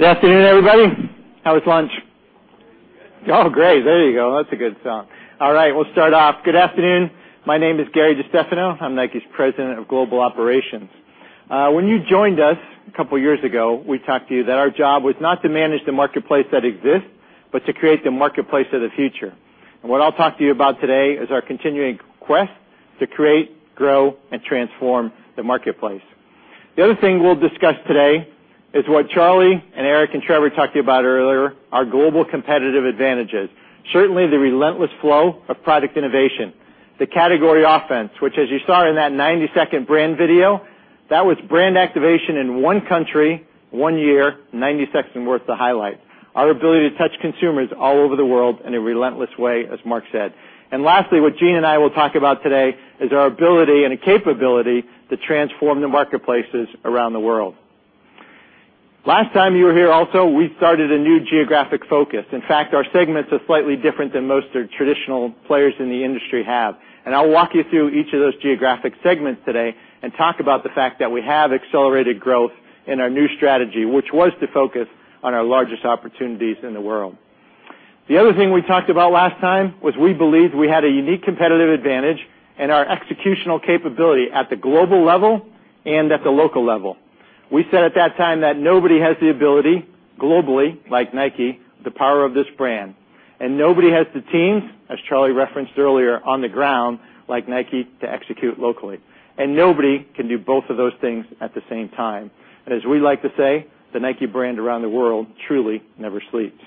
Good afternoon, everybody. How was lunch? Oh, great. There you go. That's a good sound. All right, we'll start off. Good afternoon. My name is Gary DeStefano. I'm Nike's President of Global Operations. When you joined us a couple of years ago, we talked to you that our job was not to manage the marketplace that exists, but to create the marketplace of the future. What I'll talk to you about today is our continuing quest to create, grow, and transform the marketplace. The other thing we'll discuss today is what Charlie and Eric and Trevor talked about earlier, our global competitive advantages. Certainly, the relentless flow of product innovation, the category offense, which, as you saw in that 90-second brand video, that was brand activation in one country, one year, 90 seconds' worth of highlights. Our ability to touch consumers all over the world in a relentless way, as Mark said. Lastly, what Jeanne and I will talk about today is our ability and capability to transform the marketplaces around the world. Last time you were here also, we started a new geographic focus. In fact, our segments are slightly different than most of the traditional players in the industry have. I'll walk you through each of those geographic segments today and talk about the fact that we have accelerated growth in our new strategy, which was to focus on our largest opportunities in the world. The other thing we talked about last time was we believe we had a unique competitive advantage in our executional capability at the global level and at the local level. We said at that time that nobody has the ability globally, like Nike, the power of this brand. Nobody has the teams, as Charlie referenced earlier, on the ground, like Nike, to execute locally. Nobody can do both of those things at the same time. As we like to say, the Nike brand around the world truly never sleeps.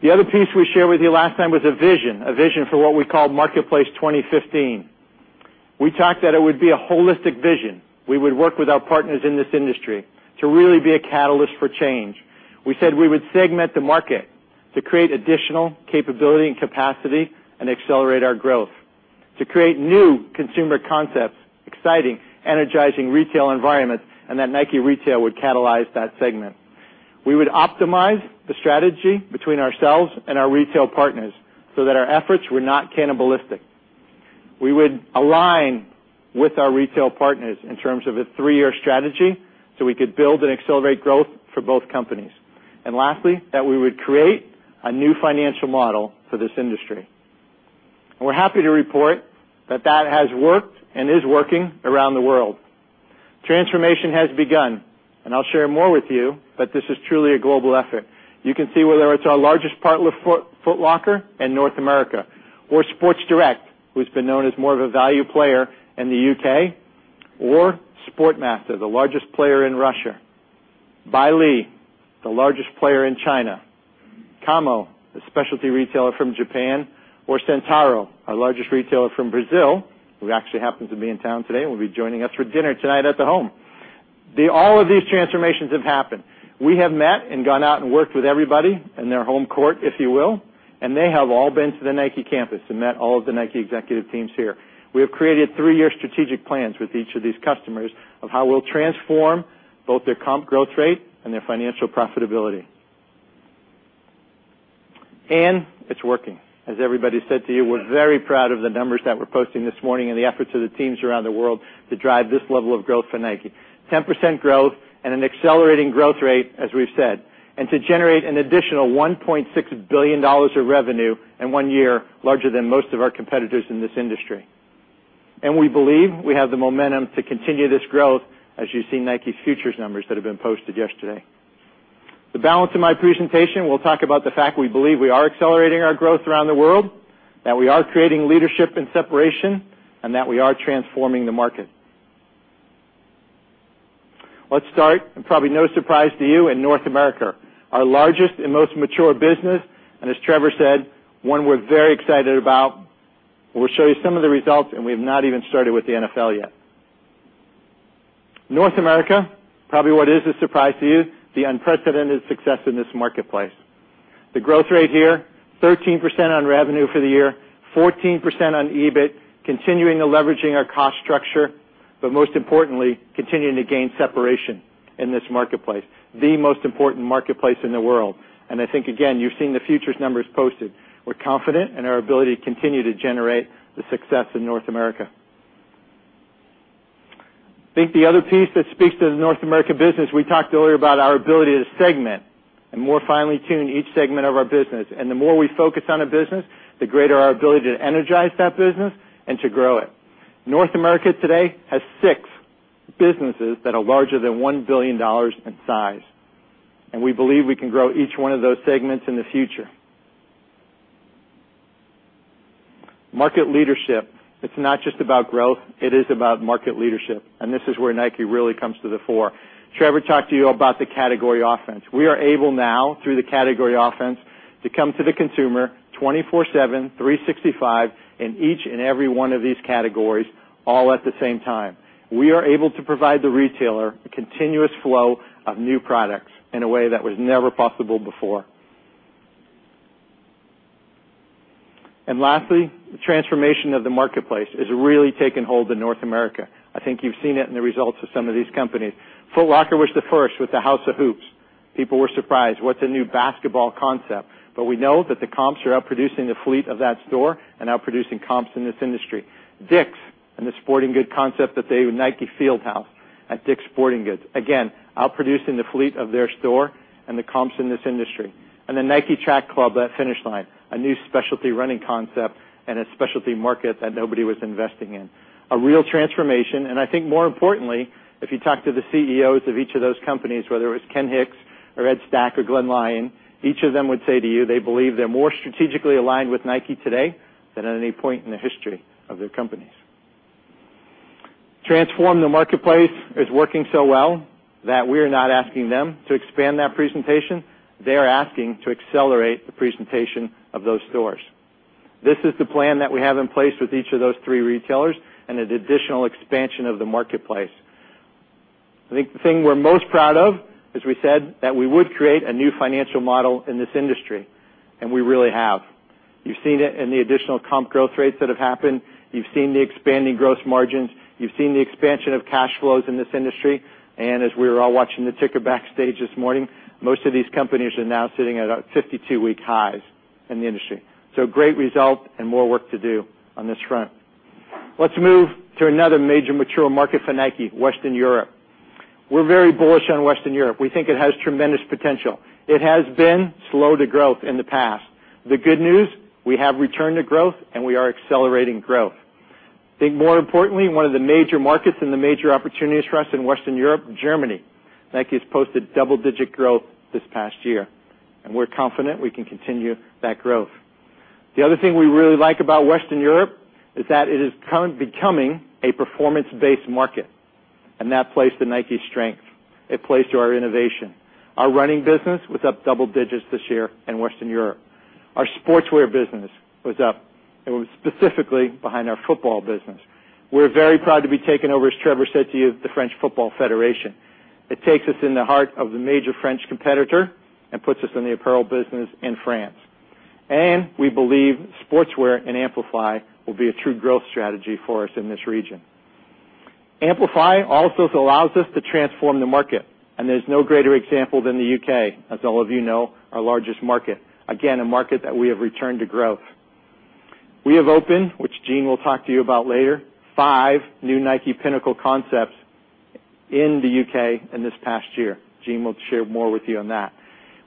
The other piece we shared with you last time was a vision, a vision for what we call marketplace 2015. We talked that it would be a holistic vision. We would work with our partners in this industry to really be a catalyst for change. We said we would segment the market to create additional capability and capacity and accelerate our growth, to create new consumer concepts, exciting, energizing retail environments, and that Nike Retail would catalyze that segment. We would optimize the strategy between ourselves and our retail partners so that our efforts were not cannibalistic. We would align with our retail partners in terms of a three-year strategy so we could build and accelerate growth for both companies. Lastly, we would create a new financial model for this industry. We're happy to report that has worked and is working around the world. Transformation has begun. I'll share more with you. This is truly a global effort. You can see whether it's our largest partner Foot Locker in North America, or Sports Direct, who's been known as more of a value player in the U.K., or Sportmaster, the largest player in Russia, Belle, the largest player in China, Kamo, the specialty retailer from Japan, or Centauro, our largest retailer from Brazil, who actually happens to be in town today and will be joining us for dinner tonight at the home. All of these transformations have happened. We have met and gone out and worked with everybody in their home court, if you will. They have all been to the Nike campus and met all of the Nike executive teams here. We have created three-year strategic plans with each of these customers of how we'll transform both their comp growth rate and their financial profitability. It's working. As everybody said to you, we're very proud of the numbers that we're posting this morning and the efforts of the teams around the world to drive this level of growth for Nike. 10% growth and an accelerating growth rate, as we've said, and to generate an additional $1.6 billion of revenue in one year, larger than most of our competitors in this industry. We believe we have the momentum to continue this growth, as you see Nike's futures numbers that have been posted yesterday. The balance of my presentation will talk about the fact we believe we are accelerating our growth around the world, that we are creating leadership and separation, and that we are transforming the market. Let's start, and probably no surprise to you, in North America, our largest and most mature business. As Trevor said, one we're very excited about. We'll show you some of the results. We have not even started with the NFL yet. North America, probably what is a surprise to you, the unprecedented success in this marketplace. The growth rate here, 13% on revenue for the year, 14% on EBIT, continuing to leverage our cost structure, but most importantly, continuing to gain separation in this marketplace, the most important marketplace in the world. I think, again, you've seen the futures numbers posted. We're confident in our ability to continue to generate the success in North America. I think the other piece that speaks to the North America business, we talked earlier about our ability to segment and more finely tune each segment of our business. The more we focus on a business, the greater our ability to energize that business and to grow it. North America today has six businesses that are larger than $1 billion in size. We believe we can grow each one of those segments in the future. Market leadership, it's not just about growth. It is about market leadership. This is where Nike really comes to the fore. Trevor talked to you about the category offense. We are able now, through the category offense, to come to the consumer 24/7, 365 in each and every one of these categories, all at the same time. We are able to provide the retailer a continuous flow of new products in a way that was never possible before. Lastly, the transformation of the marketplace has really taken hold in North America. I think you've seen it in the results of some of these companies. Foot Locker was the first with the House of Hoops. People were surprised. What's a new basketball concept? We know that the comps are outproducing the fleet of that store and outproducing comps in this industry. DICK'S and the sporting good concept that they Nike Fieldhouse at DICK'S Sporting Goods, again, outproducing the fleet of their store and the comps in this industry. The Nike Track Club, that Finish Line, a new specialty running concept and a specialty market that nobody was investing in. A real transformation. More importantly, if you talk to the CEOs of each of those companies, whether it was Ken Hicks or Ed Stack or Glenn Lyon, each of them would say to you they believe they're more strategically aligned with Nike today than at any point in the history of their companies. Transform the marketplace is working so well that we are not asking them to expand that presentation. They are asking to accelerate the presentation of those stores. This is the plan that we have in place with each of those three retailers and an additional expansion of the marketplace. I think the thing we're most proud of is, we said, that we would create a new financial model in this industry. We really have. You've seen it in the additional comp growth rates that have happened. You've seen the expanding gross margins. You've seen the expansion of cash flows in this industry. As we were all watching the ticker backstage this morning, most of these companies are now sitting at 52-week highs in the industry. Great result and more work to do on this front. Let's move to another major mature market for Nike, Western Europe. We're very bullish on Western Europe. We think it has tremendous potential. It has been slow to growth in the past. The good news, we have returned to growth, and we are accelerating growth. I think, more importantly, one of the major markets and the major opportunities for us in Western Europe is Germany. Nike has posted double-digit growth this past year, and we're confident we can continue that growth. The other thing we really like about Western Europe is that it is becoming a performance-based market, and that plays to Nike's strength. It plays to our innovation. Our running business was up double digits this year in Western Europe. Our sportswear business was up, and we're specifically behind our football business. We're very proud to be taken over, as Trevor said to you, the French Football Federation. It takes us in the heart of the major French competitor and puts us in the apparel business in France. We believe sportswear and Amplify will be a true growth strategy for us in this region. Amplify also allows us to transform the market, and there's no greater example than the U.K. As all of you know, our largest market, again a market that we have returned to growth. We have opened, which Jeanne will talk to you about later, five new Nike Pinnacle concepts in the U.K. in this past year. Jeanne will share more with you on that.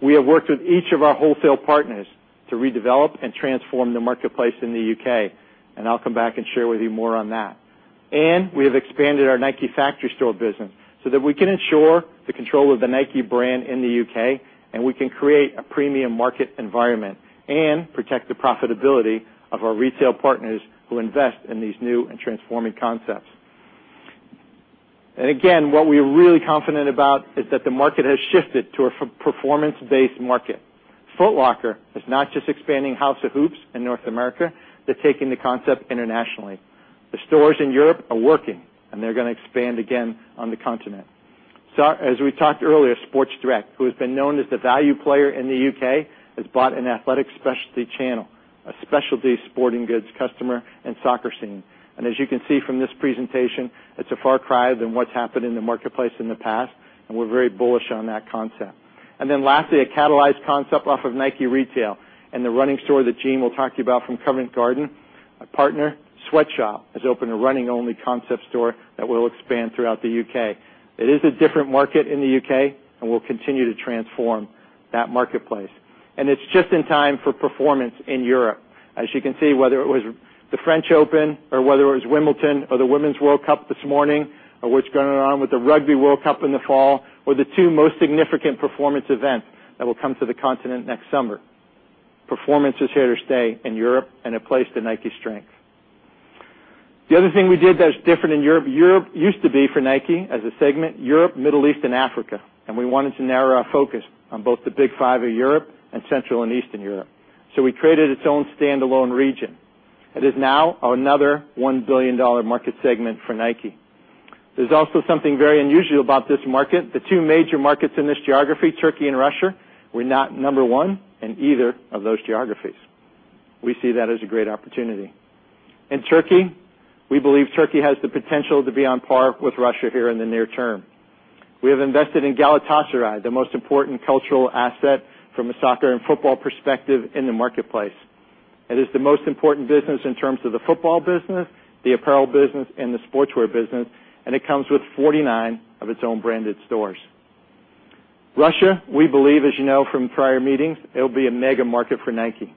We have worked with each of our wholesale partners to redevelop and transform the marketplace in the U.K., and I'll come back and share with you more on that. We have expanded our Nike Factory Store business so that we can ensure the control of the Nike brand in the U.K., and we can create a premium market environment and protect the profitability of our retail partners who invest in these new and transforming concepts. What we are really confident about is that the market has shifted to a performance-based market. Foot Locker is not just expanding House of Hoops in North America. They're taking the concept internationally. The stores in Europe are working, and they're going to expand again on the continent. As we talked earlier, Sports Direct, who has been known as the value player in the U.K., has bought an athletic specialty channel, a specialty sporting goods customer and soccer scene. As you can see from this presentation, it's a far cry from what's happened in the marketplace in the past. We're very bullish on that concept. Lastly, a catalyzed concept off of Nike Retail and the running store that Jeanne will talk to you about from Covent Garden. A partner, Sweatshop, has opened a running-only concept store that will expand throughout the U.K. It is a different market in the U.K. We'll continue to transform that marketplace. It's just in time for performance in Europe. As you can see, whether it was the French Open, or whether it was Wimbledon, or the Women's World Cup this morning, or what's going on with the Rugby World Cup in the fall, or the two most significant performance events that will come to the continent next summer, performance is here to stay in Europe and a place to Nike's strength. The other thing we did that's different in Europe, Europe used to be for Nike as a segment, Europe, Middle East, and Africa. We wanted to narrow our focus on both the Big Five of Europe and Central and Eastern Europe. We created its own standalone region. It is now another $1 billion market segment for Nike. There's also something very unusual about this market. The two major markets in this geography, Turkey and Russia, were not number one in either of those geographies. We see that as a great opportunity. In Turkey, we believe Turkey has the potential to be on par with Russia here in the near term. We have invested in Galatasaray, the most important cultural asset from a soccer and football perspective in the marketplace. It is the most important business in terms of the football business, the apparel business, and the sportswear business. It comes with 49 of its own branded stores. Russia, we believe, as you know from prior meetings, it will be a mega market for Nike.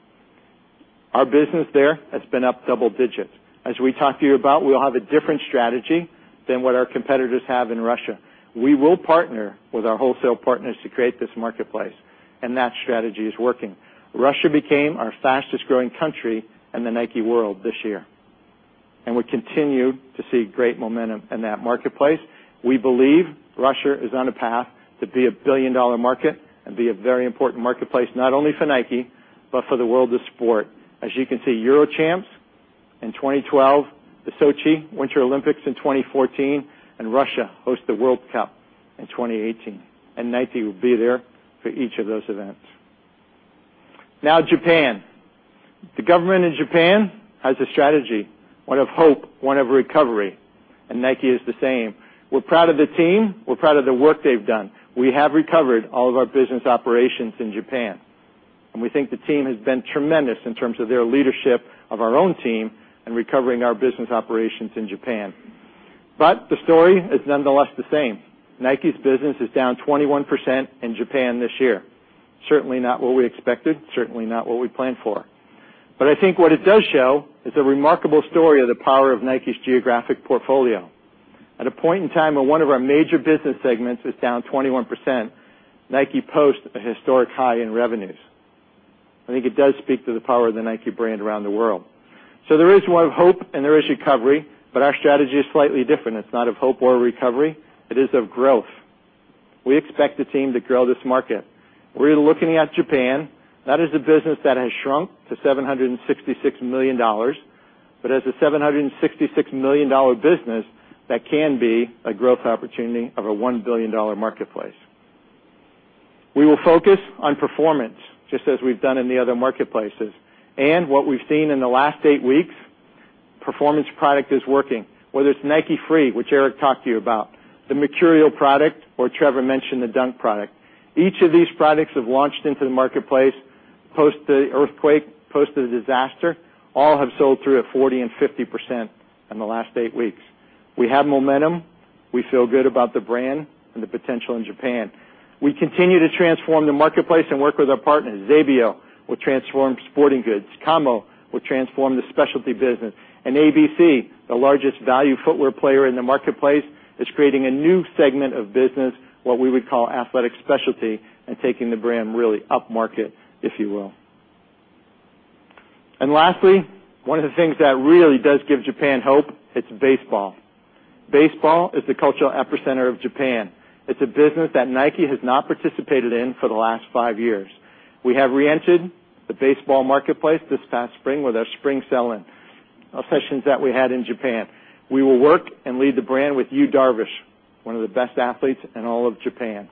Our business there has been up double digits. As we talked to you about, we'll have a different strategy than what our competitors have in Russia. We will partner with our wholesale partners to create this marketplace. That strategy is working. Russia became our fastest growing country in the Nike world this year. We continue to see great momentum in that marketplace. We believe Russia is on a path to be a billion-dollar market and be a very important marketplace not only for Nike, but for the world of sport. As you can see, Euro Champs in 2012, the Sochi Winter Olympics in 2014, and Russia hosted the World Cup in 2018. Nike will be there for each of those events. Now, Japan. The government in Japan has a strategy, one of hope, one of recovery. Nike is the same. We're proud of the team. We're proud of the work they've done. We have recovered all of our business operations in Japan. We think the team has been tremendous in terms of their leadership of our own team and recovering our business operations in Japan. The story is nonetheless the same. Nike's business is down 21% in Japan this year. Certainly not what we expected. Certainly not what we planned for. I think what it does show is a remarkable story of the power of Nike's geographic portfolio. At a point in time when one of our major business segments was down 21%, Nike posted a historic high in revenues. I think it does speak to the power of the Nike brand around the world. There is one of hope. There is recovery. Our strategy is slightly different. It's not of hope or recovery. It is of growth. We expect the team to grow this market. We're looking at Japan not as a business that has shrunk to $766 million, but as a $766 million business that can be a growth opportunity of a $1 billion marketplace. We will focus on performance, just as we've done in the other marketplaces. What we've seen in the last eight weeks, performance product is working, whether it's Nike Free, which Eric talked to you about, the Mercurial product, or Trevor mentioned the Dunk product. Each of these products have launched into the marketplace post the earthquake, post the disaster. All have sold through at 40% and 50% in the last eight weeks. We have momentum. We feel good about the brand and the potential in Japan. We continue to transform the marketplace and work with our partners. XEBIO will transform sporting goods. Kamo will transform the specialty business. ABC, the largest value footwear player in the marketplace, is creating a new segment of business, what we would call athletic specialty, and taking the brand really up market, if you will. Lastly, one of the things that really does give Japan hope, it's baseball. Baseball is the cultural epicenter of Japan. It's a business that Nike has not participated in for the last five years. We have re-entered the baseball marketplace this past spring with our spring sell-in sessions that we had in Japan. We will work and lead the brand with Yu Darvish, one of the best athletes in all of Japan.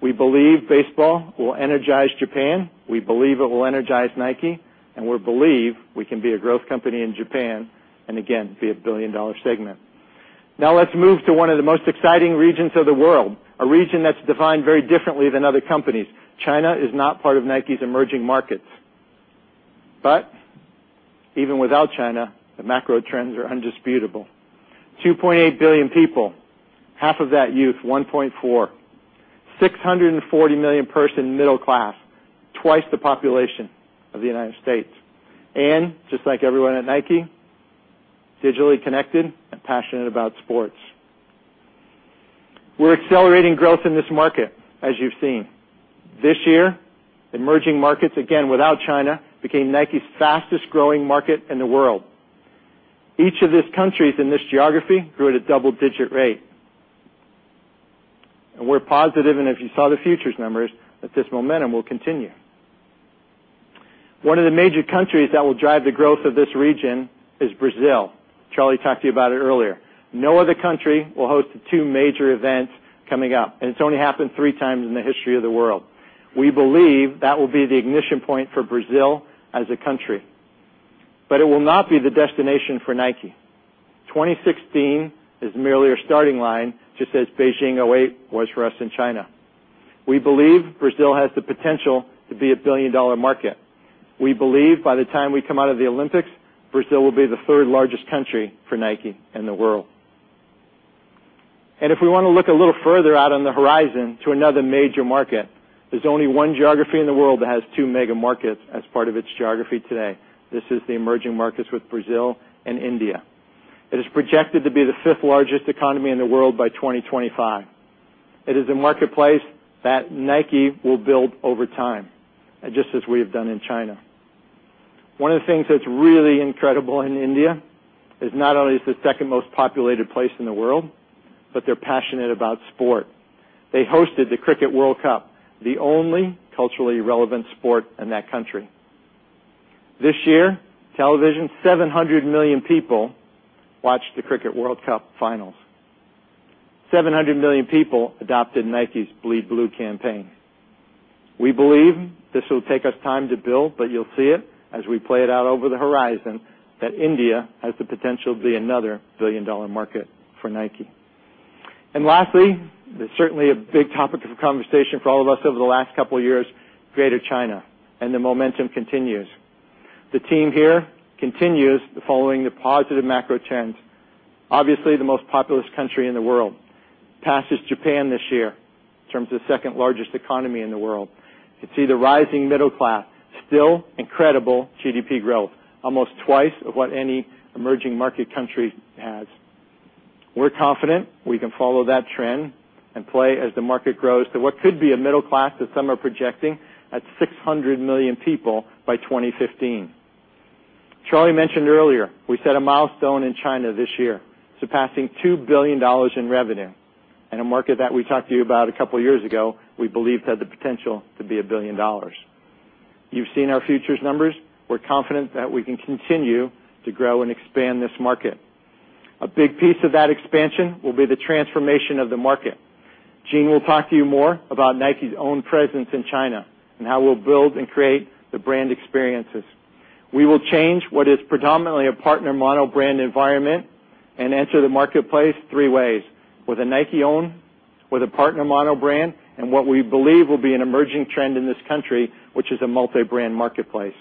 We believe baseball will energize Japan. We believe it will energize Nike. We believe we can be a growth company in Japan and, again, be a billion-dollar segment. Now, let's move to one of the most exciting regions of the world, a region that's defined very differently than other companies. China is not part of Nike's emerging markets. Even without China, the macro trends are undisputable. 2.8 billion people, half of that youth, 1.4. 640 million person middle class, twice the population of the United States. Just like everyone at Nike, digitally connected and passionate about sports. We're accelerating growth in this market, as you've seen. This year, emerging markets, again, without China, became Nike's fastest growing market in the world. Each of these countries in this geography grew at a double-digit rate. We're positive, and if you saw the futures numbers, that this momentum will continue. One of the major countries that will drive the growth of this region is Brazil. Charlie talked to you about it earlier. No other country will host the two major events coming up. It has only happened three times in the history of the world. We believe that will be the ignition point for Brazil as a country. It will not be the destination for Nike. 2016 is merely a starting line, just as Beijing 2008 was for us in China. We believe Brazil has the potential to be a billion-dollar market. We believe by the time we come out of the Olympics, Brazil will be the third largest country for Nike in the world. If we want to look a little further out on the horizon to another major market, there's only one geography in the world that has two mega markets as part of its geography today. This is the emerging markets with Brazil and India. It is projected to be the fifth largest economy in the world by 2025. It is a marketplace that Nike will build over time, just as we have done in China. One of the things that's really incredible in India is not only is it the second most populated place in the world, but they're passionate about sport. They hosted the Cricket World Cup, the only culturally relevant sport in that country. This year, television, 700 million people watched the Cricket World Cup finals. 700 million people adopted Nike's Bleed Blue campaign. We believe this will take us time to build, but you'll see it as we play it out over the horizon that India has the potential to be another billion-dollar market for Nike. Lastly, there's certainly a big topic of conversation for all of us over the last couple of years, Greater China. The momentum continues. The team here continues following the positive macro trends. Obviously, the most populous country in the world passes Japan this year in terms of the second largest economy in the world. You can see the rising middle class, still incredible GDP growth, almost twice of what any emerging market country has. We're confident we can follow that trend and play as the market grows to what could be a middle class, as some are projecting, at 600 million people by 2015. Charlie mentioned earlier, we set a milestone in China this year, surpassing $2 billion in revenue. A market that we talked to you about a couple of years ago, we believed had the potential to be $1 billion. You've seen our futures numbers. We're confident that we can continue to grow and expand this market. A big piece of that expansion will be the transformation of the market. Jeanne will talk to you more about Nike's own presence in China and how we'll build and create the brand experiences. We will change what is predominantly a partner monobrand environment and enter the marketplace three ways: with a Nike-owned, with a partner monobrand, and what we believe will be an emerging trend in this country, which is a multi-brand marketplace.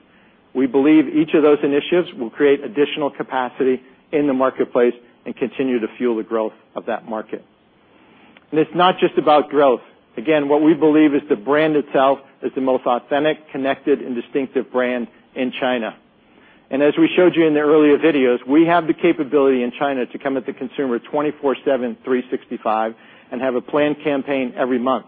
We believe each of those initiatives will create additional capacity in the marketplace and continue to fuel the growth of that market. It's not just about growth. What we believe is the brand itself is the most authentic, connected, and distinctive brand in China. As we showed you in the earlier videos, we have the capability in China to come at the consumer 24/7, 365, and have a planned campaign every month.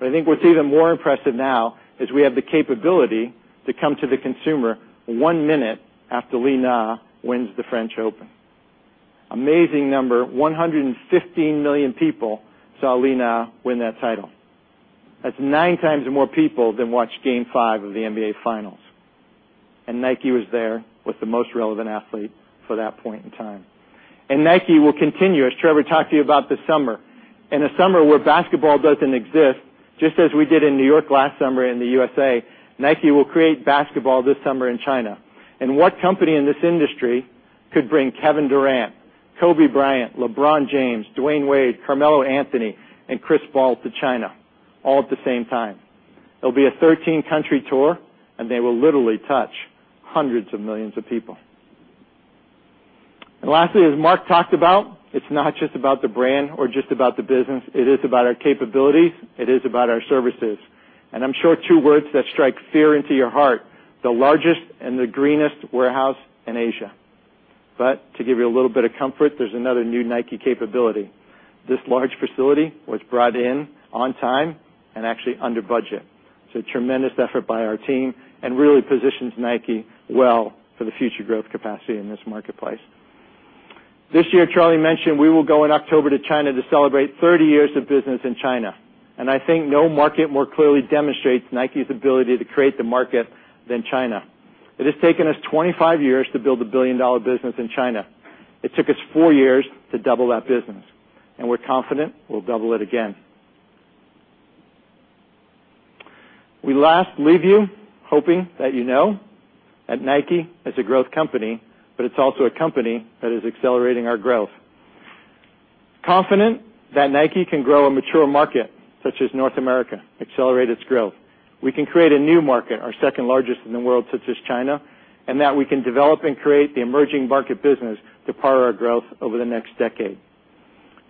I think what's even more impressive now is we have the capability to come to the consumer one minute after Li Na wins the French Open. Amazing number, 115 million people saw Li Na win that title. That's nine times more people than watched game five of the NBA Finals. Nike was there with the most relevant athlete for that point in time. Nike will continue, as Trevor talked to you about this summer. In a summer where basketball doesn't exist, just as we did in New York last summer in the U.S.A., Nike will create basketball this summer in China. What company in this industry could bring Kevin Durant, Kobe Bryant, LeBron James, Dwyane Wade, Carmelo Anthony, and Chris Paul to China all at the same time? It'll be a 13-country tour, and they will literally touch hundreds of millions of people. Lastly, as Mark talked about, it's not just about the brand or just about the business. It is about our capabilities. It is about our services. I'm sure two words that strike fear into your heart: the largest and the greenest warehouse in Asia. To give you a little bit of comfort, there's another new Nike capability. This large facility was brought in on time and actually under budget. It's a tremendous effort by our team and really positions Nike well for the future growth capacity in this marketplace. This year, Charlie mentioned we will go in October to China to celebrate 30 years of business in China. I think no market more clearly demonstrates Nike's ability to create the market than China. It has taken us 25 years to build a billion-dollar business in China. It took us four years to double that business, and we're confident we'll double it again. We last leave you hoping that you know that Nike is a growth company, but it's also a company that is accelerating our growth. Confident that Nike can grow a mature market such as North America, accelerate its growth. We can create a new market, our second largest in the world, such as China, and that we can develop and create the emerging market business to power our growth over the next decade.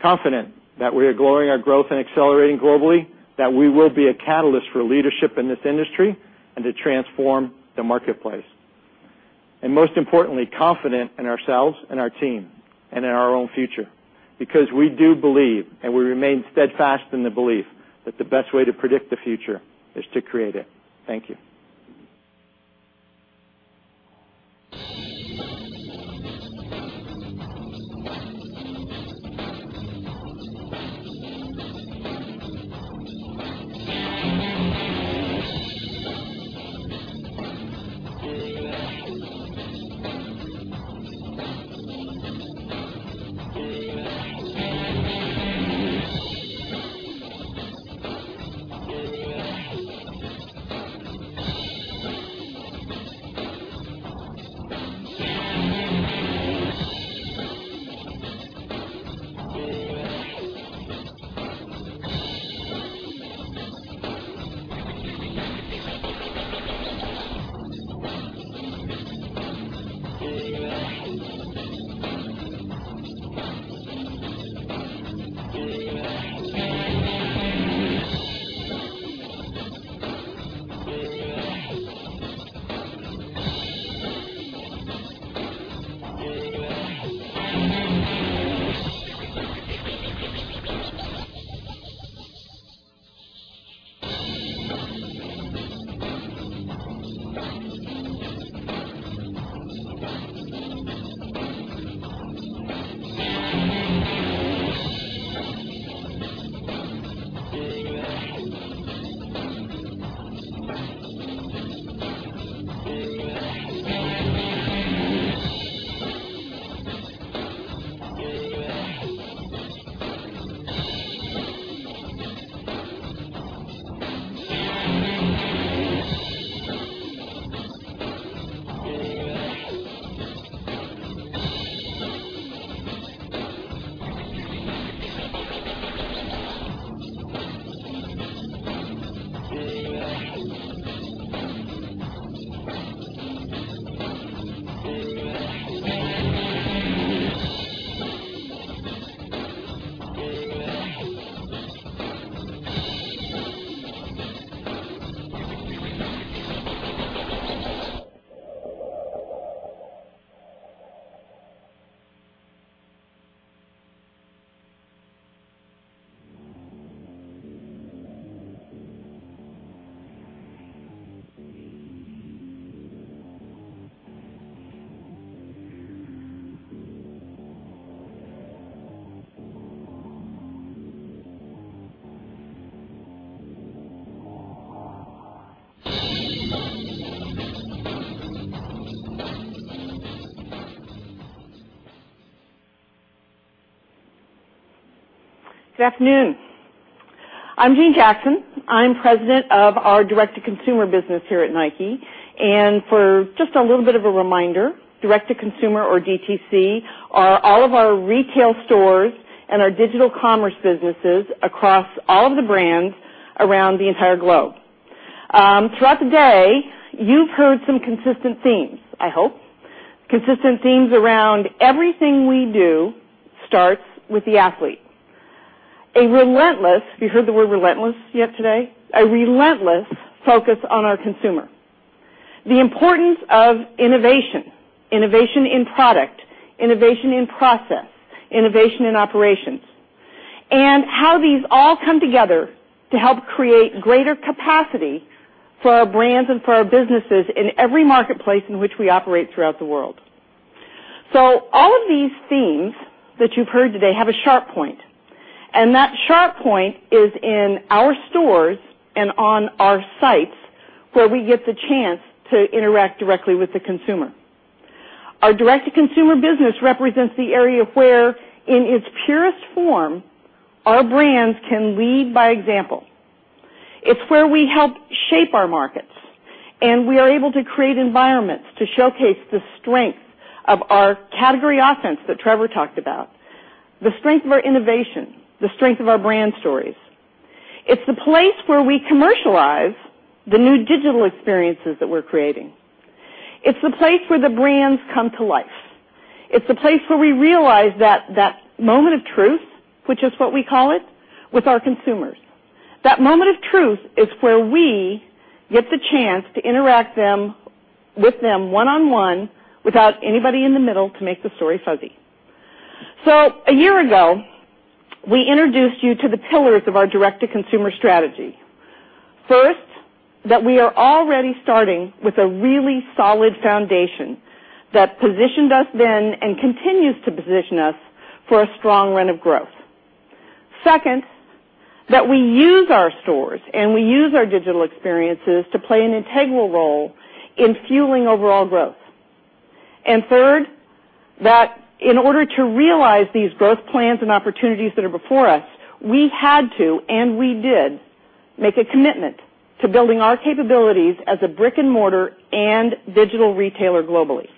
Confident that we are growing our growth and accelerating globally, that we will be a catalyst for leadership in this industry and to transform the marketplace. Most importantly, confident in ourselves and our team and in our own future because we do believe and we remain steadfast in the belief that the best way to predict the future is to create it. Thank you. Good afternoon. I'm Jeanne Jackson. I'm President of our Direct to Consumer business here at Nike. For just a little bit of a reminder, direct-to-consumer, or DTC, are all of our retail stores and our digital commerce businesses across all of the brands around the entire globe. Throughout the day, you've heard some consistent themes, I hope, consistent themes around everything we do starts with the athlete. A relentless, have you heard the word relentless yet today? A relentless focus on our consumer. The importance of innovation, innovation in product, innovation in process, innovation in operations, and how these all come together to help create greater capacity for our brands and for our businesses in every marketplace in which we operate throughout the world. All of these themes that you've heard today have a sharp point. That sharp point is in our stores and on our sites where we get the chance to interact directly with the consumer. Our direct-to-consumer business represents the area where, in its purest form, our brands can lead by example. It's where we help shape our markets, and we are able to create environments to showcase the strength of our category offense that Trevor talked about, the strength of our innovation, the strength of our brand stories. It's the place where we commercialize the new digital experiences that we're creating. It's the place where the brands come to life. It's the place where we realize that moment of truth, which is what we call it, with our consumers. That moment of truth is where we get the chance to interact with them one-on-one without anybody in the middle to make the story fuzzy. A year ago, we introduced you to the pillars of our direct-to-consumer strategy. First, that we are already starting with a really solid foundation that positioned us then and continues to position us for a strong run of growth. Second, that we use our stores and we use our digital experiences to play an integral role in fueling overall growth. Third, that in order to realize these growth plans and opportunities that are before us, we had to and we did make a commitment to building our capabilities as a brick-and-mortar and digital retailer globally.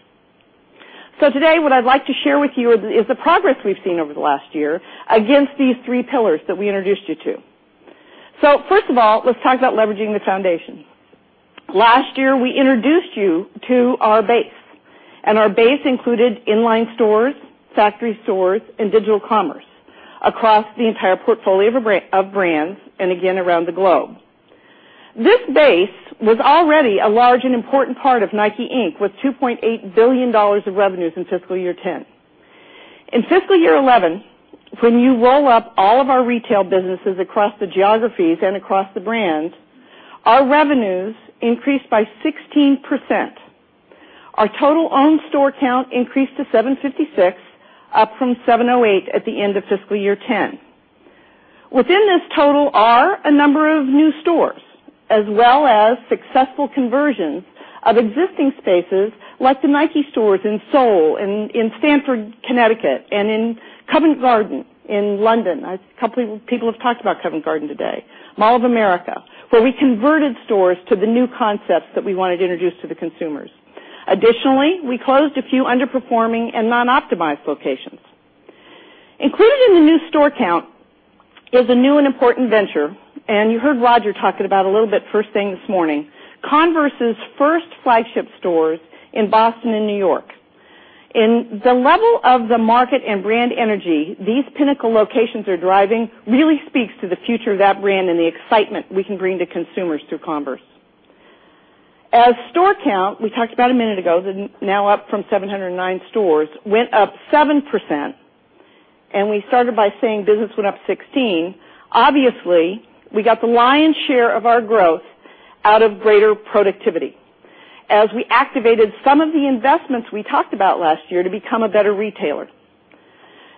Today, what I'd like to share with you is the progress we've seen over the last year against these three pillars that we introduced you to. First of all, let's talk about leveraging the foundation. Last year, we introduced you to our base. Our base included inline stores, factory stores, and digital commerce across the entire portfolio of brands and, again, around the globe. This base was already a large and important part of Nike, Inc., with $2.8 billion of revenues in fiscal year 2010. In fiscal year 2011, when you roll up all of our retail businesses across the geographies and across the brand, our revenues increased by 16%. Our total owned store count increased to 756, up from 708 at the end of fiscal year 2010. Within this total are a number of new stores, as well as successful conversions of existing spaces like the Nike stores in Seoul and in Stamford, Connecticut, and in Covent Garden in London. A couple of people have talked about Covent Garden today, Mall of America, where we converted stores to the new concepts that we wanted to introduce to the consumers. Additionally, we closed a few underperforming and non-optimized locations. Included in the new store count is a new and important venture. You heard Roger talking about a little bit first thing this morning, Converse's first flagship stores in Boston and New York. The level of the market and brand energy these pinnacle locations are driving really speaks to the future of that brand and the excitement we can bring to consumers through Converse. As store count, we talked about a minute ago, now up from 709 stores, went up 7%. We started by saying business went up 16%. Obviously, we got the lion's share of our growth out of greater productivity as we activated some of the investments we talked about last year to become a better retailer.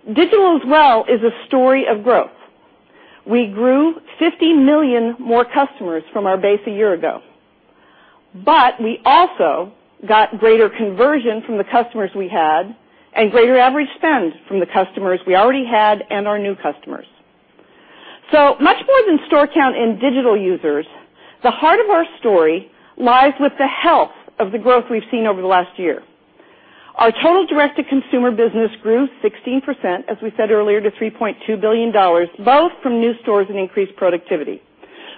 Digital as well is a story of growth. We grew 50 million more customers from our base a year ago. We also got greater conversion from the customers we had and greater average spend from the customers we already had and our new customers. Much more than store count and digital users, the heart of our story lies with the health of the growth we've seen over the last year. Our total direct-to-consumer business grew 16%, as we said earlier, to $3.2 billion, both from new stores and increased productivity.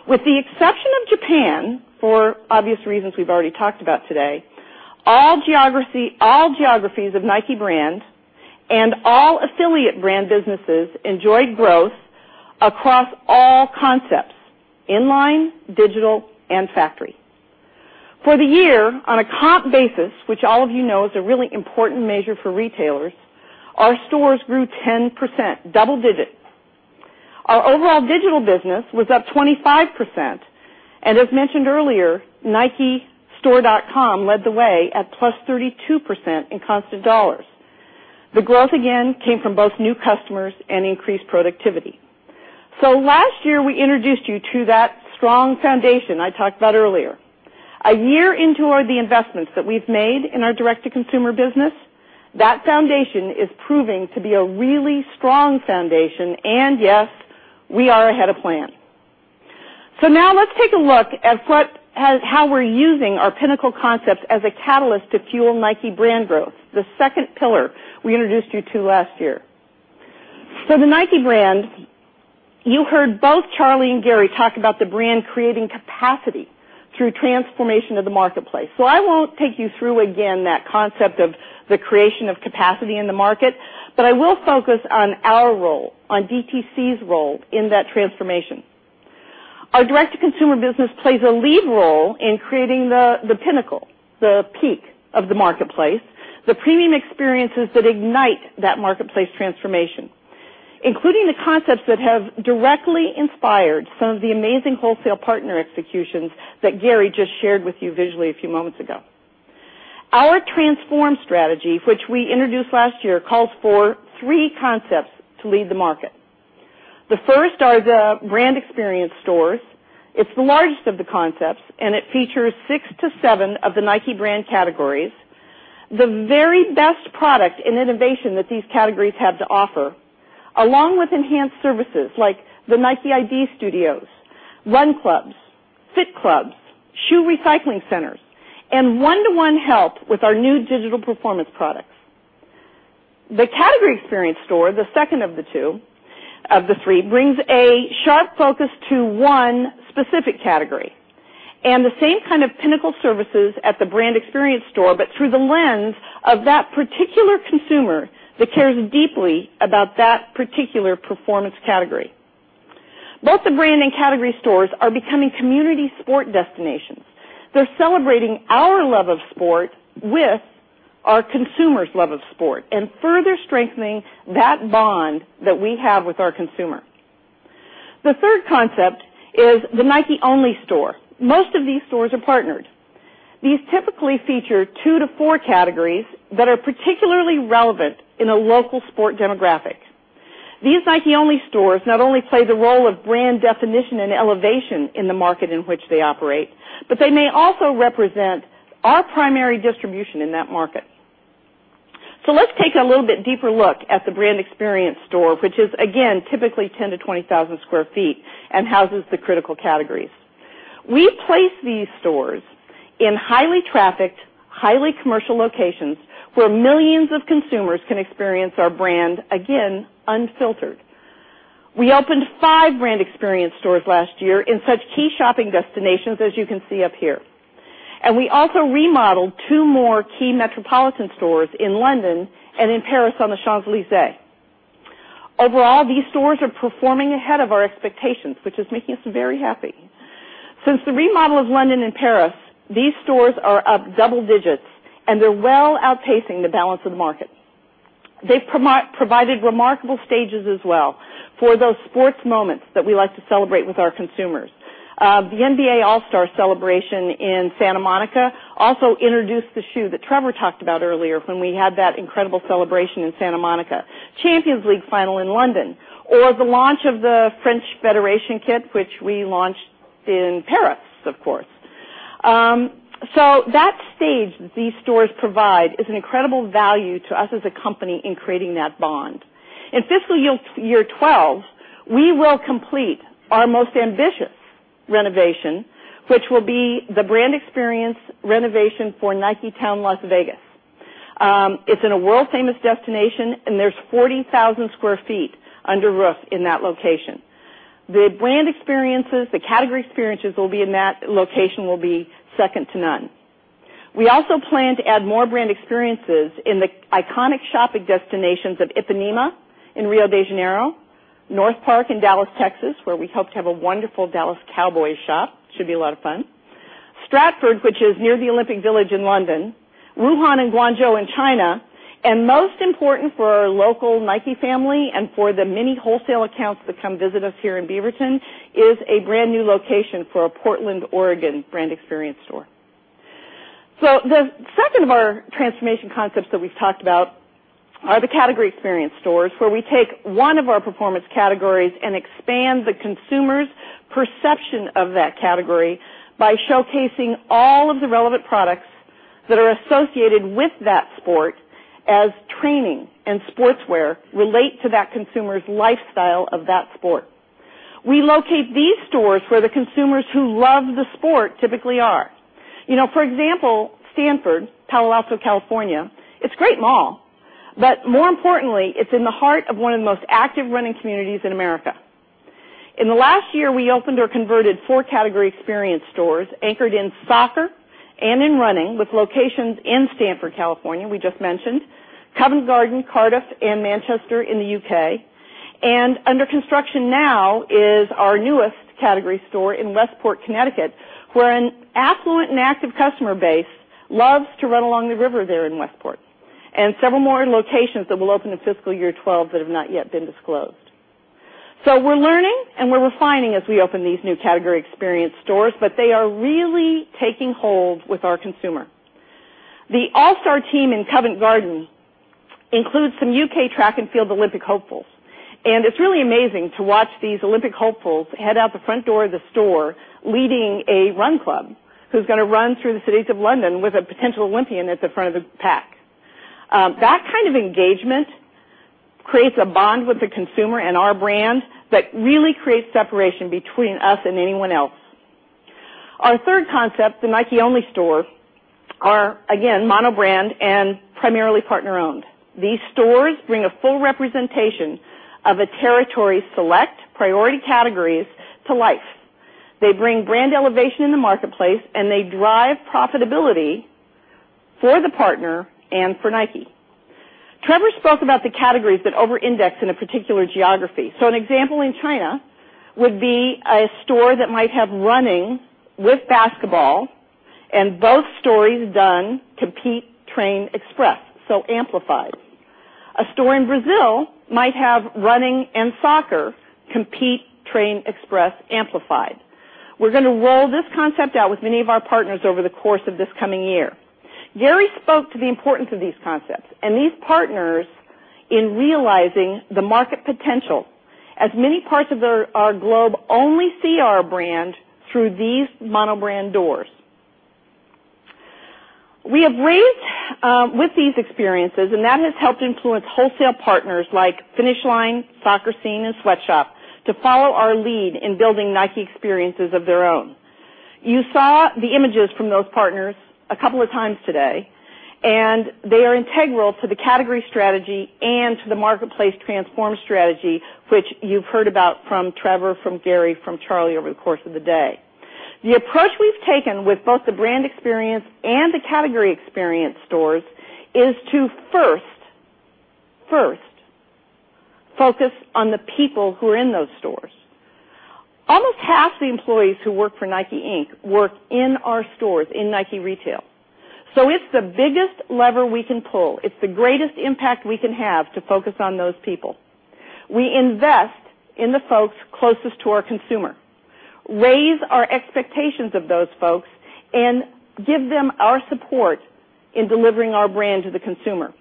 With the exception of Japan, for obvious reasons we've already talked about today, all geographies of Nike brand and all affiliate brand businesses enjoy growth across all concepts, inline, digital, and factory. For the year, on a comp basis, which all of you know is a really important measure for retailers, our stores grew 10%, double digits. Our overall digital business was up 25%. As mentioned earlier, Nikestore.com led the way at +32% in constant dollars. The growth, again, came from both new customers and increased productivity. Last year, we introduced you to that strong foundation I talked about earlier. A year into the investments that we've made in our direct-to-consumer business, that foundation is proving to be a really strong foundation. Yes, we are ahead of plan. Now, let's take a look at how we're using our pinnacle concepts as a catalyst to fuel Nike brand growth, the second pillar we introduced you to last year. For the Nike brand, you heard both Charlie and Gary talk about the brand creating capacity through transformation of the marketplace. I won't take you through again that concept of the creation of capacity in the market. I will focus on our role, on DTC's role in that transformation. Our direct-to-consumer business plays a lead role in creating the pinnacle, the peak of the marketplace, the premium experiences that ignite that marketplace transformation, including the concepts that have directly inspired some of the amazing wholesale partner executions that Gary just shared with you visually a few moments ago. Our transform strategy, which we introduced last year, calls for three concepts to lead the market. The first are the brand experience stores. It's the largest of the concepts, and it features six to seven of the Nike brand categories, the very best product and innovation that these categories have to offer, along with enhanced services like the NikeiD Studios, run clubs, fit clubs, shoe recycling centers, and one-to-one help with our new digital performance products. The category experience store, the second of the three, brings a sharp focus to one specific category and the same kind of pinnacle services at the brand experience store, but through the lens of that particular consumer that cares deeply about that particular performance category. Both the brand and category stores are becoming community sport destinations. They're celebrating our love of sport with our consumer's love of sport and further strengthening that bond that we have with our consumer. The third concept is the Nike-only store. Most of these stores are partnered. These typically feature two to four categories that are particularly relevant in a local sport demographic. These Nike-only stores not only play the role of brand definition and elevation in the market in which they operate, but they may also represent our primary distribution in that market. Let's take a little bit deeper look at the brand experience store, which is, again, typically 10,000 sq. ft.-20,000 sq. ft. and houses the critical categories. We've placed these stores in highly trafficked, highly commercial locations where millions of consumers can experience our brand, again, unfiltered. We opened five brand experience stores last year in such key shopping destinations, as you can see up here. We also remodeled two more key metropolitan stores in London and in Paris on the Champs-Élysées. Overall, these stores are performing ahead of our expectations, which is making us very happy. Since the remodel of London and Paris, these stores are up double digits, and they're well outpacing the balance of the market. They've provided remarkable stages as well for those sports moments that we like to celebrate with our consumers. The NBA All-Star celebration in Santa Monica also introduced the shoe that Trevor talked about earlier when we had that incredible celebration in Santa Monica, Champions League final in London, or the launch of the French Federation kit, which we launched in Paris, of course. That stage that these stores provide is an incredible value to us as a company in creating that bond. In fiscal year 2012, we will complete our most ambitious renovation, which will be the brand experience renovation for Nike Town, Las Vegas. It's in a world-famous destination, and there's 40,000 sq. ft. under roof in that location. The brand experiences, the category experiences that will be in that location will be second to none. We also plan to add more brand experiences in the iconic shopping destinations of Ipanema in Rio de Janeiro, North Park in Dallas, Texas, where we hope to have a wonderful Dallas Cowboys shop. It should be a lot of fun. Stratford, which is near the Olympic Village in London, Wuhan and Guangzhou in China. Most important for our local Nike family and for the many wholesale accounts that come visit us here in Beaverton is a brand new location for a Portland, Oregon brand experience store. The second of our transformation concepts that we've talked about are the category experience stores, where we take one of our performance categories and expand the consumer's perception of that category by showcasing all of the relevant products that are associated with that sport as training and sportswear relate to that consumer's lifestyle of that sport. We locate these stores where the consumers who love the sport typically are. For example, Stanford, Palo Alto, California, it's a great mall. More importantly, it's in the heart of one of the most active running communities in America. In the last year, we opened or converted four category experience stores anchored in soccer and in running, with locations in Stanford, California, Covent Garden, Cardiff, and Manchester in the U.K. Under construction now is our newest category store in Westport, Connecticut, where an affluent and active customer base loves to run along the river there in Westport, and several more locations that will open in fiscal year 2012 that have not yet been disclosed. We're learning and we're refining as we open these new category experience stores. They are really taking hold with our consumer. The All-Star team in Covent Garden includes some U.K. track and field Olympic hopefuls. It's really amazing to watch these Olympic hopefuls head out the front door of the store leading a run club who's going to run through the cities of London with a potential Olympian at the front of the pack. That kind of engagement creates a bond with the consumer and our brand that really creates separation between us and anyone else. Our third concept, the Nike-only store, are again monobrand and primarily partner-owned. These stores bring a full representation of a territory's select priority categories to life. They bring brand elevation in the marketplace and they drive profitability for the partner and for Nike. Trevor spoke about the categories that over-index in a particular geography. An example in China would be a store that might have running with basketball and both stories done: compete, train, express, so amplified. A store in Brazil might have running and soccer: compete, train, express, amplified. We're going to roll this concept out with many of our partners over the course of this coming year. Gary spoke to the importance of these concepts and these partners in realizing the market potential, as many parts of our globe only see our brand through these monobrand doors. We have raised with these experiences, and that has helped influence wholesale partners like Finish Line, Soccer Scene, and Sweatshop to follow our lead in building Nike experiences of their own. You saw the images from those partners a couple of times today. They are integral to the category strategy and to the marketplace transform strategy, which you've heard about from Trevor, from Gary, from Charlie over the course of the day. The approach we've taken with both the brand experience and the category experience stores is to first focus on the people who are in those stores. Almost half the employees who work for Nike, Inc. work in our stores in Nike Retail. It's the biggest lever we can pull. It's the greatest impact we can have to focus on those people. We invest in the folks closest to our consumer, raise our expectations of those folks, and give them our support in delivering our brand to the consumer.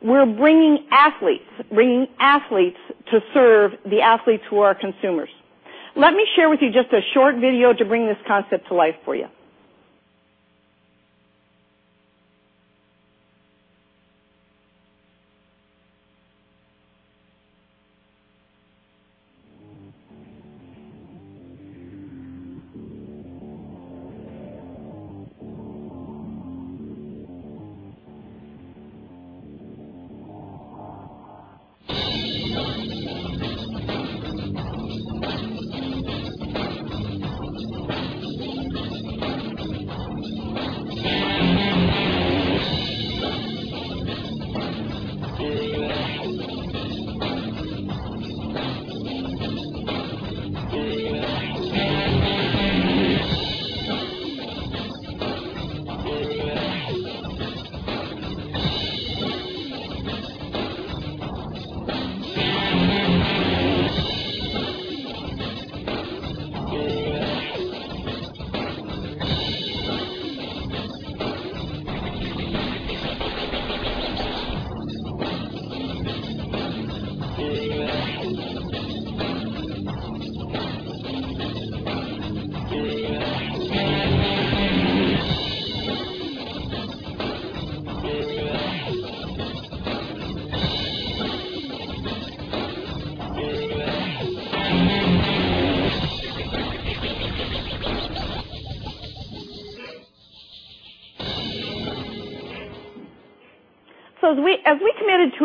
We're bringing athletes, bringing athletes to serve the athletes who are consumers. Let me share with you just a short video to bring this concept to life for you.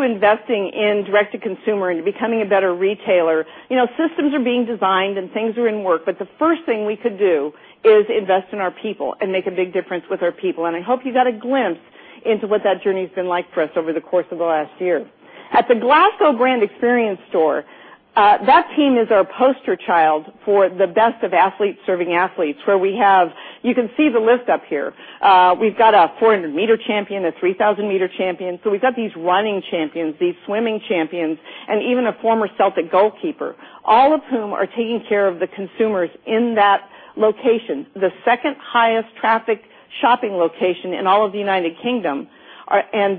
As we committed to investing in direct-to-consumer and becoming a better retailer, you know systems are being designed and things are in work. The first thing we could do is invest in our people and make a big difference with our people. I hope you got a glimpse into what that journey has been like for us over the course of the last year. At the Glasgow brand experience store, that team is our poster child for the best of athletes serving athletes, where we have, you can see the list up here. We've got a 400-m champion, a 3,000-m champion. We've got these running champions, these swimming champions, and even a former Celtic goalkeeper, all of whom are taking care of the consumers in that location, the second highest traffic shopping location in all of the United Kingdom.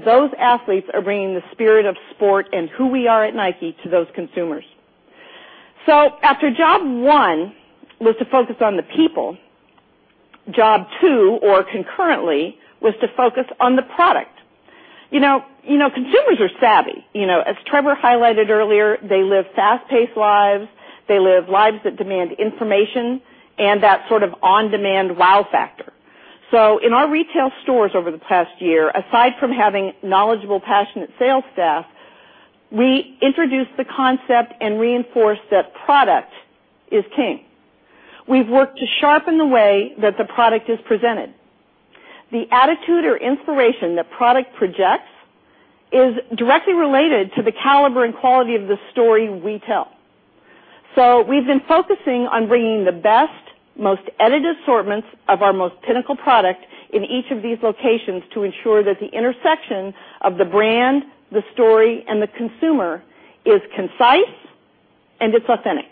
Those athletes are bringing the spirit of sport and who we are at Nike to those consumers. After job one was to focus on the people, job two, or concurrently, was to focus on the product. Consumers are savvy. As Trevor highlighted earlier, they live fast-paced lives. They live lives that demand information and that sort of on-demand wow factor. In our retail stores over the past year, aside from having knowledgeable, passionate sales staff, we introduced the concept and reinforced that product is king. We have worked to sharpen the way that the product is presented. The attitude or inspiration that product projects is directly related to the caliber and quality of the story we tell. We have been focusing on bringing the best, most edited assortments of our most pinnacle product in each of these locations to ensure that the intersection of the brand, the story, and the consumer is concise and it's authentic.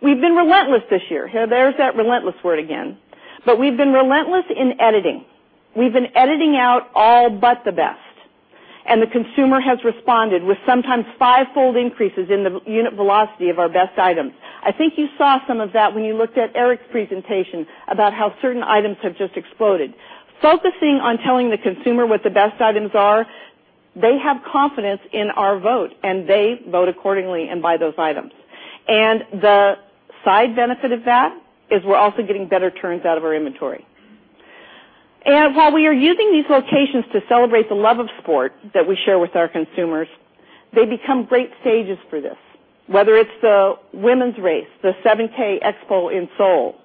We have been relentless this year. There's that relentless word again. We have been relentless in editing. We have been editing out all but the best. The consumer has responded with sometimes fivefold increases in the unit velocity of our best item. I think you saw some of that when you looked at Eric's presentation about how certain items have just exploded. Focusing on telling the consumer what the best items are, they have confidence in our vote. They vote accordingly and buy those items. The side benefit of that is we're also getting better turns out of our inventory. While we are using these locations to celebrate the love of sport that we share with our consumers, they become great stages for this, whether it's the women's race, the 7K Expo in Seoul,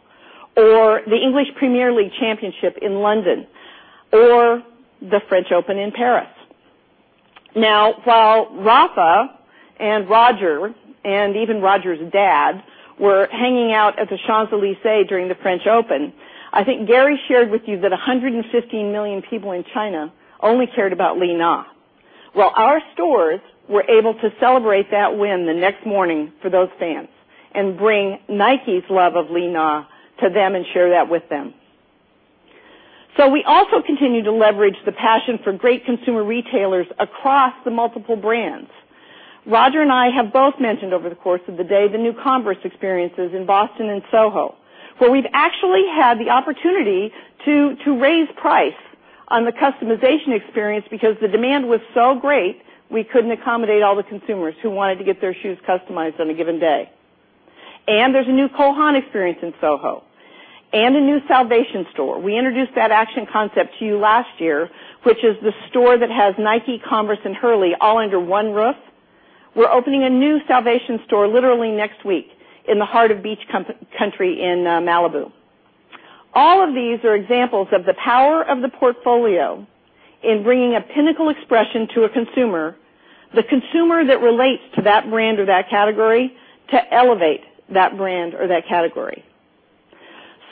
the English Premier League Championship in London, or the French Open in Paris. While Rafa and Roger, and even Roger's dad, were hanging out at the Champs-Élysées during the French Open, I think Gary shared with you that 115 million people in China only cared about Li Na. Our stores were able to celebrate that win the next morning for those fans and bring Nike's love of Li Na to them and share that with them. We also continue to leverage the passion for great consumer retailers across the multiple brands. Roger and I have both mentioned over the course of the day the new Converse experiences in Boston and SoHo, where we've actually had the opportunity to raise price on the customization experience because the demand was so great we couldn't accommodate all the consumers who wanted to get their shoes customized on a given day. There's a new Cole Haan experience in SoHo and a new Salvation store. We introduced that action concept to you last year, which is the store that has Nike, Converse, and Hurley all under one roof. We're opening a new Salvation store literally next week in the heart of beach country in Malibu. All of these are examples of the power of the portfolio in bringing a pinnacle expression to a consumer, the consumer that relates to that brand or that category, to elevate that brand or that category.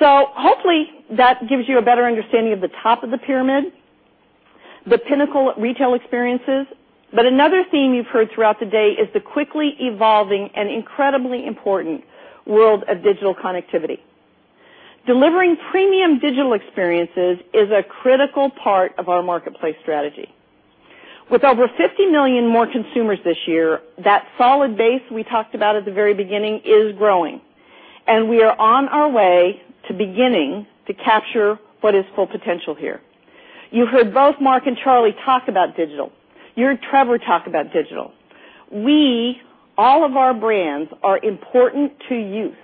Hopefully, that gives you a better understanding of the top of the pyramid, the pinnacle retail experiences. Another theme you've heard throughout the day is the quickly evolving and incredibly important world of digital connectivity. Delivering premium digital experiences is a critical part of our marketplace strategy. With over 50 million more consumers this year, that solid base we talked about at the very beginning is growing. We are on our way to beginning to capture what is full potential here. You heard both Mark and Charlie talk about digital. You heard Trevor talk about digital. We, all of our brands, are important to youth.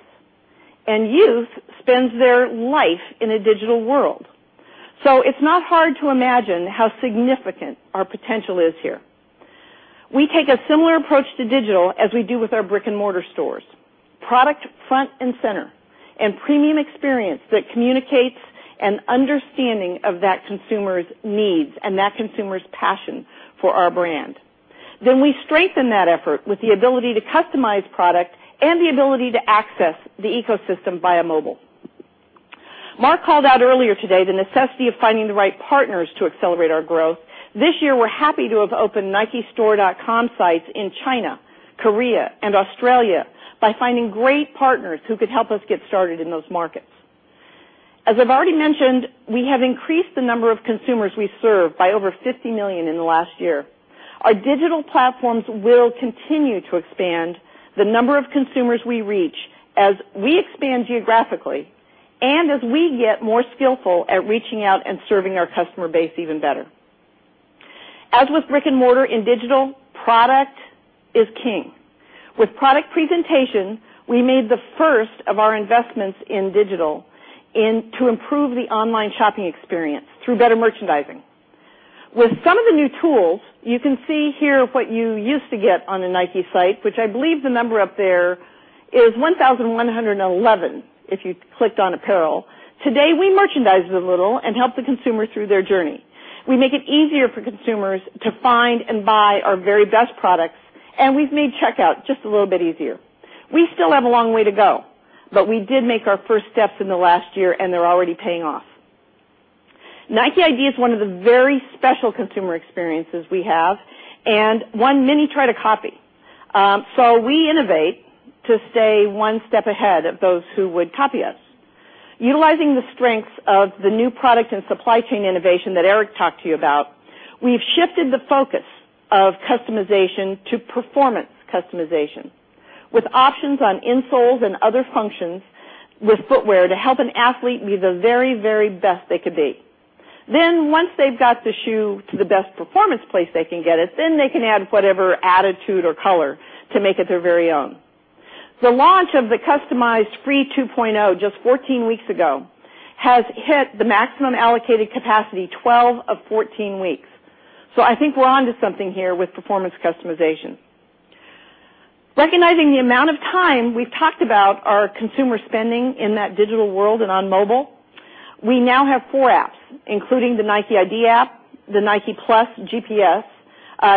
Youth spends their life in a digital world. It's not hard to imagine how significant our potential is here. We take a similar approach to digital as we do with our brick-and-mortar stores, product front and center, and premium experience that communicates an understanding of that consumer's needs and that consumer's passion for our brand. We strengthen that effort with the ability to customize product and the ability to access the ecosystem via mobile. Mark called out earlier today the necessity of finding the right partners to accelerate our growth. This year, we're happy to have opened Nikestore.com sites in China, Korea, and Australia by finding great partners who could help us get started in those markets. As I've already mentioned, we have increased the number of consumers we serve by over 50 million in the last year. Our digital platforms will continue to expand the number of consumers we reach as we expand geographically and as we get more skillful at reaching out and serving our customer base even better. As with brick-and-mortar in digital, product is king. With product presentation, we made the first of our investments in digital to improve the online shopping experience through better merchandising. With some of the new tools, you can see here what you used to get on a Nike site, which I believe the number up there is 1,111 if you clicked on apparel. Today, we merchandise a little and help the consumer through their journey. We make it easier for consumers to find and buy our very best products. We have made checkout just a little bit easier. We still have a long way to go, but we did make our first steps in the last year, and they're already paying off. NikeiD is one of the very special consumer experiences we have and one many try to copy. We innovate to stay one step ahead of those who would copy us. Utilizing the strengths of the new product and supply chain innovation that Eric talked to you about, we have shifted the focus of customization to performance customization with options on insoles and other functions with footwear to help an athlete be the very, very best they could be. Once they've got the shoe to the best performance place they can get it, they can add whatever attitude or color to make it their very own. The launch of the customized Free 2.0 just 14 weeks ago has hit the maximum allocated capacity 12 of 14 weeks. I think we're onto something here with performance customization. Recognizing the amount of time we've talked about our consumer spending in that digital world and on mobile, we now have four apps, including the NikeiD app, the Nike+ GPS,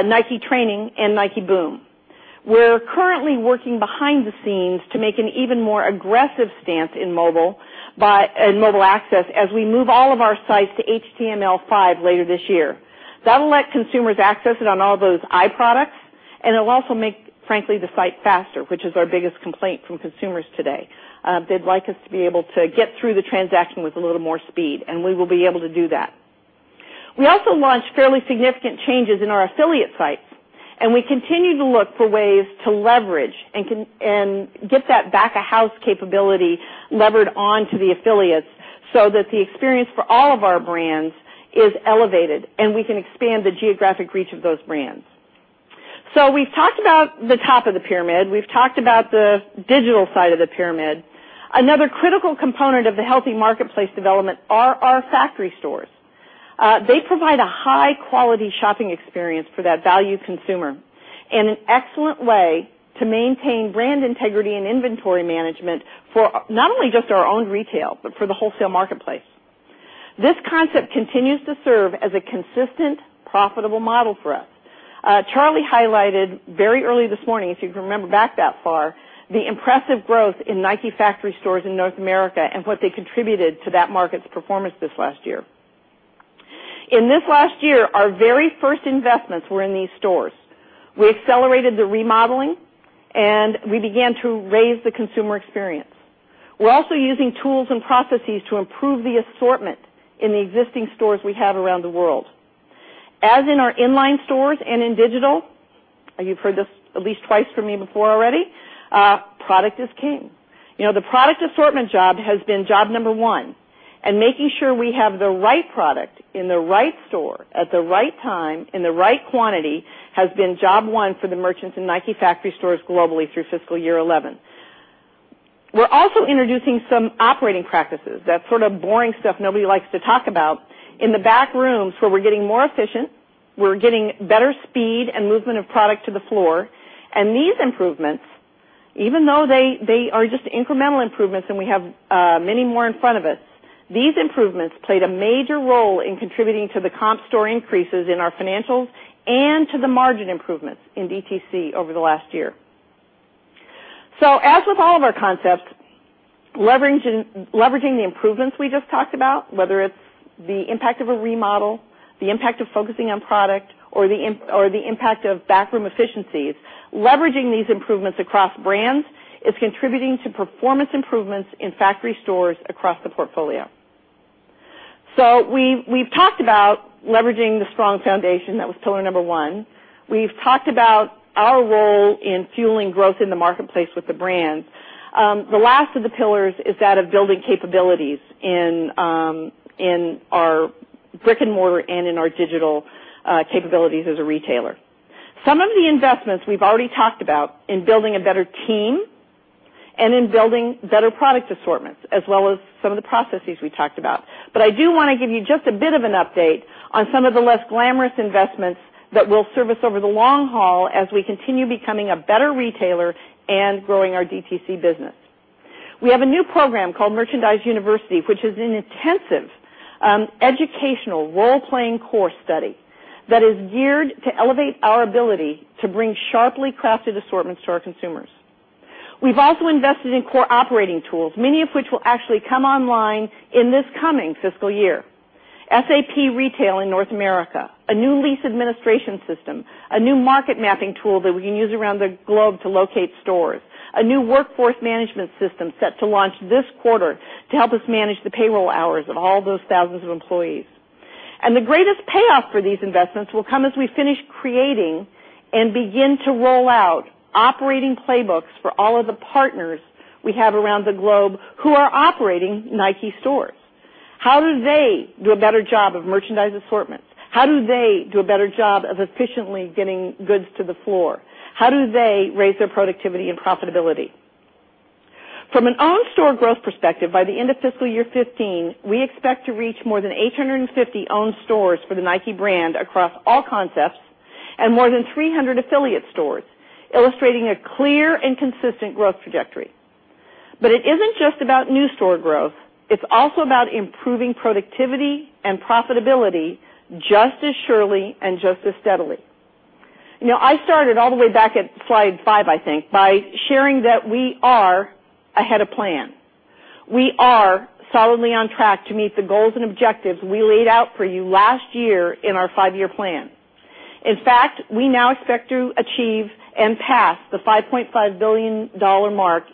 Nike Training, and Nike Boom. We are currently working behind the scenes to make an even more aggressive stance in mobile access as we move all of our sites to HTML5 later this year. That will let consumers access it on all those iproducts. It will also make, frankly, the site faster, which is our biggest complaint from consumers today. They would like us to be able to get through the transaction with a little more speed, and we will be able to do that. We also launched fairly significant changes in our affiliate sites. We continue to look for ways to leverage and get that back-of-house capability levered onto the affiliates so that the experience for all of our brands is elevated, and we can expand the geographic reach of those brands. We have talked about the top of the pyramid. We have talked about the digital side of the pyramid. Another critical component of the healthy marketplace development are our factory stores. They provide a high-quality shopping experience for that value consumer and an excellent way to maintain brand integrity and inventory management for not only just our own retail, but for the wholesale marketplace. This concept continues to serve as a consistent, profitable model for us. Charlie highlighted very early this morning, if you can remember back that far, the impressive growth in Nike factory stores in North America and what they contributed to that market's performance this last year. In this last year, our very first investments were in these stores. We accelerated the remodeling, and we began to raise the consumer experience. We're also using tools and processes to improve the assortment in the existing stores we have around the world. As in our inline stores and in digital, you've heard this at least twice from me before already, product is king. The product assortment job has been job number one. Making sure we have the right product in the right store at the right time in the right quantity has been job one for the merchants in Nike factory stores globally through fiscal year 2011. We're also introducing some operating practices, that sort of boring stuff nobody likes to talk about, in the back rooms where we're getting more efficient. We're getting better speed and movement of product to the floor. These improvements, even though they are just incremental improvements and we have many more in front of us, played a major role in contributing to the comp store increases in our financials and to the margin improvements in DTC over the last year. As with all of our concepts, leveraging the improvements we just talked about, whether it's the impact of a remodel, the impact of focusing on product, or the impact of backroom efficiencies, leveraging these improvements across brands is contributing to performance improvements in factory stores across the portfolio. We've talked about leveraging the strong foundation that was pillar number one. We've talked about our role in fueling growth in the marketplace with the brand. The last of the pillars is that of building capabilities in our brick-and-mortar and in our digital capabilities as a retailer. Some of the investments we've already talked about in building a better team and in building better product assortments, as well as some of the processes we talked about. I do want to give you just a bit of an update on some of the less glamorous investments that will serve us over the long haul as we continue becoming a better retailer and growing our DTC business. We have a new program called Merchandise University, which is an intensive educational role-playing core study that is geared to elevate our ability to bring sharply crafted assortments to our consumers. We've also invested in core operating tools, many of which will actually come online in this coming fiscal year: SAP Retail in North America, a new lease administration system, a new market mapping tool that we can use around the globe to locate stores, a new workforce management system set to launch this quarter to help us manage the payroll hours of all those thousands of employees. The greatest payoff for these investments will come as we finish creating and begin to roll out operating playbooks for all of the partners we have around the globe who are operating Nike stores. How do they do a better job of merchandise assortments? How do they do a better job of efficiently getting goods to the floor? How do they raise their productivity and profitability? From an owned store growth perspective, by the end of fiscal year 2015, we expect to reach more than 850 owned stores for the Nike brand across all concepts and more than 300 affiliate stores, illustrating a clear and consistent growth trajectory. It isn't just about new store growth. It's also about improving productivity and profitability just as surely and just as steadily. I started all the way back at slide five, I think, by sharing that we are ahead of plan. We are solidly on track to meet the goals and objectives we laid out for you last year in our five-year plan. In fact, we now expect to achieve and pass the $5.5 billion mark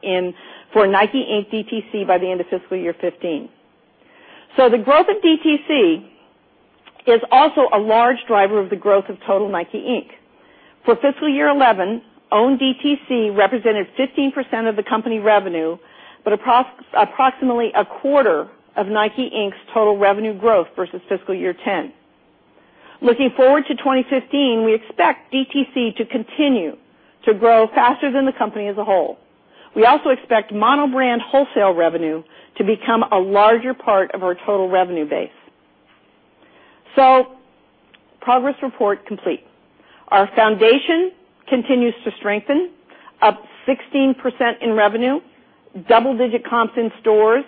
for Nike, Inc. DTC by the end of fiscal year 2015. The growth of DTC is also a large driver of the growth of total Nike, Inc. For fiscal year 2011, owned DTC represented 15% of the company revenue, but approximately a quarter of Nike, Inc.'s total revenue growth versus fiscal year 2010. Looking forward to 2015, we expect DTC to continue to grow faster than the company as a whole. We also expect monobrand wholesale revenue to become a larger part of our total revenue base. Progress report complete. Our foundation continues to strengthen, up 16% in revenue, double-digit comps in stores,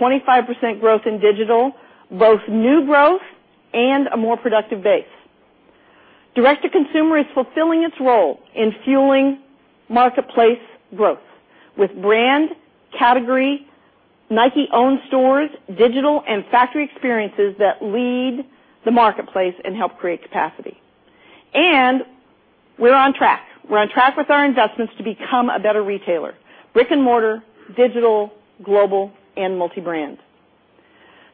25% growth in digital, both new growth and a more productive base. Direct-to-consumer is fulfilling its role in fueling marketplace growth with brand, category, Nike-owned stores, digital, and factory experiences that lead the marketplace and help create capacity. We're on track with our investments to become a better retailer, brick-and-mortar, digital, global, and multi-brand.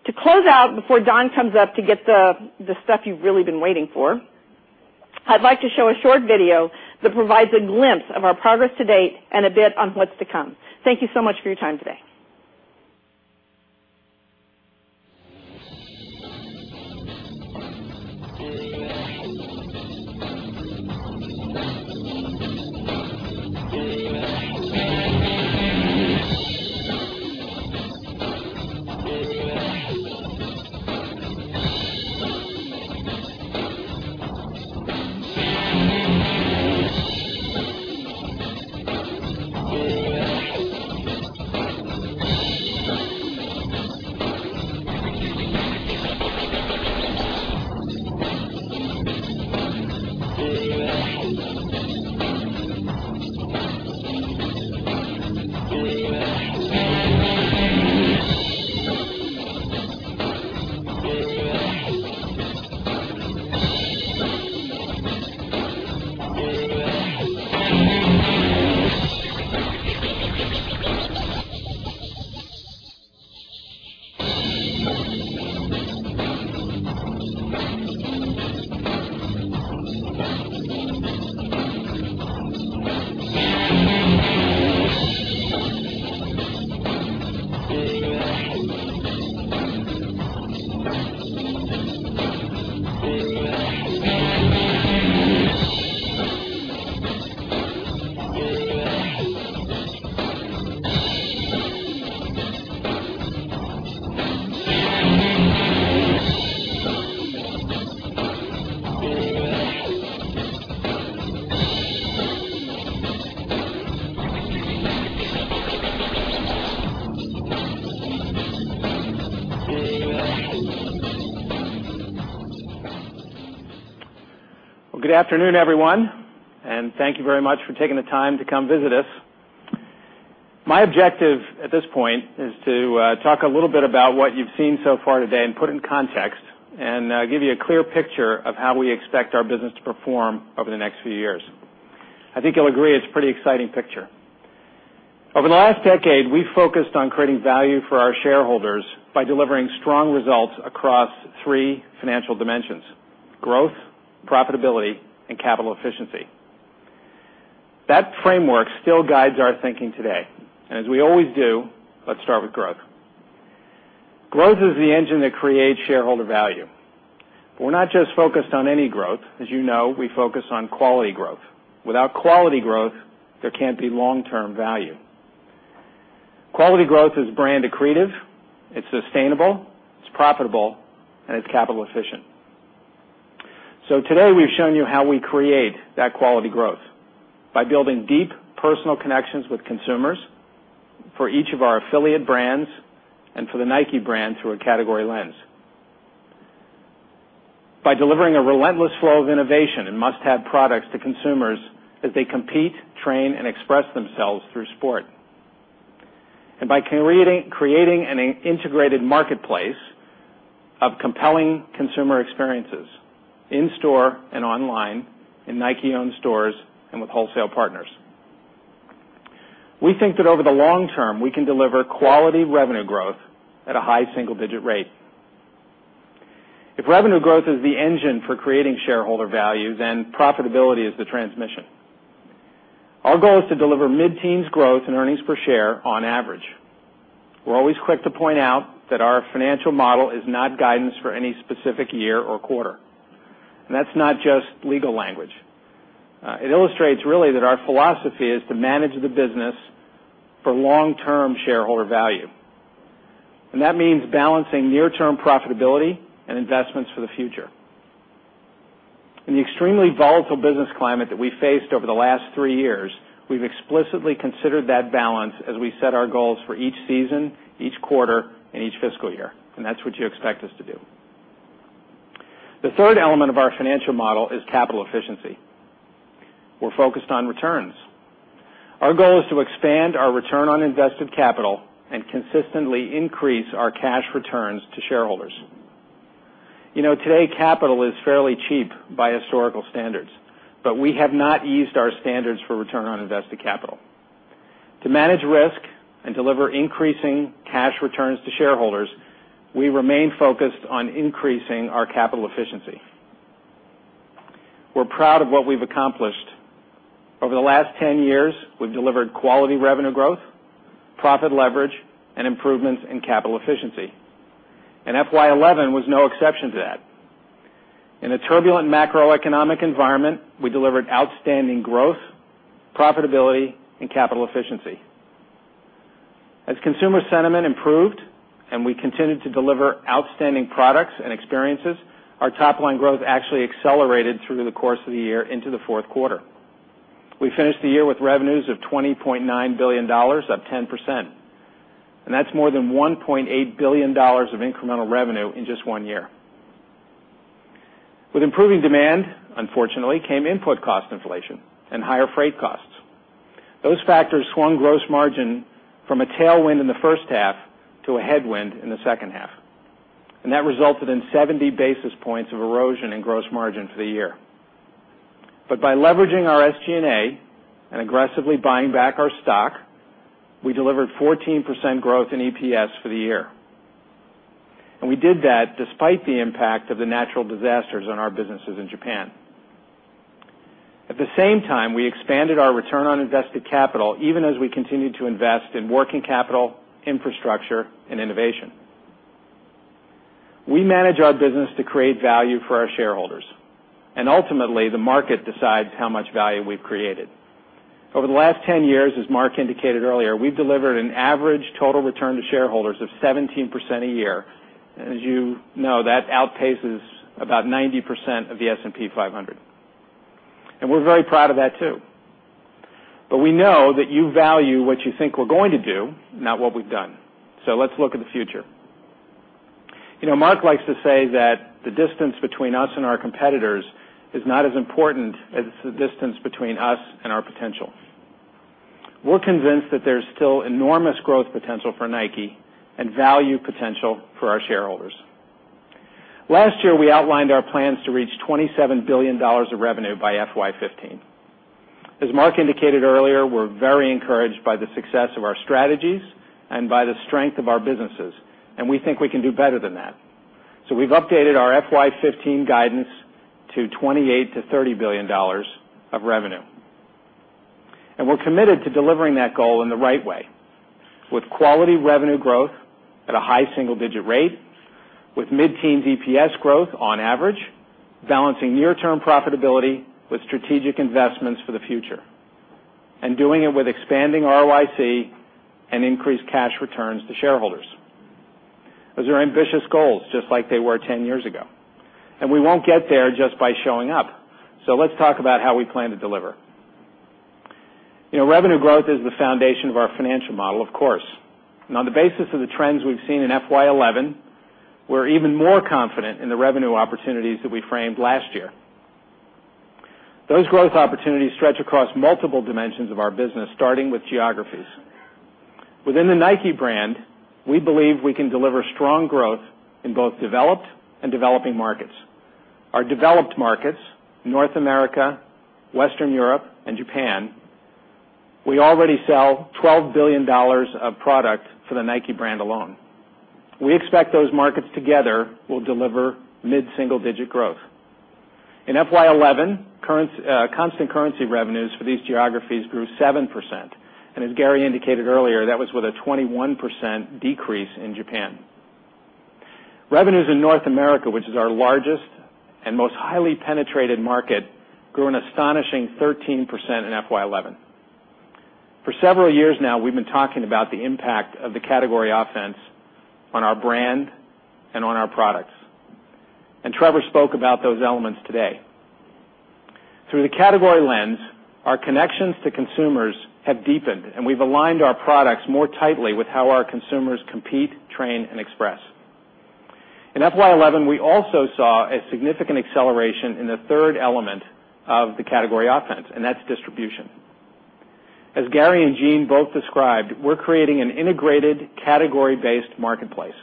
To close out, before Don comes up to get the stuff you've really been waiting for, I'd like to show a short video that provides a glimpse of our progress to date and a bit on what's to come. Thank you so much for your time today. Good afternoon, everyone. Thank you very much for taking the time to come visit us. My objective at this point is to talk a little bit about what you've seen so far today and put it in context and give you a clear picture of how we expect our business to perform over the next few years. I think you'll agree it's a pretty exciting picture. Over the last decade, we've focused on creating value for our shareholders by delivering strong results across three financial dimensions: growth, profitability, and capital efficiency. That framework still guides our thinking today. As we always do, let's start with growth. Growth is the engine that creates shareholder value. We're not just focused on any growth. As you know, we focus on quality growth. Without quality growth, there can't be long-term value. Quality growth is brand accretive. It's sustainable. It's profitable. It's capital efficient. Today, we've shown you how we create that quality growth by building deep personal connections with consumers for each of our affiliate brands and for the Nike brand through a category lens, by delivering a relentless flow of innovation and must-have products to consumers as they compete, train, and express themselves through sport, and by creating an integrated marketplace of compelling consumer experiences in-store and online in Nike-owned stores and with wholesale partners. We think that over the long term, we can deliver quality revenue growth at a high single-digit rate. If revenue growth is the engine for creating shareholder value, profitability is the transmission. Our goal is to deliver mid-teens growth in earnings per share on average. We're always quick to point out that our financial model is not guidance for any specific year or quarter. That's not just legal language. It illustrates really that our philosophy is to manage the business for long-term shareholder value. That means balancing near-term profitability and investments for the future. In the extremely volatile business climate that we faced over the last three years, we've explicitly considered that balance as we set our goals for each season, each quarter, and each fiscal year. That's what you expect us to do. The third element of our financial model is capital efficiency. We're focused on returns. Our goal is to expand our return on invested capital and consistently increase our cash returns to shareholders. You know, today, capital is fairly cheap by historical standards. We have not eased our standards for return on invested capital. To manage risk and deliver increasing cash returns to shareholders, we remain focused on increasing our capital efficiency. We're proud of what we've accomplished. Over the last 10 years, we've delivered quality revenue growth, profit leverage, and improvements in capital efficiency. FY 2011 was no exception to that. In a turbulent macroeconomic environment, we delivered outstanding growth, profitability, and capital efficiency. As consumer sentiment improved and we continued to deliver outstanding products and experiences, our top-line growth actually accelerated through the course of the year into the fourth quarter. We finished the year with revenues of $20.9 billion, up 10%. That's more than $1.8 billion of incremental revenue in just one year. With improving demand, unfortunately, came input cost inflation and higher freight costs. Those factors swung gross margin from a tailwind in the first half to a headwind in the second half. That resulted in 70 basis points of erosion in gross margin for the year. By leveraging our SG&A and aggressively buying back our stock, we delivered 14% growth in EPS for the year. We did that despite the impact of the natural disasters on our businesses in Japan. At the same time, we expanded our return on invested capital, even as we continued to invest in working capital, infrastructure, and innovation. We manage our business to create value for our shareholders. Ultimately, the market decides how much value we've created. Over the last 10 years, as Mark indicated earlier, we've delivered an average total return to shareholders of 17% a year. As you know, that outpaces about 90% of the S&P 500. We're very proud of that too. We know that you value what you think we're going to do, not what we've done. Let's look at the future. You know, Mark likes to say that the distance between us and our competitors is not as important as the distance between us and our potential. We're convinced that there's still enormous growth potential for Nike and value potential for our shareholders. Last year, we outlined our plans to reach $27 billion of revenue by FY 2015. As Mark indicated earlier, we're very encouraged by the success of our strategies and by the strength of our businesses. We think we can do better than that. We've updated our FY 2015 guidance to $28 billion-$30 billion of revenue. We're committed to delivering that goal in the right way, with quality revenue growth at a high single-digit rate, with mid-teens EPS growth on average, balancing near-term profitability with strategic investments for the future, and doing it with expanding ROIC and increased cash returns to shareholders. Those are ambitious goals, just like they were 10 years ago. We won't get there just by showing up. Let's talk about how we plan to deliver. You know, revenue growth is the foundation of our financial model, of course. On the basis of the trends we've seen in FY 2011, we're even more confident in the revenue opportunities that we framed last year. Those growth opportunities stretch across multiple dimensions of our business, starting with geographies. Within the Nike brand, we believe we can deliver strong growth in both developed and developing markets. Our developed markets, North America, Western Europe, and Japan, we already sell. of product for the Nike brand alone. We expect those markets together will deliver mid-single-digit growth. In FY 2011, constant currency revenues for these geographies grew 7%. As Gary indicated earlier, that was with a 21% decrease in Japan. Revenues in North America, which is our largest and most highly penetrated market, grew an astonishing 13% in FY 2011. For several years now, we've been talking about the impact of the category offense on our brand and on our products. Trevor spoke about those elements today. Through the category lens, our connections to consumers have deepened, and we've aligned our products more tightly with how our consumers compete, train, and express. In FY 2011, we also saw a significant acceleration in the third element of the category offense, and that's distribution. As Gary and Jeanne both described, we're creating an integrated category-based marketplace.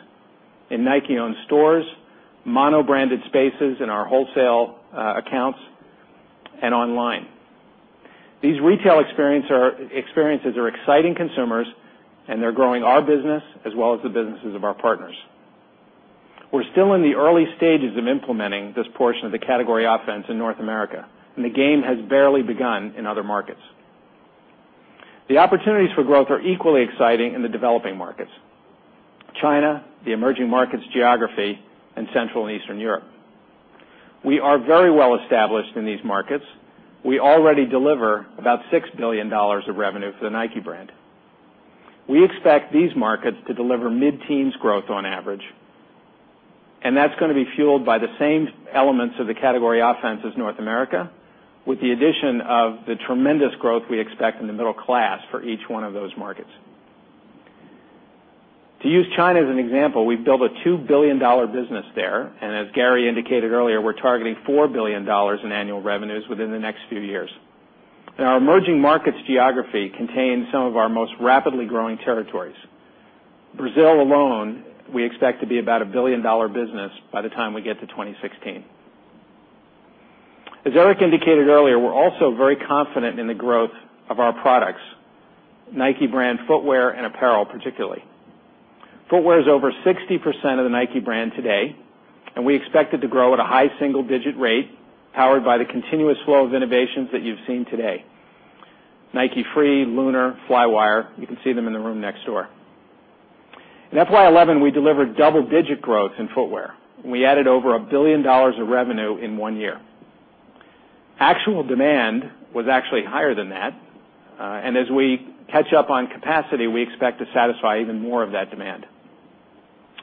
Nike owns stores, mono-branded spaces in our wholesale accounts, and online. These retail experiences are exciting consumers, and they're growing our business as well as the businesses of our partners. We're still in the early stages of implementing this portion of the category offense in North America, and the game has barely begun in other markets. The opportunities for growth are equally exciting in the developing markets: China, the emerging markets geography, and Central and Eastern Europe. We are very well established in these markets. We already deliver about $6 billion of revenue for the Nike brand. We expect these markets to deliver mid-teens growth on average. That's going to be fueled by the same elements of the category offense as North America, with the addition of the tremendous growth we expect in the middle class for each one of those markets. To use China as an example, we've built a $2 billion business there. As Gary indicated earlier, we're targeting $4 billion in annual revenues within the next few years. Our emerging markets geography contains some of our most rapidly growing territories. Brazil alone, we expect to be about a $1 billion business by the time we get to 2016. As Eric indicated earlier, we're also very confident in the growth of our products, Nike brand footwear and apparel particularly. Footwear is over 60% of the Nike brand today, and we expect it to grow at a high single-digit rate powered by the continuous flow of innovations that you've seen today: Nike Free, Lunar, Flywire. You can see them in the room next door. In FY 2011, we delivered double-digit growth in footwear. We added over $1 billion of revenue in one year. Actual demand was actually higher than that. As we catch up on capacity, we expect to satisfy even more of that demand.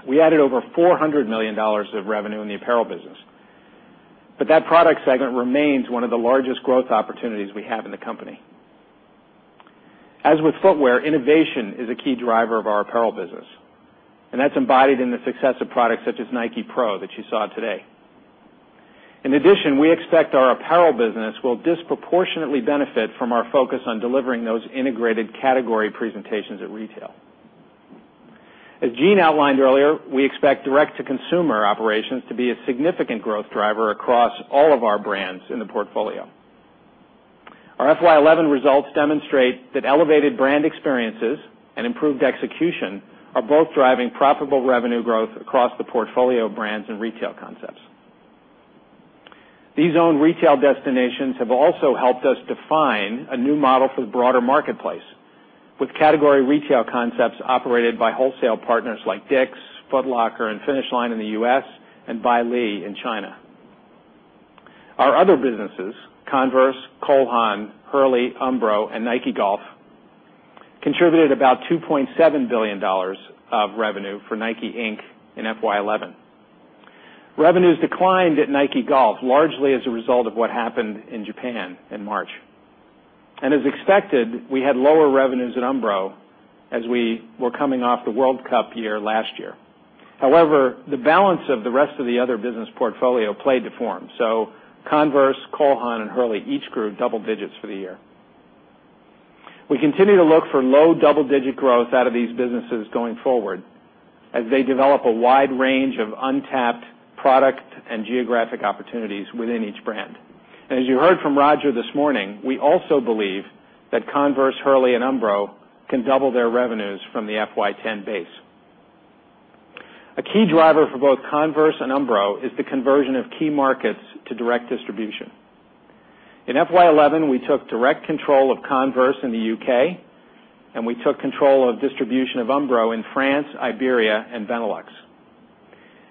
We added over $400 million of revenue in the apparel business. That product segment remains one of the largest growth opportunities we have in the company. As with footwear, innovation is a key driver of our apparel business, and that's embodied in the success of products such as Nike Pro that you saw today. In addition, we expect our apparel business will disproportionately benefit from our focus on delivering those integrated category presentations at retail. As Jeanne outlined earlier, we expect direct-to-consumer operations to be a significant growth driver across all of our brands in the portfolio. Our FY 2011 results demonstrate that elevated brand experiences and improved execution are both driving profitable revenue growth across the portfolio brands and retail concepts. These owned retail destinations have also helped us define a new model for the broader marketplace, with category retail concepts operated by wholesale partners like DICK'S, Foot Locker, and Finish Line in the U.S., and Belle in China. Our other businesses: Converse, Cole Haan, Hurley, Umbro, and Nike Golf contributed about $2.7 billion of revenue for Nike, Inc. in FY 2011. Revenues declined at Nike Golf largely as a result of what happened in Japan in March. As expected, we had lower revenues at Umbro as we were coming off the World Cup year last year. However, the balance of the rest of the other business portfolio played to form. Converse, Cole Haan, and Hurley each grew double digits for the year. We continue to look for low double-digit growth out of these businesses going forward as they develop a wide range of untapped product and geographic opportunities within each brand. As you heard from Roger this morning, we also believe that Converse, Hurley, and Umbro can double their revenues from the FY 2010 base. A key driver for both Converse and Umbro is the conversion of key markets to direct distribution. In FY 2011, we took direct control of Converse in the U.K., and we took control of distribution of Umbro in France, Iberia, and Benelux.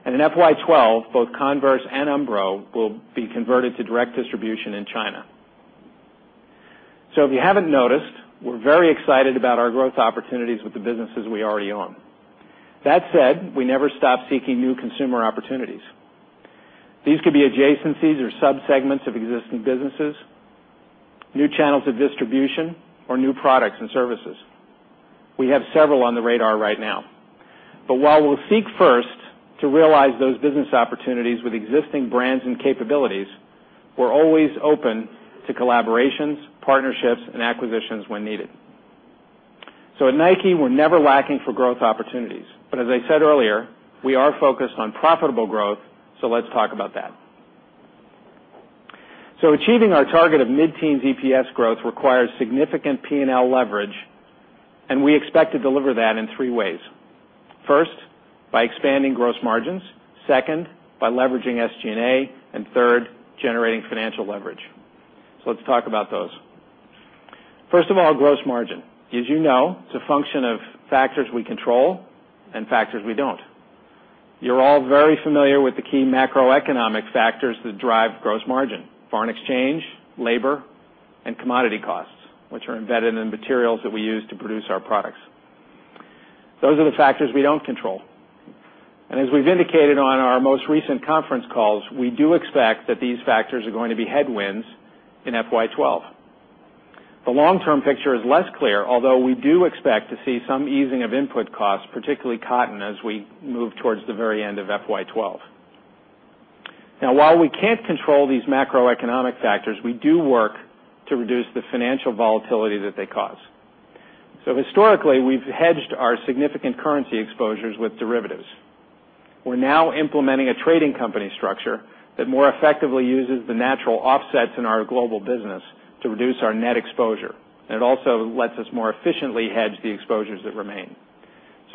In FY 2012, both Converse and Umbro will be converted to direct distribution in China. If you haven't noticed, we're very excited about our growth opportunities with the businesses we already own. That said, we never stop seeking new consumer opportunities. These could be adjacencies or subsegments of existing businesses, new channels of distribution, or new products and services. We have several on the radar right now. While we'll seek first to realize those business opportunities with existing brands and capabilities, we're always open to collaborations, partnerships, and acquisitions when needed. At Nike, we're never lacking for growth opportunities. As I said earlier, we are focused on profitable growth, so let's talk about that. Achieving our target of mid-teens EPS growth requires significant P&L leverage, and we expect to deliver that in three ways: first, by expanding gross margins; second, by leveraging SG&A; and third, generating financial leverage. Let's talk about those. First of all, gross margin. As you know, it's a function of factors we control and factors we don't. You're all very familiar with the key macroeconomic factors that drive gross margin: foreign exchange, labor, and commodity costs, which are embedded in materials that we use to produce our products. Those are the factors we don't control. As we've indicated on our most recent conference calls, we do expect that these factors are going to be headwinds in FY 2012. The long-term picture is less clear, although we do expect to see some easing of input costs, particularly cotton, as we move towards the very end of FY 2012. While we can't control these macroeconomic factors, we do work to reduce the financial volatility that they cause. Historically, we've hedged our significant currency exposures with derivatives. We're now implementing a trading company structure that more effectively uses the natural offsets in our global business to reduce our net exposure. It also lets us more efficiently hedge the exposures that remain.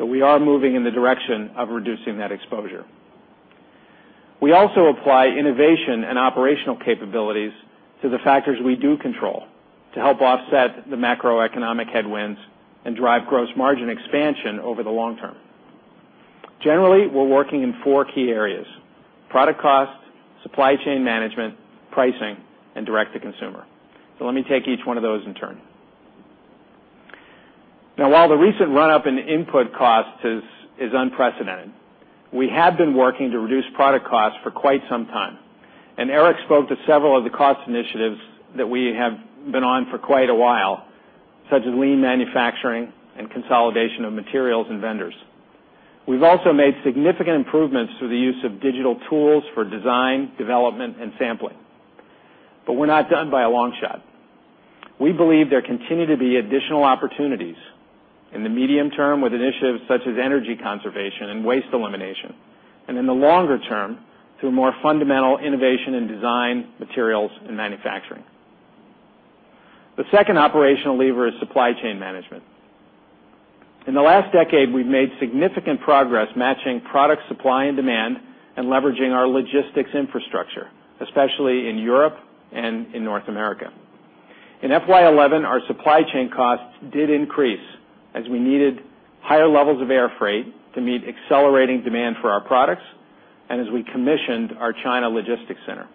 We are moving in the direction of reducing that exposure. We also apply innovation and operational capabilities to the factors we do control to help offset the macroeconomic headwinds and drive gross margin expansion over the long term. Generally, we're working in four key areas: product cost, supply chain management, pricing, and direct-to-consumer. Let me take each one of those in turn. Now, while the recent run-up in input costs is unprecedented, we have been working to reduce product costs for quite some time. Eric spoke to several of the cost initiatives that we have been on for quite a while, such as lean manufacturing and consolidation of materials and vendors. We have also made significant improvements through the use of digital tools for design, development, and sampling. We are not done by a long shot. We believe there continue to be additional opportunities in the medium term with initiatives such as energy conservation and waste elimination, and in the longer term through more fundamental innovation in design, materials, and manufacturing. The second operational lever is supply chain management. In the last decade, we have made significant progress matching product supply and demand and leveraging our logistics infrastructure, especially in Europe and in North America. In FY 2011, our supply chain costs did increase as we needed higher levels of air freight to meet accelerating demand for our products and as we commissioned our China logistics center.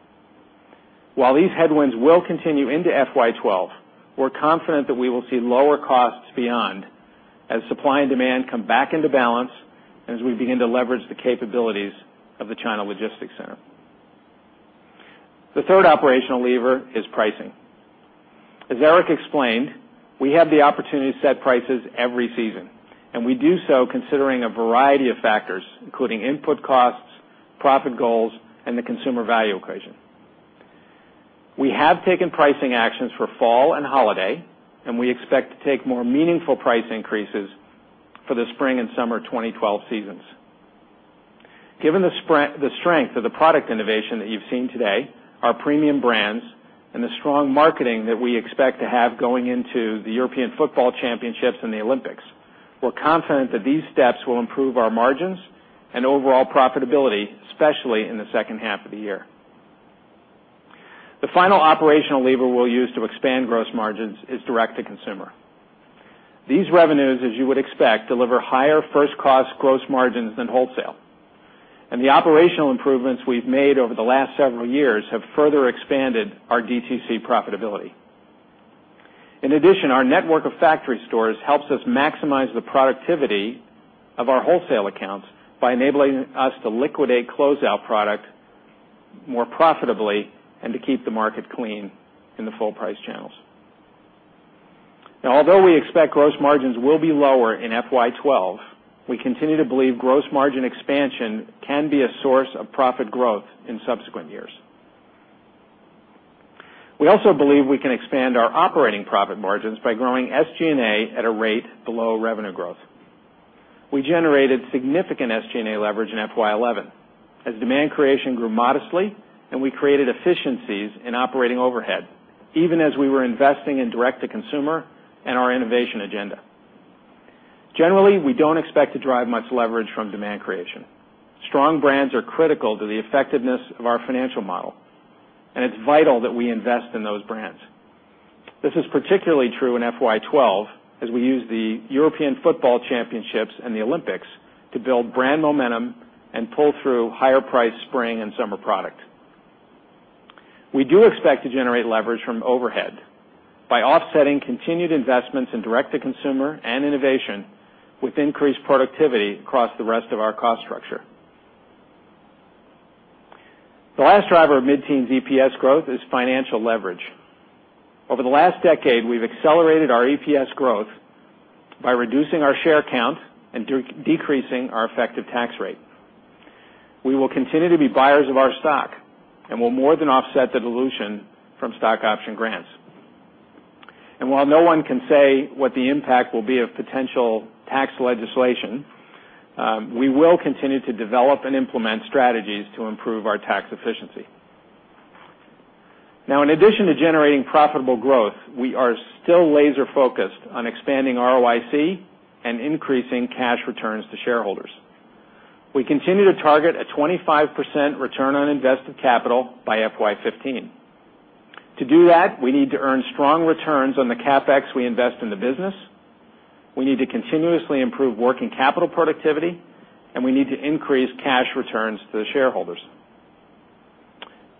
While these headwinds will continue into FY 2012, we are confident that we will see lower costs beyond as supply and demand come back into balance and as we begin to leverage the capabilities of the China logistics center. The third operational lever is pricing. As Eric explained, we have the opportunity to set prices every season. We do so considering a variety of factors, including input costs, profit goals, and the consumer value equation. We have taken pricing actions for fall and holiday, and we expect to take more meaningful price increases for the spring and summer 2012 seasons. Given the strength of the product innovation that you have seen today, our premium brands, and the strong marketing that we expect to have going into the European Football Championships and the Olympics, we are confident that these steps will improve our margins and overall profitability, especially in the second half of the year. The final operational lever we will use to expand gross margins is direct-to-consumer. These revenues, as you would expect, deliver higher first-cost gross margins than wholesale. The operational improvements we have made over the last several years have further expanded our DTC profitability. In addition, our network of factory stores helps us maximize the productivity of our wholesale accounts by enabling us to liquidate closeout product more profitably and to keep the market clean in the full price channels. Now, although we expect gross margins will be lower in FY 2012, we continue to believe gross margin expansion can be a source of profit growth in subsequent years. We also believe we can expand our operating profit margins by growing SG&A at a rate below revenue growth. We generated significant SG&A leverage in FY 2011 as demand creation grew modestly, and we created efficiencies in operating overhead, even as we were investing in direct-to-consumer and our innovation agenda. Generally, we don't expect to drive much leverage from demand creation. Strong brands are critical to the effectiveness of our financial model, and it's vital that we invest in those brands. This is particularly true in FY 2012 as we use the European Football Championships and the Olympics to build brand momentum and pull through higher-priced spring and summer product. We do expect to generate leverage from overhead by offsetting continued investments in direct-to-consumer and innovation with increased productivity across the rest of our cost structure. The last driver of mid-teens EPS growth is financial leverage. Over the last decade, we've accelerated our EPS growth by reducing our share count and decreasing our effective tax rate. We will continue to be buyers of our stock and will more than offset the dilution from stock option grants. While no one can say what the impact will be of potential tax legislation, we will continue to develop and implement strategies to improve our tax efficiency. Now, in addition to generating profitable growth, we are still laser-focused on expanding ROIC and increasing cash returns to shareholders. We continue to target a 25% return on invested capital by FY 2015. To do that, we need to earn strong returns on the CapEx we invest in the business. We need to continuously improve working capital productivity, and we need to increase cash returns to the shareholders.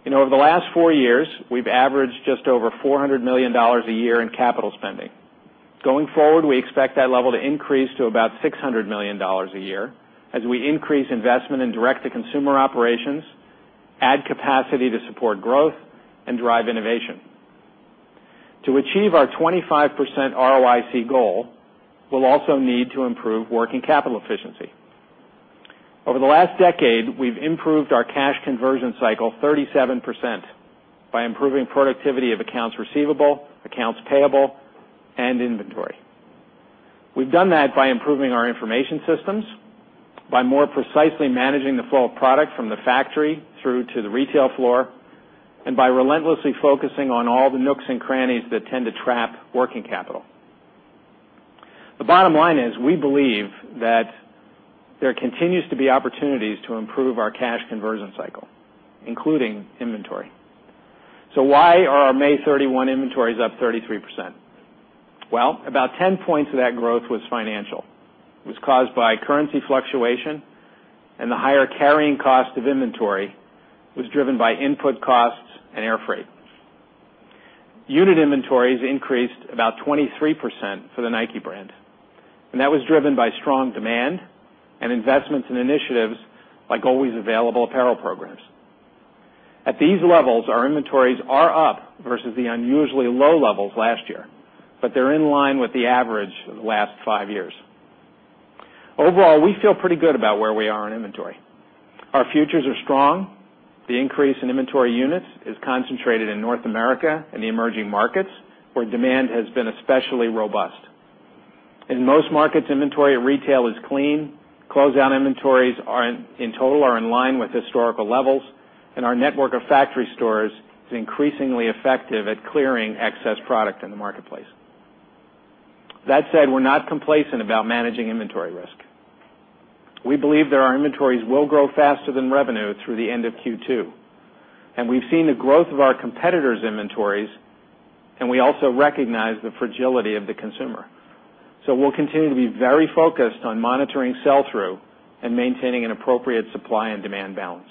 Over the last four years, we've averaged just over $400 million a year in capital spending. Going forward, we expect that level to increase to about $600 million a year as we increase investment in direct-to-consumer operations, add capacity to support growth, and drive innovation. To achieve our 25% ROIC goal, we'll also need to improve working capital efficiency. Over the last decade, we've improved our cash conversion cycle 37% by improving productivity of accounts receivable, accounts payable, and inventory. We've done that by improving our information systems, by more precisely managing the flow of product from the factory through to the retail floor, and by relentlessly focusing on all the nooks and crannies that tend to trap working capital. The bottom line is we believe that there continues to be opportunities to improve our cash conversion cycle, including inventory. So why are our May 31 inventories up 33%? About 10 points of that growth was financial. It was caused by currency fluctuation, and the higher carrying cost of inventory was driven by input costs and air freight. Unit inventories increased about 23% for the Nike brand, and that was driven by strong demand and investments in initiatives like always available apparel programs. At these levels, our inventories are up versus the unusually low levels last year, but they're in line with the average of the last five years. Overall, we feel pretty good about where we are in inventory. Our futures are strong. The increase in inventory units is concentrated in North America and the emerging markets where demand has been especially robust. In most markets, inventory at retail is clean. Closeout inventories in total are in line with historical levels, and our network of factory stores is increasingly effective at clearing excess product in the marketplace. That said, we're not complacent about managing inventory risk. We believe that our inventories will grow faster than revenue through the end of Q2. We've seen the growth of our competitors' inventories, and we also recognize the fragility of the consumer. We'll continue to be very focused on monitoring sell-through and maintaining an appropriate supply and demand balance.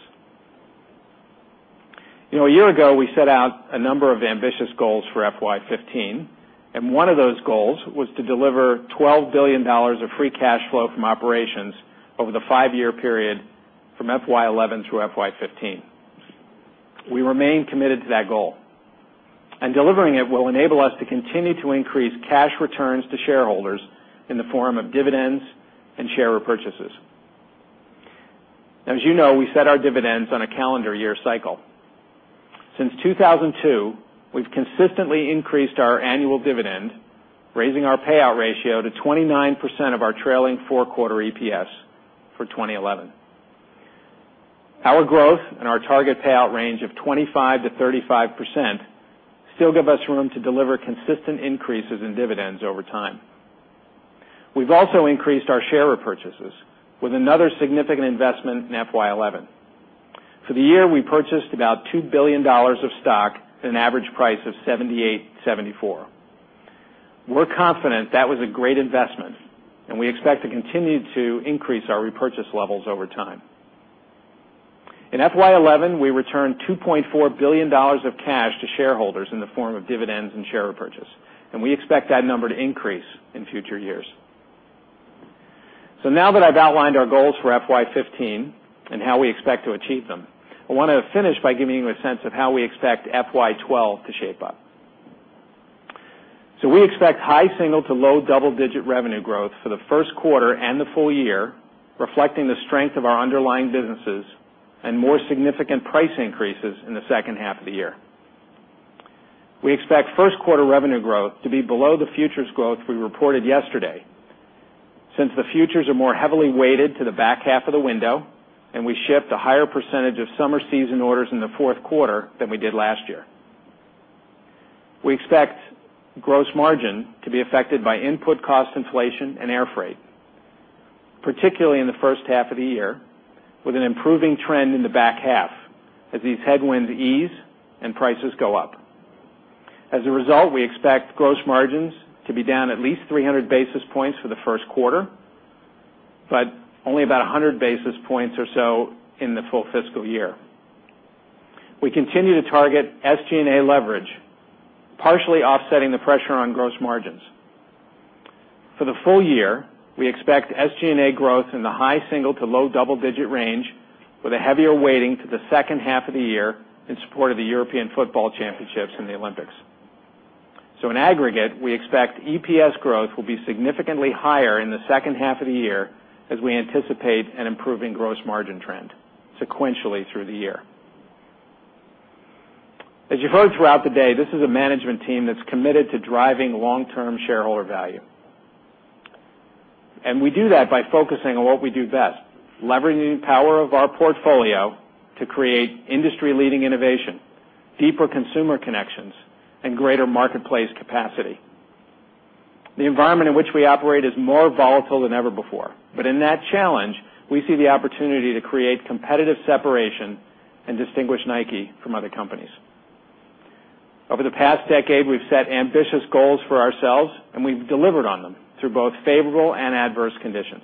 A year ago, we set out a number of ambitious goals for FY 2015. One of those goals was to deliver $12 billion of free cash flow from operations over the five-year period from FY 2011-FY 2015. We remain committed to that goal, and delivering it will enable us to continue to increase cash returns to shareholders in the form of dividends and share repurchases. As you know, we set our dividends on a calendar year cycle. Since 2002, we've consistently increased our annual dividend, raising our payout ratio to 29% of our trailing four-quarter EPS for 2011. Our growth and our target payout range of 25%-35% still give us room to deliver consistent increases in dividends over time. We've also increased our share repurchases with another significant investment in FY 2011. For the year, we purchased about $2 billion of stock at an average price of $78.74. We're confident that was a great investment, and we expect to continue to increase our repurchase levels over time. In FY 2011, we returned $2.4 billion of cash to shareholders in the form of dividends and share repurchase. We expect that number to increase in future years. Now that I've outlined our goals for FY 2015 and how we expect to achieve them, I want to finish by giving you a sense of how we expect FY 2012 to shape up. We expect high single to low double-digit revenue growth for the first quarter and the full year, reflecting the strength of our underlying businesses and more significant price increases in the second half of the year. We expect first-quarter revenue growth to be below the futures growth we reported yesterday, since the futures are more heavily weighted to the back half of the window, and we shipped a higher percentage of summer season orders in the fourth quarter than we did last year. We expect gross margin to be affected by input cost inflation and air freight, particularly in the first half of the year, with an improving trend in the back half as these headwinds ease and prices go up. As a result, we expect gross margins to be down at least 300 basis points for the first quarter, but only about 100 basis points or so in the full fiscal year. We continue to target SG&A leverage, partially offsetting the pressure on gross margins. For the full year, we expect SG&A growth in the high single to low double-digit range, with a heavier weighting to the second half of the year in support of the European Football Championships and the Olympics. In aggregate, we expect EPS growth will be significantly higher in the second half of the year as we anticipate an improving gross margin trend sequentially through the year. As you've heard throughout the day, this is a management team that's committed to driving long-term shareholder value. We do that by focusing on what we do best: leveraging the power of our portfolio to create industry-leading innovation, deeper consumer connections, and greater marketplace capacity. The environment in which we operate is more volatile than ever before. In that challenge, we see the opportunity to create competitive separation and distinguish Nike from other companies. Over the past decade, we've set ambitious goals for ourselves, and we've delivered on them through both favorable and adverse conditions.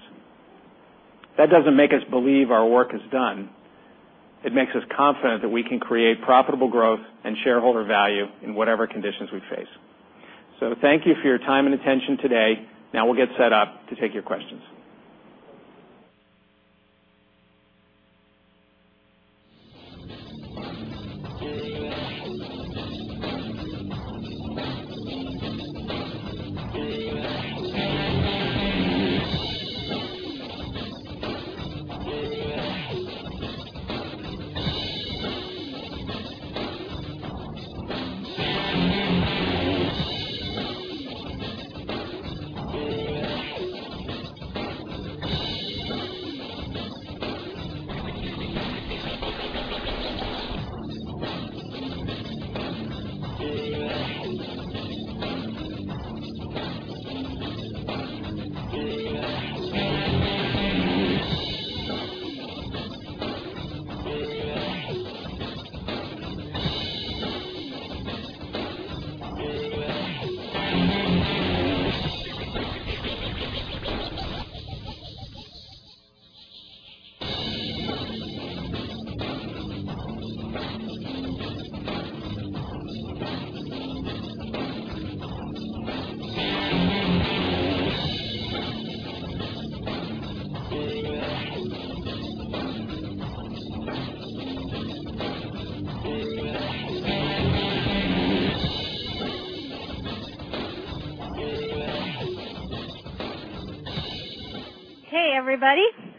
That doesn't make us believe our work is done. It makes us confident that we can create profitable growth and shareholder value in whatever conditions we face. Thank you for your time and attention today. Now we'll get set up to take your questions. Hey, everybody.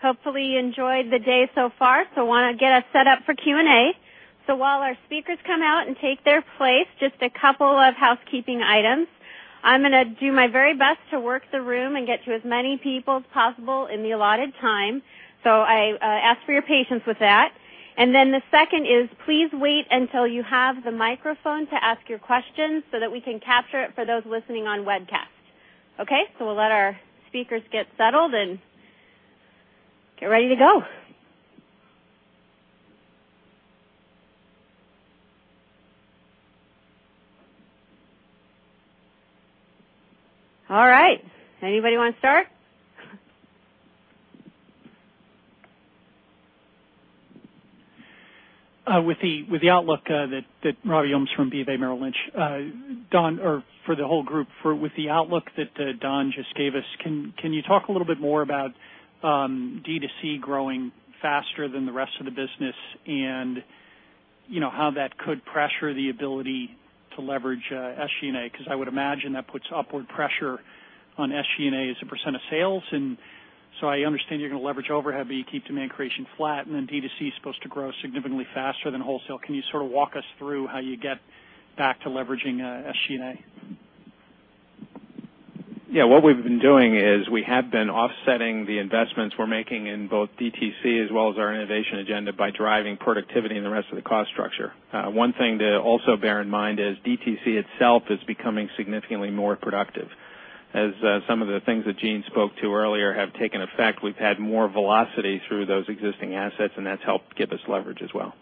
Hopefully, you enjoyed the day so far. I want to get us set up for Q&A. While our speakers come out and take their place, just a couple of housekeeping items. I'm going to do my very best to work the room and get to as many people as possible in the allotted time. I ask for your patience with that. The second is please wait until you have the microphone to ask your questions so that we can capture it for those listening on webcast. OK, we'll let our speakers get settled and get ready to go. All right. Anybody want to start? With the ouetlook that Robbie Ohmes from BofA Merrill Lynch, Don, or for the whole group, with the outlook that Don just gave us, can you talk a little bit more about DTC growing faster than the rest of the business and how that could pressure the ability to leverage SG&A? I would imagine that puts upward pressure on SG&A as a percent of sales. I understand you're going to leverage overhead, but you keep demand creation flat. DTC is supposed to grow significantly faster than wholesale. Can you sort of walk us through how you get back to leveraging SG&A? Yeah, what we've been doing is we have been offsetting the investments we're making in both DTC as well as our innovation agenda by driving productivity in the rest of the cost structure. One thing to also bear in mind is DTC itself is becoming significantly more productive. As some of the things that Jeanne spoke to earlier have taken effect, we've had more velocity through those existing assets, and that's helped give us leverage as well.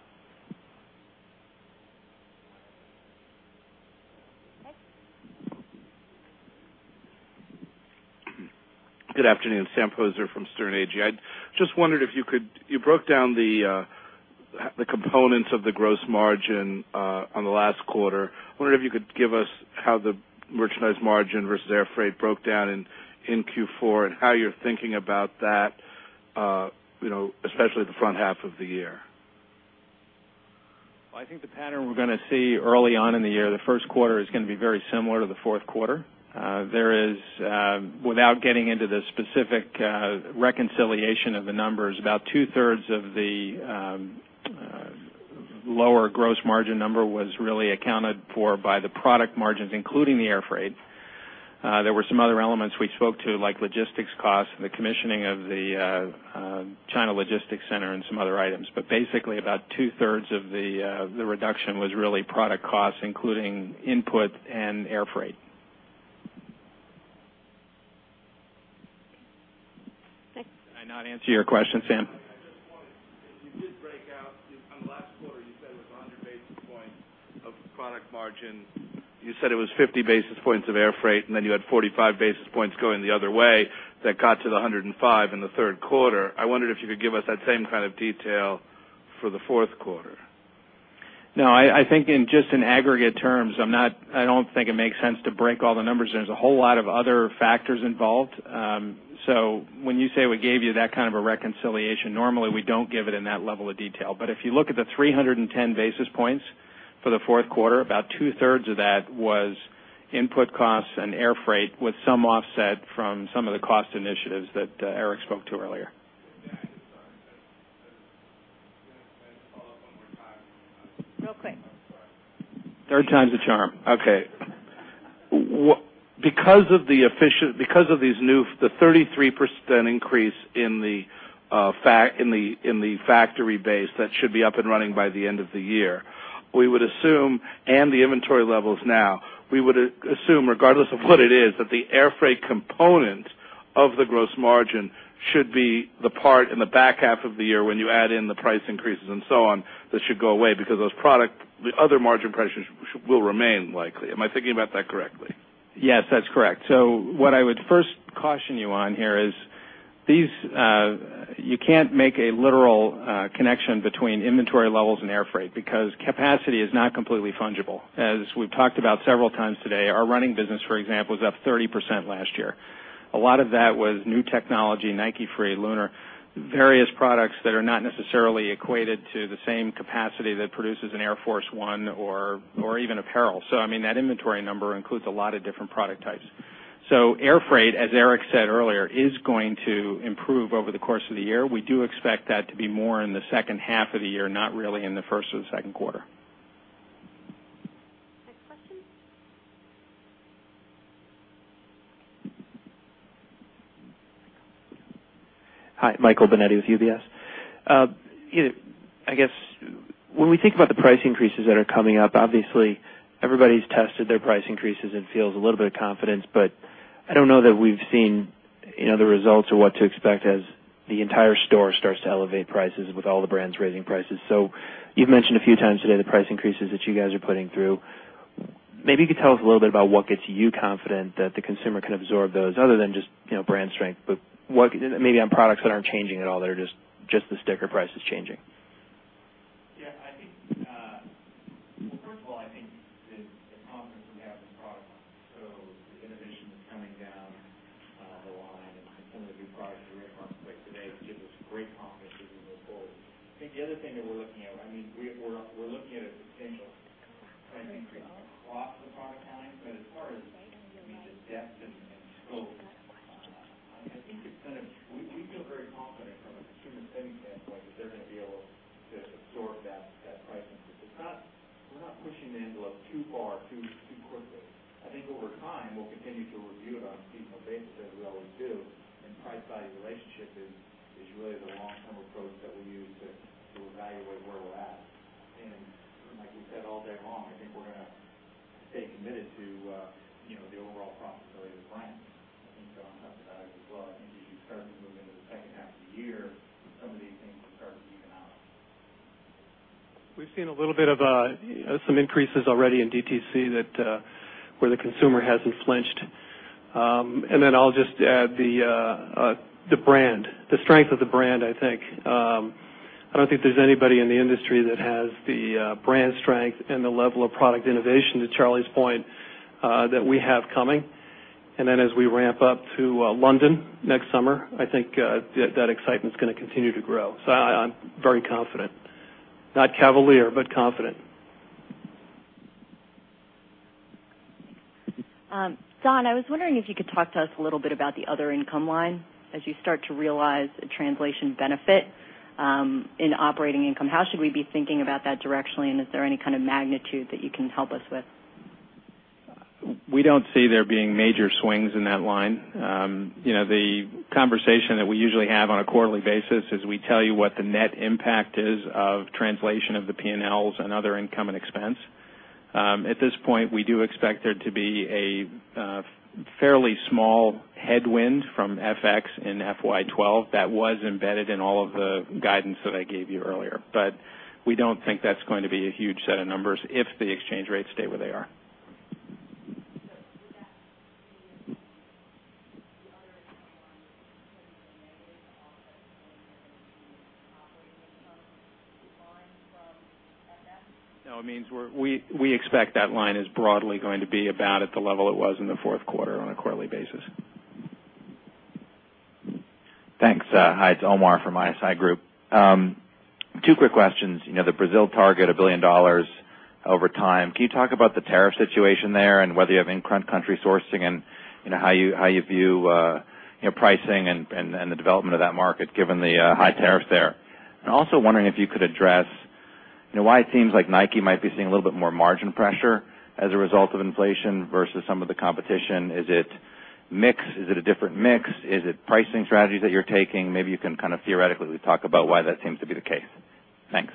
Good afternoon. Sam Poser from Sterne Agee. I just wondered if you could, you broke down the components of the gross margin on the last quarter. I wondered if you could give us how the merchandise margin versus air freight broke down in Q4 and how you're thinking about that, especially the front half of the year. I think the pattern we're going to see early on in the year, the first quarter is going to be very similar to the fourth quarter. There is, without getting into the specific reconciliation of the numbers, about 2/3 of the lower gross margin number was really accounted for by the product margins, including the air freight. There were some other elements we spoke to, like logistics costs and the commissioning of the China logistics center and some other items. Basically, about 2/3 of the reduction was really product costs, including input and air freight. Thanks. Did I not answer your question, Sam? At this point, you did break out on the last quarter. You said it was 100 basis points of product margin. You said it was 50 basis points of air freight, and then you had 45 basis points going the other way that got to the 105 basis points in the third quarter. I wondered if you could give us that same kind of detail for the fourth quarter. No, I think just in aggregate terms, I don't think it makes sense to break all the numbers. There are a whole lot of other factors involved. When you say we gave you that kind of a reconciliation, normally we don't give it in that level of detail. If you look at the 310 basis points for the fourth quarter, about 2/3 of that was input costs and air freight, with some offset from some of the cost initiatives that Eric spoke to earlier. Real quick. Third time's the charm. OK. Because of these new, the 33% increase in the factory base that should be up and running by the end of the year, we would assume, and the inventory levels now, we would assume, regardless of what it is, that the air freight component of the gross margin should be the part in the back half of the year when you add in the price increases and so on that should go away because those product, the other margin pressures will remain likely. Am I thinking about that correctly? Yes, that's correct. What I would first caution you on here is you can't make a literal connection between inventory levels and air freight because capacity is not completely fungible. As we've talked about several times today, our running business, for example, was up 30% last year. A lot of that was new technology, Nike Free, Lunar, various products that are not necessarily equated to the same capacity that produces an Air Force 1 or even apparel. That inventory number includes a lot of different product types. Air freight, as Eric said earlier, is going to improve over the course of the year. We do expect that to be more in the second half of the year, not really in the first or the second quarter. Next question. Hi, Michael Binetti with UBS. I guess when we think about the price increases that are coming up, obviously, everybody's tested their price increases and feels a little bit of confidence. I don't know that we've seen the results or what to expect as the entire store starts to elevate prices with all the brands raising prices. You've mentioned a few times today the price increases that you guys are putting through. Maybe you could tell us a little bit about what gets you confident that the consumer can absorb those other than just brand strength, but maybe on products that aren't changing at all, that are just the sticker prices changing. I think, first of all, the conference is happening product-wise. The innovation is coming down the line, and some of the new products that we have in place today will give us great context to Google's quarterly. The other thing that we're looking at, I mean, we're looking at a potential. That's a good point. Lots of product coming through the quarter. That's a good point. Be able just to sort that pricing to stop. We're not pushing the envelope too far too quickly. I think over time, we'll continue to review our feedback basis as we always do in price-value relationships. As you know, there's an off-time approach that we use that will evaluate what we'll have. Like you said all day long, I think we're going to stay committed to the overall profitability of the brand. I think the value as well. I think you start to move into the second half of the year, some of these things will start to see an out. We've seen a little bit of some increases already in DTC where the consumer hasn't flinched. I'll just add the strength of the brand, I think. I don't think there's anybody in the industry that has the brand strength and the level of product innovation, to Charlie's point, that we have coming. As we ramp up to London next summer, I think that excitement is going to continue to grow. I'm very confident. Not cavalier, but confident. Don, I was wondering if you could talk to us a little bit about the other income line as you start to realize a translation benefit in operating income. How should we be thinking about that directionally, and is there any kind of magnitude that you can help us with? We don't see there being major swings in that line. The conversation that we usually have on a quarterly basis is we tell you what the net impact is of translation of the P&Ls and other income and expense. At this point, we do expect there to be a fairly small headwind from FX in FY 2012 that was embedded in all of the guidance that I gave you earlier. We don't think that's going to be a huge set of numbers if the exchange rates stay where they are. It means we expect that line is broadly going to be about at the level it was in the fourth quarter on a quarterly basis. Thanks. Hi, it's Omar from ISI Group. Two quick questions. You know the Brazil target $1 billion over time. Can you talk about the tariff situation there and whether you have in-country sourcing and how you view pricing and the development of that market given the high tariffs there? I'm also wondering if you could address why it seems like Nike might be seeing a little bit more margin pressure as a result of inflation versus some of the competition. Is it mixed? Is it a different mix? Is it pricing strategies that you're taking? Maybe you can kind of theoretically talk about why that seems to be the case. Thanks.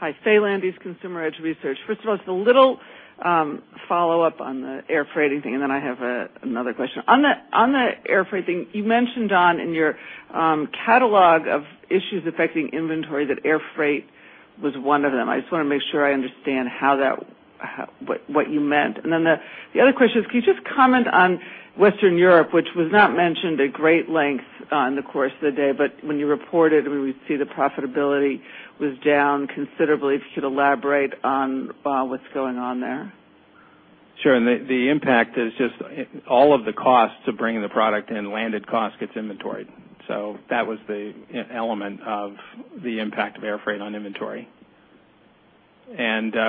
Hi, Faye Landes, Consumer Edge Research. First of all, just a little follow-up on the air freight thing, and then I have another question. On the air freight thing, you mentioned, Don, in your catalog of issues affecting inventory that air freight was one of them. I just want to make sure I understand what you meant. The other question is, can you just comment on Western Europe, which was not mentioned at great length in the course of the day, but when you reported, we would see the profitability was down considerably. If you could elaborate on what's going on there. Sure. The impact is just all of the costs of bringing the product in, landed cost gets inventoried. That was the element of the impact of air freight on inventory.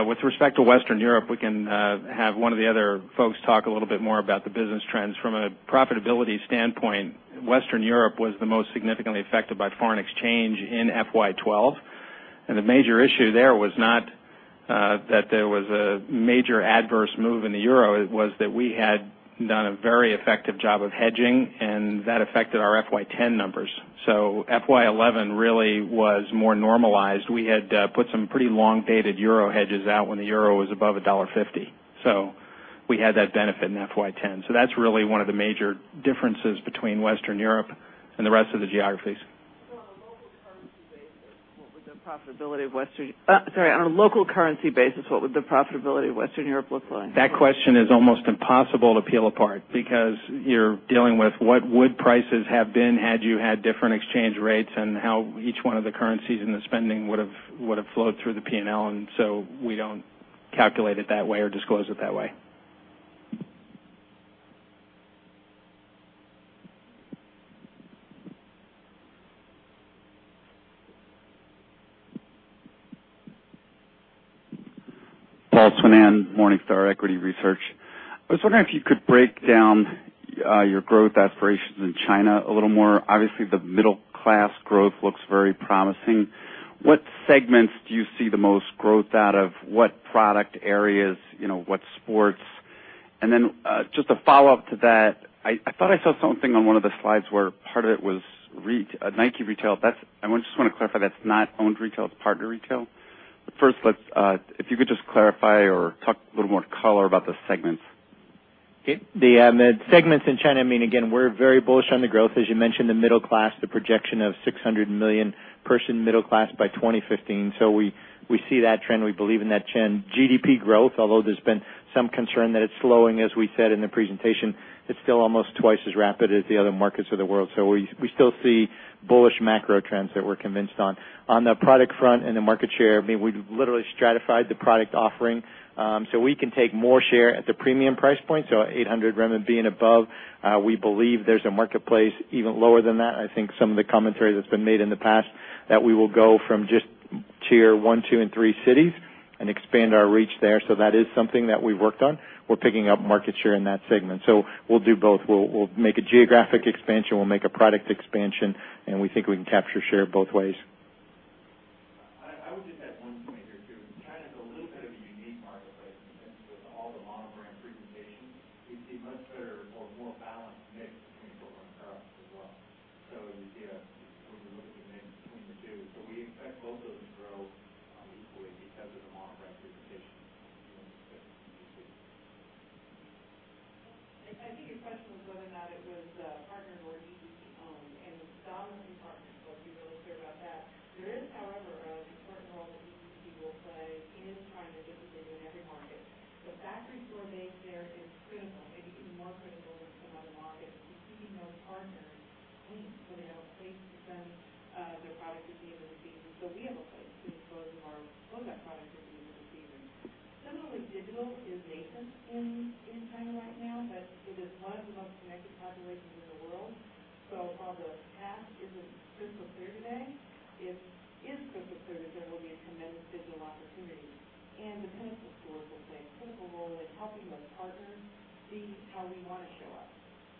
With respect to Western Europe, we can have one of the other folks talk a little bit more about the business trends. From a profitability standpoint, Western Europe was the most significantly affected by foreign exchange in FY 2012. The major issue there was not that there was a major adverse move in the euro. It was that we had done a very effective job of hedging, and that affected our FY 2010 numbers. FY 2011 really was more normalized. We had put some pretty long-dated euro hedges out when the euro was above $1.50. We had that benefit in FY 2010. That is really one of the major differences between Western Europe and the rest of the geographies. On a local currency basis, what would the profitability of Western Europe look like? That question is almost impossible to peel apart because you're dealing with what would prices have been had you had different exchange rates, and how each one of the currencies in the spending would have flowed through the P&L. We don't calculate it that way or disclose it that way. Paul Swinand Morningstar Equity Research. I was wondering if you could break down your growth aspirations in Greater China a little more. Obviously, the middle-class growth looks very promising. What segments do you see the most growth out of? What product areas, what sports? I thought I saw something on one of the slides where part of it was Nike Retail. I just want to clarify that's not owned retail. It's partner retail. If you could just clarify or talk a little more color about the segments. The segments in China mean, again, we're very bullish on the growth. As you mentioned, the middle class, the projection of 600 million person middle class by 2015. We see that trend. We believe in that trend. GDP growth, although there's been some concern that it's slowing, as we said in the presentation, it's still almost twice as rapid as the other markets of the world. We still see bullish macro trends that we're convinced on. On the product front and the market share, I mean, we literally stratified the product offering. We can take more share at the premium price point, so 800 RMB and above. We believe there's a marketplace even lower than that. I think some of the commentary that's been made in the past that we will go from just tier one, two, and three cities and expand our reach there. That is something that we worked on. We're picking up market share in that segment. We will do both. We'll make a geographic expansion. We'll make a product expansion. We think we can capture share both ways. nascent in China right now, but it's a part of the most connected population in the world. While the app isn't just for [third to third] today, it is just for [third to third]. It will be a tremendous digital opportunity. The pedestal stores will play a critical role in helping those partners see how we want to show up.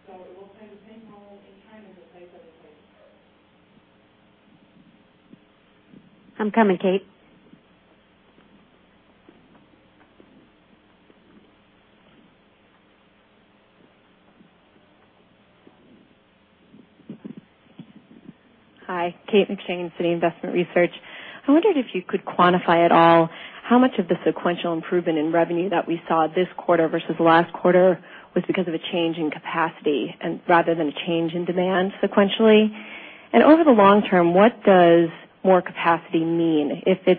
It will play the same role in China as a staple. I'm coming, Kate. Hi, Kate McShane, Citi Investment Research. I wondered if you could quantify at all how much of the sequential improvement in revenue that we saw this quarter versus last quarter was because of a change in capacity rather than a change in demand sequentially. Over the long term, what does more capacity mean? It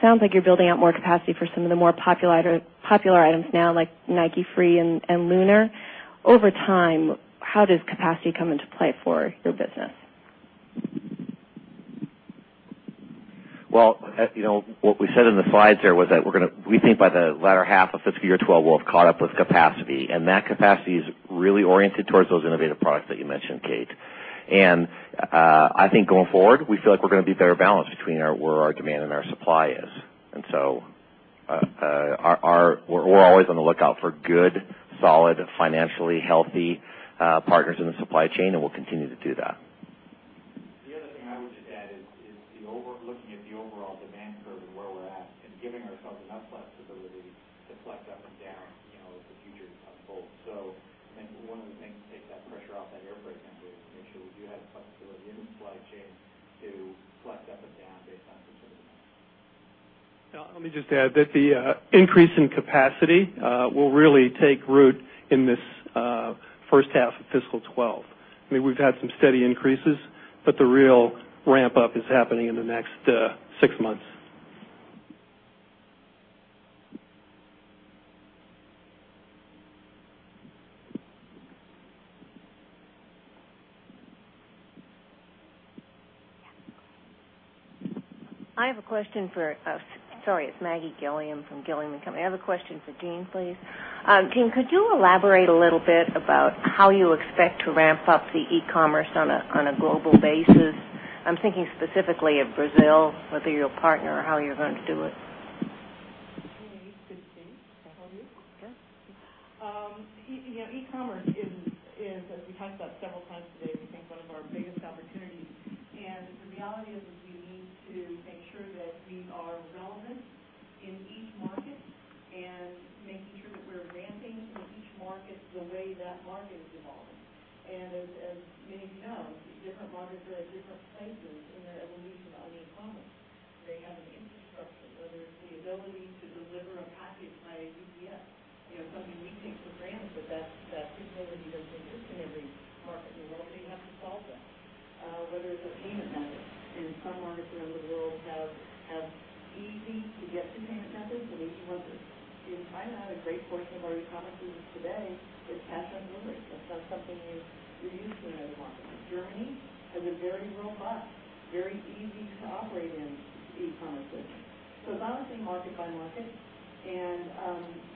sounds like you're building out more capacity for some of the more popular items now, like Nike Free and Lunar. Over time, how does capacity come into play for your business? As you know, what we said in the slides there was that we think by the latter half of fiscal year 2012, we'll have caught up with capacity. That capacity is really oriented towards those innovative products that you mentioned, Kate. I think going forward, we feel like we're going to be better balanced between where our demand and our supply is. We're always on the lookout for good, solid, financially healthy partners in the supply chain, and we'll continue to do that. The other thing I would just add is looking at the overall demand curve and where we're at and giving ourselves enough flexibility to flex up and down if the future is helpful. I think one of the things is that pressure off that air freight vendor is to make sure we do have flexibility in the supply chain to flex up and down based on sensitivity. Let me just add that the increase in capacity will really take root in this first half of fiscal 2012. I mean, we've had some steady increases, but the real ramp-up is happening in the next six months. I have a question for us. Sorry, it's Maggie Gilliam from Gilliam & Co. I have a question for Jeanne, please. Jeanne, could you elaborate a little bit about how you expect to ramp up the e-commerce on a global basis? I'm thinking specifically of Brazil, whether you're a partner or how you're going to do it. Jeanne, this is Jeanne. How are you? Good. E-commerce is, as we talked about several times today, I think one of our biggest opportunities. The reality is we need to make sure that we are relevant in each market and making sure that we're ramping to each market the way that market is evolving. As you maybe know, different markets drive different cycles, and that will lead to the e-commerce. They have an infrastructure, whether it's the ability to deliver a package via UPS. Something we take for granted is that that technology doesn't exist in every market. We want to be able to support that, whether it's a payment method. Some markets around the globe have easy to get things to happen. Maybe you want to be in China and have a great, for example, our e-commerce team today that has some rulers of something in the East and everyone. Germany has a very robust, very easy to operate in e-commerce business. It's all the same market by market.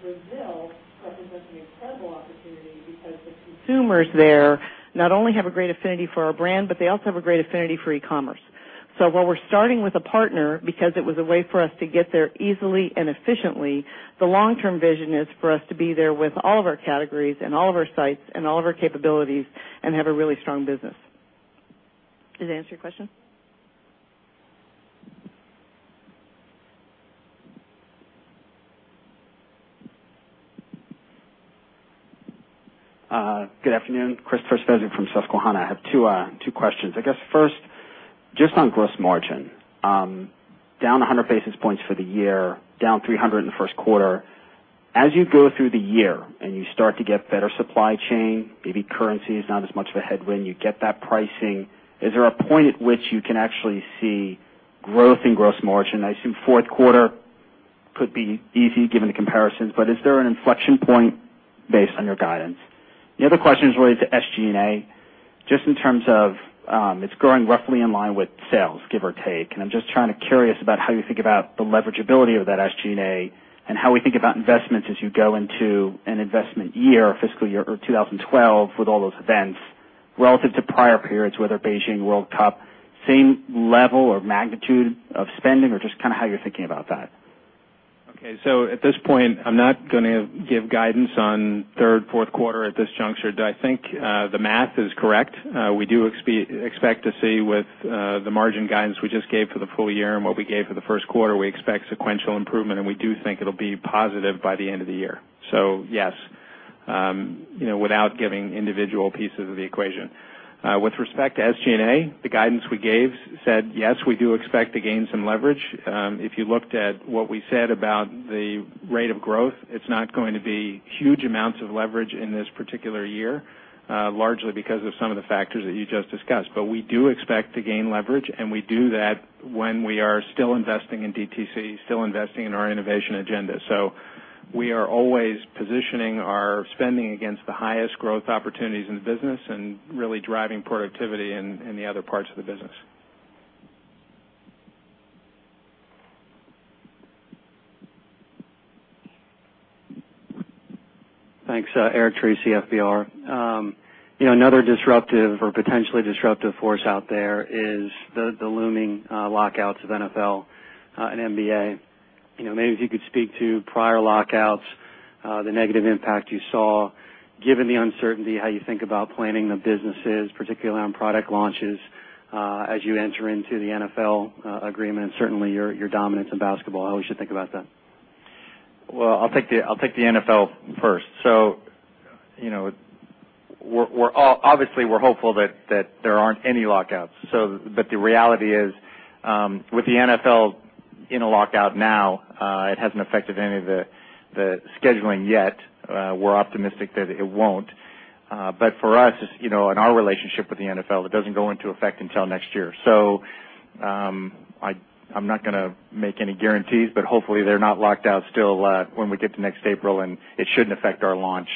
Brazil represents a huge opportunity because the consumers there not only have a great affinity for our brand, but they also have a great affinity for e-commerce. While we're starting with a partner because it was a way for us to get there easily and efficiently, the long-term vision is for us to be there with all of our categories and all of our sites and all of our capabilities and have a really strong business. Does that answer your question? Good afternoon. Christopher Svezia from Susquehanna. I have two questions. I guess first, just on gross margin, down 100 basis points for the year, down 300 basis points in the first quarter. As you go through the year and you start to get better supply chain, maybe currency is not as much of a headwind, you get that pricing. Is there a point at which you can actually see growth in gross margin? I assume fourth quarter could be easy given the comparisons, but is there an inflection point based on your guidance? The other question is related to SG&A, just in terms of it's growing roughly in line with sales, give or take. I'm just trying to be curious about how you think about the leverageability of that SG&A and how we think about investments as you go into an investment year, a fiscal year or 2012 with all those events relative to prior periods, whether Beijing World Cup, same level or magnitude of spending, or just kind of how you're thinking about that. OK. At this point, I'm not going to give guidance on third, fourth quarter at this juncture. I think the math is correct. We do expect to see with the margin guidance we just gave for the full year and what we gave for the first quarter, we expect sequential improvement. We do think it'll be positive by the end of the year. Yes, without giving individual pieces of the equation. With respect to SG&A, the guidance we gave said, yes, we do expect to gain some leverage. If you looked at what we said about the rate of growth, it's not going to be huge amounts of leverage in this particular year, largely because of some of the factors that you just discussed. We do expect to gain leverage, and we do that when we are still investing in DTC, still investing in our innovation agenda. We are always positioning our spending against the highest growth opportunities in the business and really driving productivity in the other parts of the business. Thanks, Eric Tracy, FBR. Another disruptive or potentially disruptive force out there is the looming lockouts of NFL and NBA. Maybe if you could speak to prior lockouts, the negative impact you saw, given the uncertainty, how you think about planning the businesses, particularly on product launches as you enter into the NFL agreement, and certainly your dominance in basketball, how we should think about that. I'll take the NFL first. Obviously, we're hopeful that there aren't any lockouts. The reality is with the NFL in a lockout now, it hasn't affected any of the scheduling yet. We're optimistic that it won't. For us, in our relationship with the NFL, it doesn't go into effect until next year. I'm not going to make any guarantees, but hopefully, they're not locked out still when we get to next April, and it shouldn't affect our launch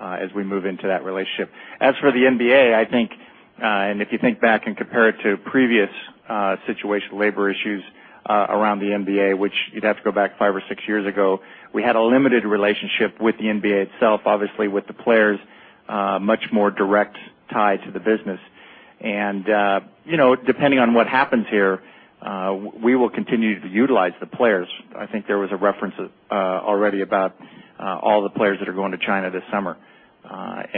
as we move into that relationship. As for the NBA, I think, and if you think back and compare it to previous situations, labor issues around the NBA, which you'd have to go back five or six years ago, we had a limited relationship with the NBA itself, obviously with the players, much more direct tie to the business. Depending on what happens here, we will continue to utilize the players. I think there was a reference already about all the players that are going to China this summer. I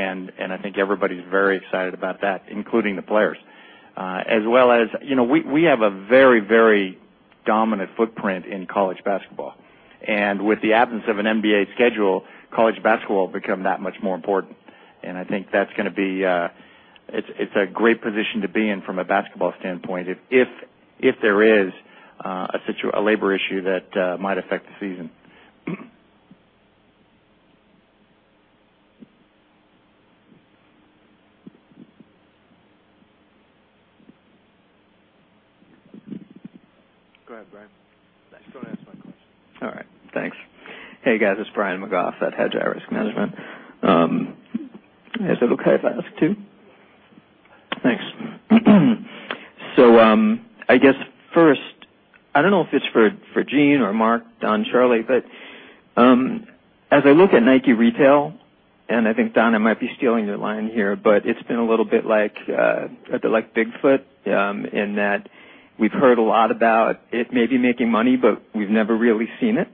think everybody's very excited about that, including the players, as well as we have a very, very dominant footprint in college basketball. With the absence of an NBA schedule, college basketball will become that much more important. I think that's going to be a great position to be in from a basketball standpoint if there is a labor issue that might affect the season. Go ahead, Brian. I just want to ask my question. All right. Thanks. Hey, guys, it's Brian McGough at Hedgeye Risk Management. Is it OK if I ask two? Thanks. I guess first, I don't know if it's for Jeanne or Mark, Don, Charlie, but as I look at Nike Retail, and I think Don, I might be stealing your line here, but it's been a little bit like Bigfoot in that we've heard a lot about it maybe making money, but we've never really seen it.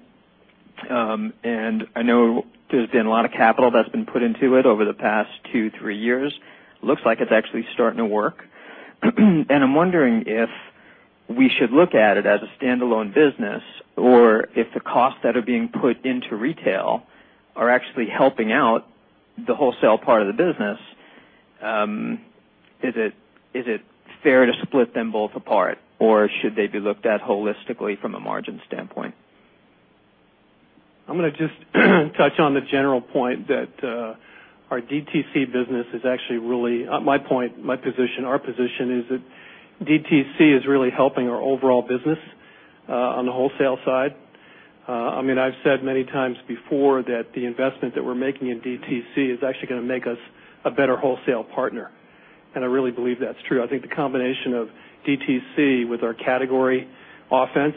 I know there's been a lot of capital that's been put into it over the past two, three years. Looks like it's actually starting to work. I'm wondering if we should look at it as a standalone business or if the costs that are being put into retail are actually helping out the wholesale part of the business. Is it fair to split them both apart, or should they be looked at holistically from a margin standpoint? I'm going to just touch on the general point that our DTC business is actually really my point, my position, our position is that DTC is really helping our overall business on the wholesale side. I've said many times before that the investment that we're making in DTC is actually going to make us a better wholesale partner. I really believe that's true. I think the combination of DTC with our category offense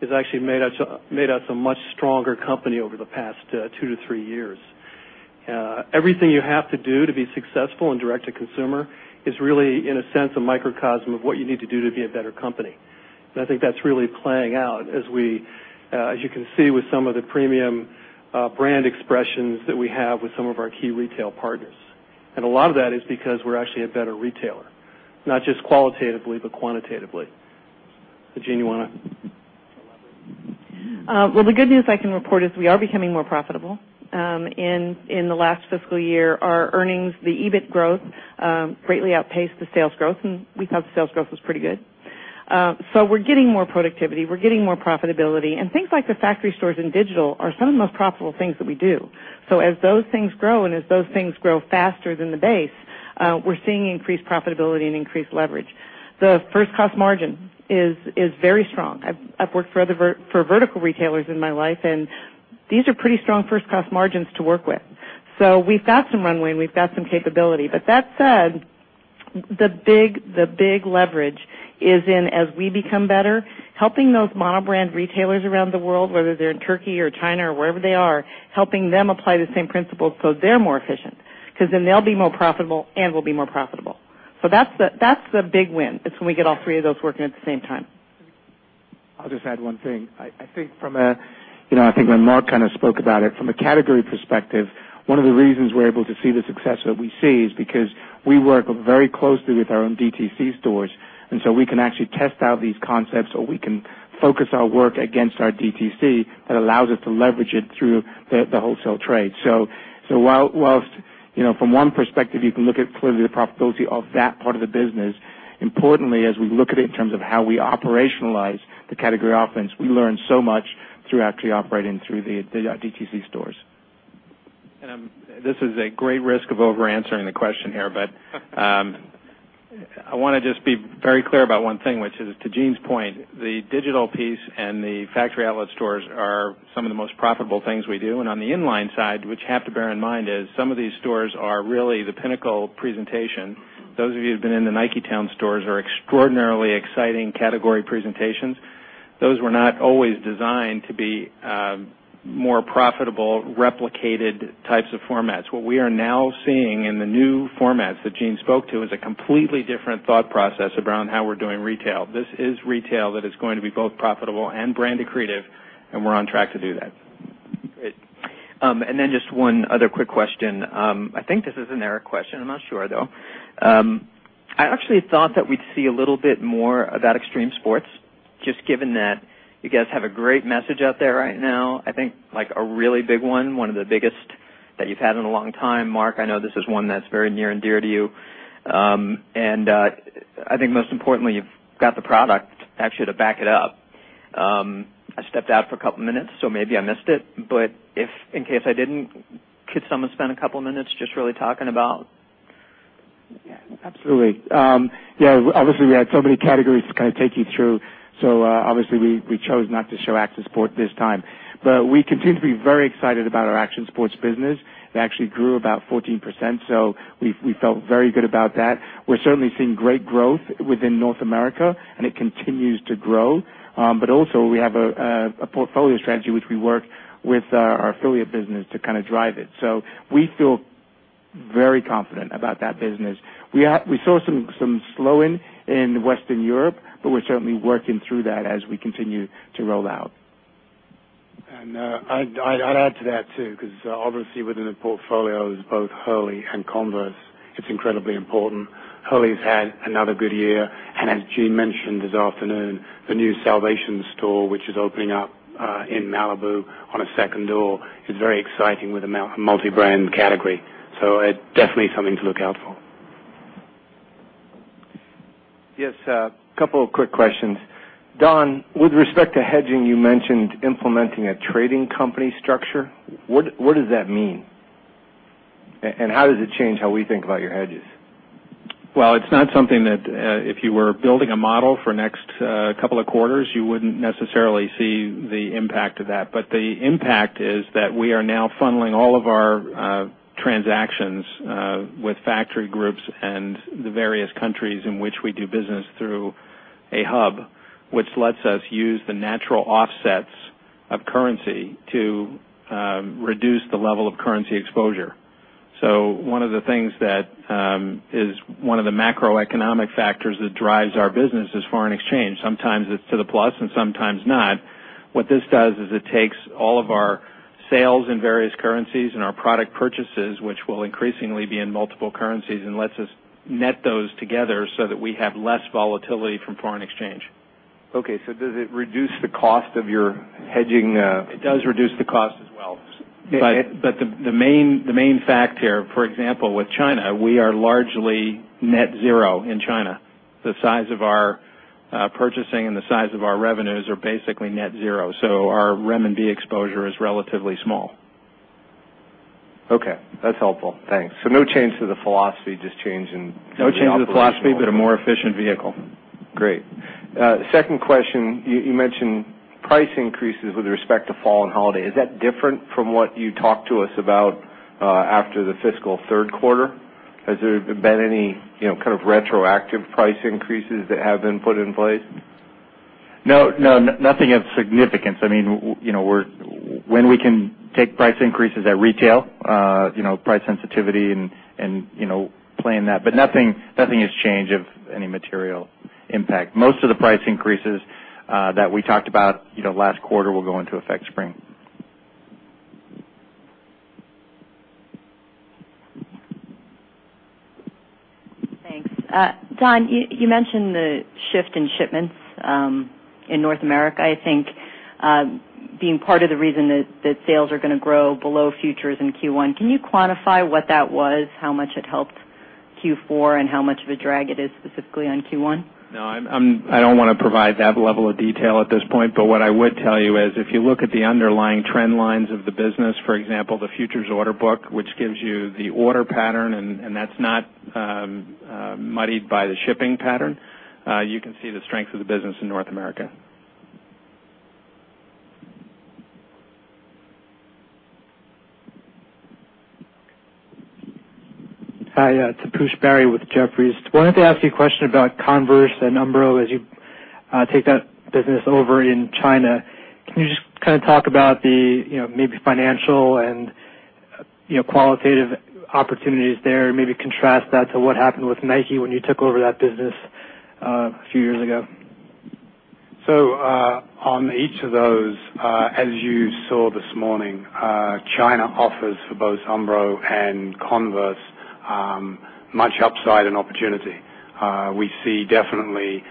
has actually made us a much stronger company over the past two to three years. Everything you have to do to be successful in direct-to-consumer is really, in a sense, a microcosm of what you need to do to be a better company. I think that's really playing out as you can see with some of the premium brand expressions that we have with some of our key retail partners. A lot of that is because we're actually a better retailer, not just qualitatively, but quantitatively. Jeanne, you want to? The good news I can report is we are becoming more profitable. In the last fiscal year, our earnings, the EBIT growth greatly outpaced the sales growth. We thought the sales growth was pretty good. We're getting more productivity. We're getting more profitability. Things like the factory stores and digital are some of the most profitable things that we do. As those things grow and as those things grow faster than the base, we're seeing increased profitability and increased leverage. The first cost margin is very strong. I've worked for vertical retailers in my life, and these are pretty strong first cost margins to work with. We've got some runway, and we've got some capability. That said, the big leverage is in as we become better, helping those monobrand retailers around the world, whether they're in Turkey or China or wherever they are, helping them apply the same principle so they're more efficient. Then they'll be more profitable, and we'll be more profitable. That's the big win. It's when we get all three of those working at the same time. I'll just add one thing. I think when Mark kind of spoke about it, from a category perspective, one of the reasons we're able to see the success that we see is because we work very closely with our own direct-to-consumer stores. We can actually test out these concepts, or we can focus our work against our direct-to-consumer that allows us to leverage it through the wholesale trade. From one perspective, you can look at clearly the profitability of that part of the business. Importantly, as we look at it in terms of how we operationalize the category offense, we learn so much through actually operating through the direct-to-consumer stores. This is a great risk of over-answering the question here, but I want to just be very clear about one thing, which is to Jeanne's point, the digital piece and the Factory Outlet stores are some of the most profitable things we do. On the inline side, which you have to bear in mind, some of these stores are really the pinnacle presentation. Those of you who've been in the Nike Town stores are extraordinarily exciting category presentations. Those were not always designed to be more profitable, replicated types of formats. What we are now seeing in the new formats that Jeanne spoke to is a completely different thought process around how we're doing retail. This is retail that is going to be both profitable and branded creative, and we're on track to do that. Great. Just one other quick question. I think this is an Eric question. I'm not sure, though. I actually thought that we'd see a little bit more about extreme sports, just given that you guys have a great message out there right now. I think a really big one, one of the biggest that you've had in a long time. Mark, I know this is one that's very near and dear to you. I think most importantly, you've got the product actually to back it up. I stepped out for a couple of minutes, so maybe I missed it. In case I didn't, could someone spend a couple of minutes just really talking about? Yeah, absolutely. Obviously, we had so many categories to kind of take you through. We chose not to show action sports this time, but we continue to be very excited about our action sports business. It actually grew about 14%, so we felt very good about that. We're certainly seeing great growth within North America, and it continues to grow. We have a portfolio strategy, which we work with our affiliate business to kind of drive it. We feel very confident about that business. We saw some slowing in Western Europe, but we're certainly working through that as we continue to roll out. I'd add to that too, because obviously, within the portfolio, it's both Hurley and Converse. It's incredibly important. Hurley's had another good year. As Jeanne mentioned this afternoon, the new Salvation store, which is opening up in Malibu on a second door, is very exciting with a multi-brand category. It's definitely something to look out for. Yes, a couple of quick questions. Don, with respect to hedging, you mentioned implementing a trading company structure. What does that mean? How does it change how we think about your hedges? It is not something that if you were building a model for the next couple of quarters, you wouldn't necessarily see the impact of that. The impact is that we are now funneling all of our transactions with factory groups and the various countries in which we do business through a hub, which lets us use the natural offsets of currency to reduce the level of currency exposure. One of the macroeconomic factors that drives our business is foreign exchange. Sometimes it's to the plus, and sometimes not. What this does is it takes all of our sales in various currencies and our product purchases, which will increasingly be in multiple currencies, and lets us net those together so that we have less volatility from foreign exchange. OK, does it reduce the cost of your hedging? It does reduce the cost as well. The main fact here, for example, with China, we are largely net zero in China. The size of our purchasing and the size of our revenues are basically net zero, so our renminbi exposure is relatively small. OK, that's helpful. Thanks. No change to the philosophy, just change in. No change to the philosophy, but a more efficient vehicle. Great. Second question, you mentioned price increases with respect to fall and holiday. Is that different from what you talked to us about after the fiscal third quarter? Has there been any kind of retroactive price increases that have been put in place? No, nothing of significance. I mean, when we can take price increases at retail, price sensitivity and plan that. Nothing has changed of any material impact. Most of the price increases that we talked about last quarter will go into effect spring. Thanks. Don, you mentioned the shift in shipments in North America. I think being part of the reason that sales are going to grow below futures in Q1, can you quantify what that was, how much it helped Q4, and how much of a drag it is specifically on Q1? No, I don't want to provide that level of detail at this point. What I would tell you is if you look at the underlying trend lines of the business, for example, the futures order book, which gives you the order pattern and is not muddied by the shipping pattern, you can see the strength of the business in North America. Hi, it's Taposh Bari with Jefferies. I wanted to ask you a question about Converse and Umbro as you take that business over in China. Can you just kind of talk about the maybe financial and qualitative opportunities there? Maybe contrast that to what happened with Nike when you took over that business a few years ago. As you saw this morning, China offers for both Umbro and Converse much upside and opportunity. We see definitely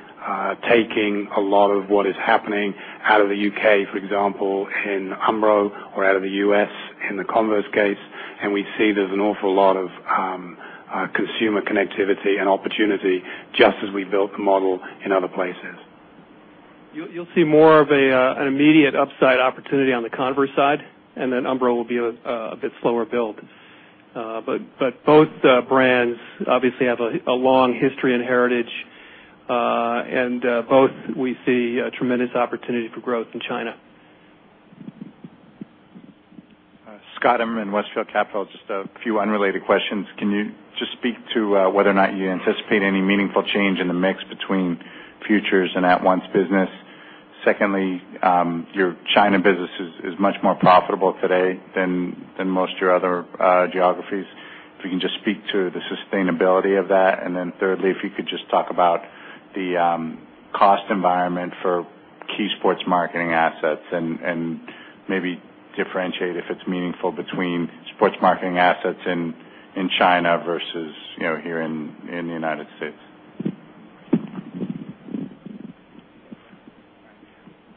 taking a lot of what is happening out of the U.K., for example, in Umbro, or out of the U.S. in the Converse case. We see there's an awful lot of consumer connectivity and opportunity just as we built the model in other places. You'll see more of an immediate upside opportunity on the Converse side, and Umbro will be a bit slower build. Both brands obviously have a long history and heritage, and both we see tremendous opportunity for growth in China. Scott Emerman in Westfield Capital, just a few unrelated questions. Can you just speak to whether or not you anticipate any meaningful change in the mix between futures and at-once business? Secondly, your China business is much more profitable today than most of your other geographies. If you can just speak to the sustainability of that. Thirdly, if you could just talk about the cost environment for key sports marketing assets and maybe differentiate if it's meaningful between sports marketing assets in China versus here in the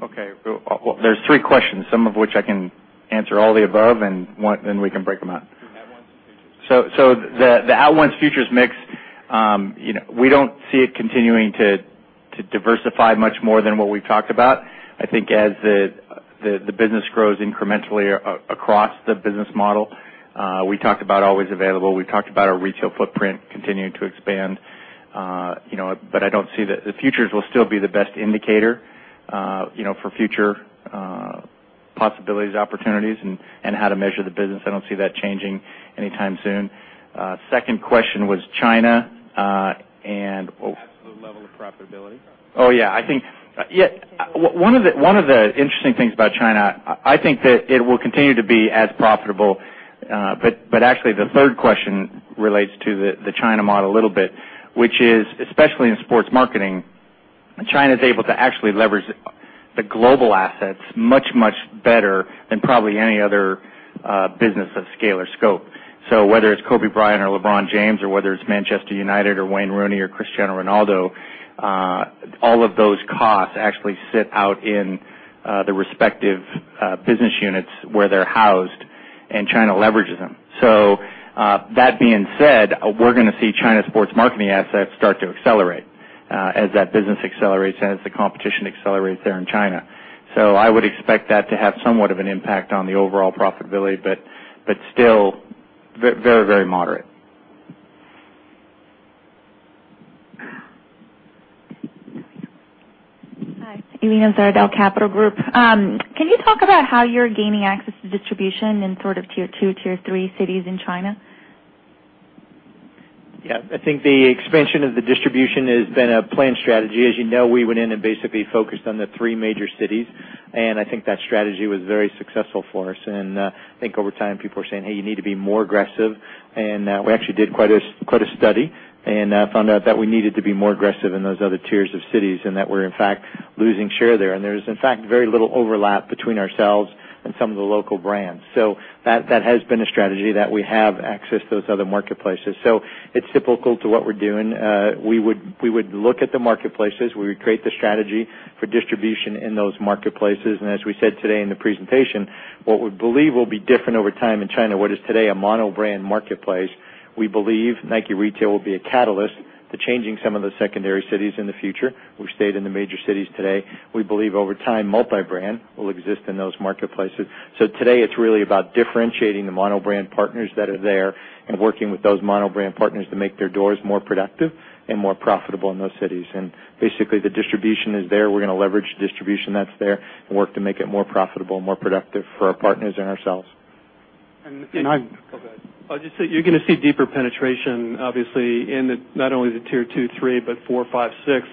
U.S. OK, there's three questions, some of which I can answer all the above, and then we can break them out. The at-once futures mix, we don't see it continuing to diversify much more than what we've talked about. I think as the business grows incrementally across the business model, we talked about always available. We've talked about our retail footprint continuing to expand. I don't see that the futures will still be the best indicator for future possibilities, opportunities, and how to measure the business. I don't see that changing anytime soon. Second question was China. As to the level of profitability. Oh, yeah. I think one of the interesting things about China, I think that it will continue to be as profitable. Actually, the third question relates to the China model a little bit, which is especially in sports marketing, China is able to actually leverage the global assets much, much better than probably any other business of scale or scope. Whether it's Kobe Bryant or LeBron James, or whether it's Manchester United or Wayne Rooney or Cristiano Ronaldo, all of those costs actually sit out in the respective business units where they're housed, and China leverages them. That being said, we're going to see China's sports marketing assets start to accelerate as that business accelerates and as the competition accelerates there in China. I would expect that to have somewhat of an impact on the overall profitability, but still very, very moderate. Hi, Aline Avzaradel Capital Group. Can you talk about how you're gaining access to distribution in sort of tier two, tier three cities in China? Yeah, I think the expansion of the distribution has been a planned strategy. As you know, we went in and basically focused on the three major cities. I think that strategy was very successful for us. I think over time, people are saying, hey, you need to be more aggressive. We actually did quite a study and found out that we needed to be more aggressive in those other tiers of cities and that we're, in fact, losing share there. There is, in fact, very little overlap between ourselves and some of the local brands. That has been a strategy that we have accessed those other marketplaces. It's typical to what we're doing. We would look at the marketplaces. We would create the strategy for distribution in those marketplaces. As we said today in the presentation, what we believe will be different over time in China, what is today a monobrand marketplace, we believe Nike Retail will be a catalyst to changing some of the secondary cities in the future. We've stayed in the major cities today. We believe over time, multi-brand will exist in those marketplaces. Today, it's really about differentiating the monobrand partners that are there and working with those monobrand partners to make their doors more productive and more profitable in those cities. Basically, the distribution is there. We're going to leverage the distribution that's there and work to make it more profitable and more productive for our partners and ourselves. I'm going to go ahead. You're going to see deeper penetration, obviously, in not only the tier two, three, but four, five, six